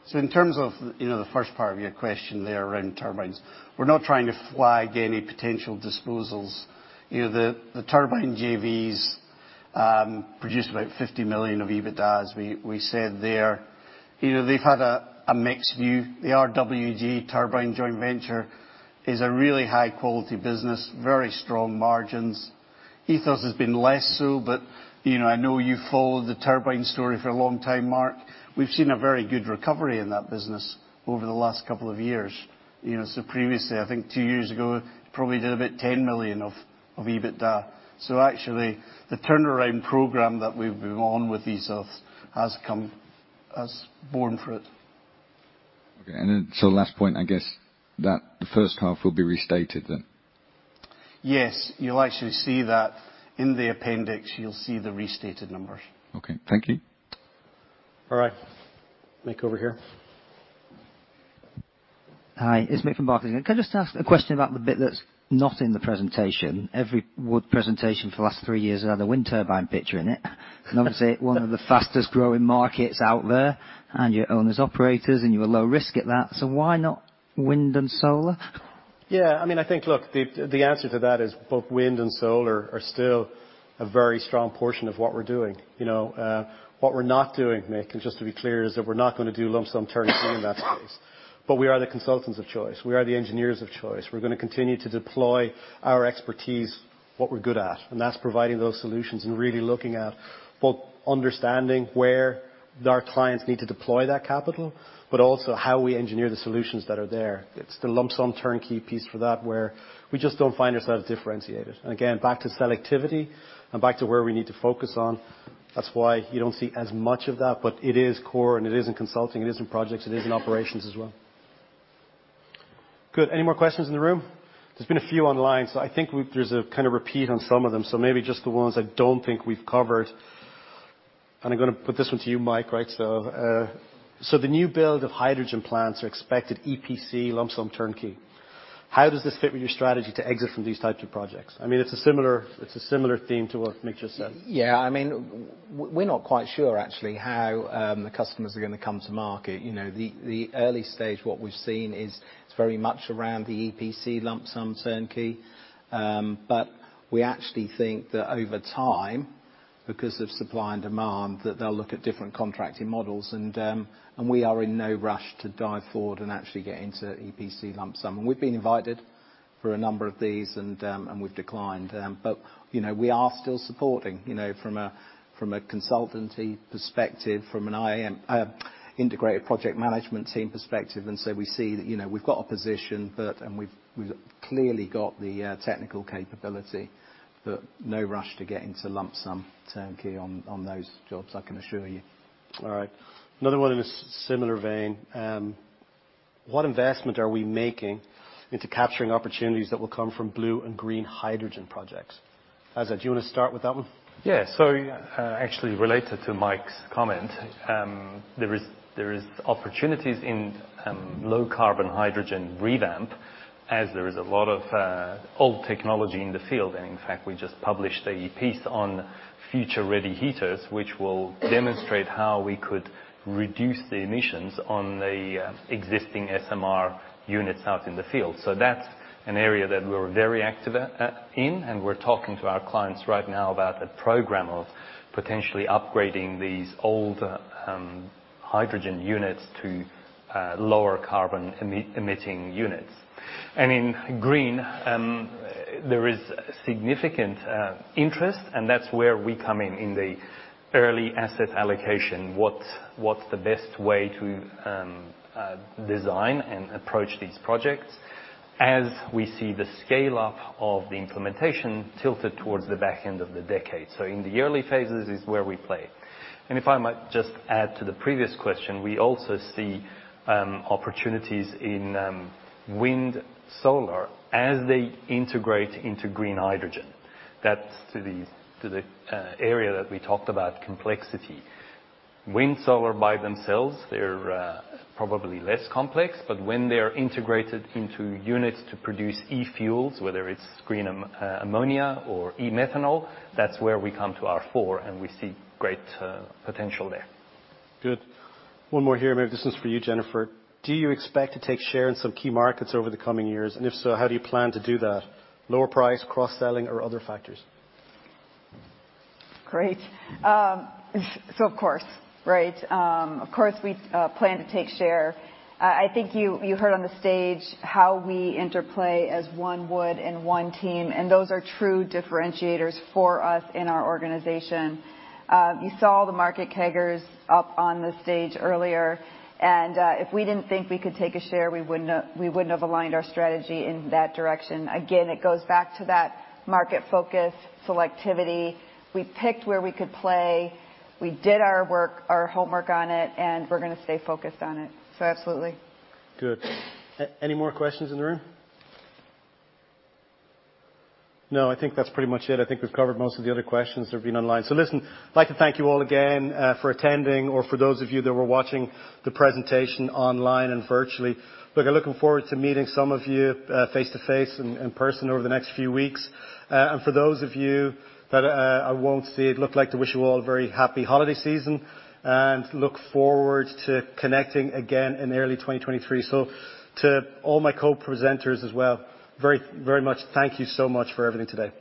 Hessamodini. In terms of, you know, the first part of your question there around turbines, we're not trying to flag any potential disposals. You know, the turbine JVs produce about $50 million of EBITDA. We said they're, you know, they've had a mixed view. The RWG turbine joint venture is a really high quality business, very strong margins. Ethos has been less so, but, you know, I know you followed the turbine story for a long time, Mark. We've seen a very good recovery in that business over the last couple of years. You know, previously, I think 2 years ago, probably did about $10 million of EBITDA. Actually, the turnaround program that we've been on with Ethos has borne fruit. Okay. Last point, I guess that the first half will be restated then. Yes. You'll actually see that. In the appendix, you'll see the restated numbers. Okay. Thank you. All right. Mick, over here. Hi. It's Mick from Barclays. Can I just ask a question about the bit that's not in the presentation? Every Wood presentation for the last three years have had a wind turbine picture in it. It's obviously one of the fastest-growing markets out there, and you own as operators and you are low risk at that. Why not wind and solar? Yeah. I mean, I think, look, the answer to that is both wind and solar are still a very strong portion of what we're doing. You know, what we're not doing, Mick, and just to be clear, is that we're not gonna do lump sum turnkey in that space. We are the consultants of choice. We are the engineers of choice. We're gonna continue to deploy our expertise, what we're good at, and that's providing those solutions and really looking at both understanding where our clients need to deploy that capital, but also how we engineer the solutions that are there. It's the lump sum turnkey piece for that where we just don't find ourselves differentiated. Again, back to selectivity and back to where we need to focus on, that's why you don't see as much of that. It is core, and it is in consulting, it is in projects, it is in operations as well. Good. Any more questions in the room? There's been a few online, so I think we've there's a kind of repeat on some of them, so maybe just the ones I don't think we've covered. I'm gonna put this one to you, Mike, right? The new build of hydrogen plants are expected EPC lump-sum turnkey. How does this fit with your strategy to exit from these types of projects? I mean, it's a similar, it's a similar theme to what Mick just said. Yeah. I mean, we're not quite sure actually how the customers are gonna come to market. You know, the early stage, what we've seen is it's very much around the EPC lump sum turnkey. We actually think that over time, because of supply and demand, that they'll look at different contracting models. We are in no rush to dive forward and actually get into EPC lump sum. We've been invited for a number of these and we've declined. You know, we are still supporting, you know, from a consultancy perspective, from an integrated project management team perspective. We see that, you know, we've got a position, but we've clearly got the technical capability, but no rush to get into lump sum turnkey on those jobs, I can assure you. All right. Another one in a similar vein. What investment are we making into capturing opportunities that will come from blue and green hydrogen projects? Azad, do you wanna start with that one? Actually related to Mike's comment, there is opportunities in low carbon hydrogen revamp as there is a lot of old technology in the field. In fact, we just published a piece on future-ready heaters, which will demonstrate how we could reduce the emissions on the existing SMR units out in the field. That's an area that we're very active at, in, and we're talking to our clients right now about a program of potentially upgrading these old hydrogen units to lower carbon emitting units. In green, there is significant interest, and that's where we come in the early asset allocation. What's the best way to design and approach these projects as we see the scale up of the implementation tilted towards the back end of the decade. In the early phases is where we play. If I might just add to the previous question, we also see opportunities in wind solar as they integrate into green hydrogen. That's to the area that we talked about complexity. Wind solar by themselves, they're probably less complex, but when they're integrated into units to produce e-fuels, whether it's green ammonia or e-methanol, that's where we come to our fore, and we see great potential there. Good. One more here. Maybe this one's for you, Jennifer. Do you expect to take share in some key markets over the coming years? If so, how do you plan to do that? Lower price, cross-selling, or other factors? Great. Of course, right? Of course, we plan to take share. I think you heard on the stage how we interplay as one Wood and one team, and those are true differentiators for us in our organization. You saw the market CAGRs up on the stage earlier, if we didn't think we could take a share, we wouldn't have aligned our strategy in that direction. Again, it goes back to that market focus selectivity. We picked where we could play. We did our work, our homework on it, and we're gonna stay focused on it. Absolutely. Good. Any more questions in the room? No, I think that's pretty much it. I think we've covered most of the other questions that have been online. Listen, I'd like to thank you all again for attending, or for those of you that were watching the presentation online and virtually. Look, I'm looking forward to meeting some of you face-to-face and in person over the next few weeks. And for those of you that I won't see, I'd like to wish you all a very happy holiday season and look forward to connecting again in early 2023. To all my co-presenters as well, very much thank you so much for everything today.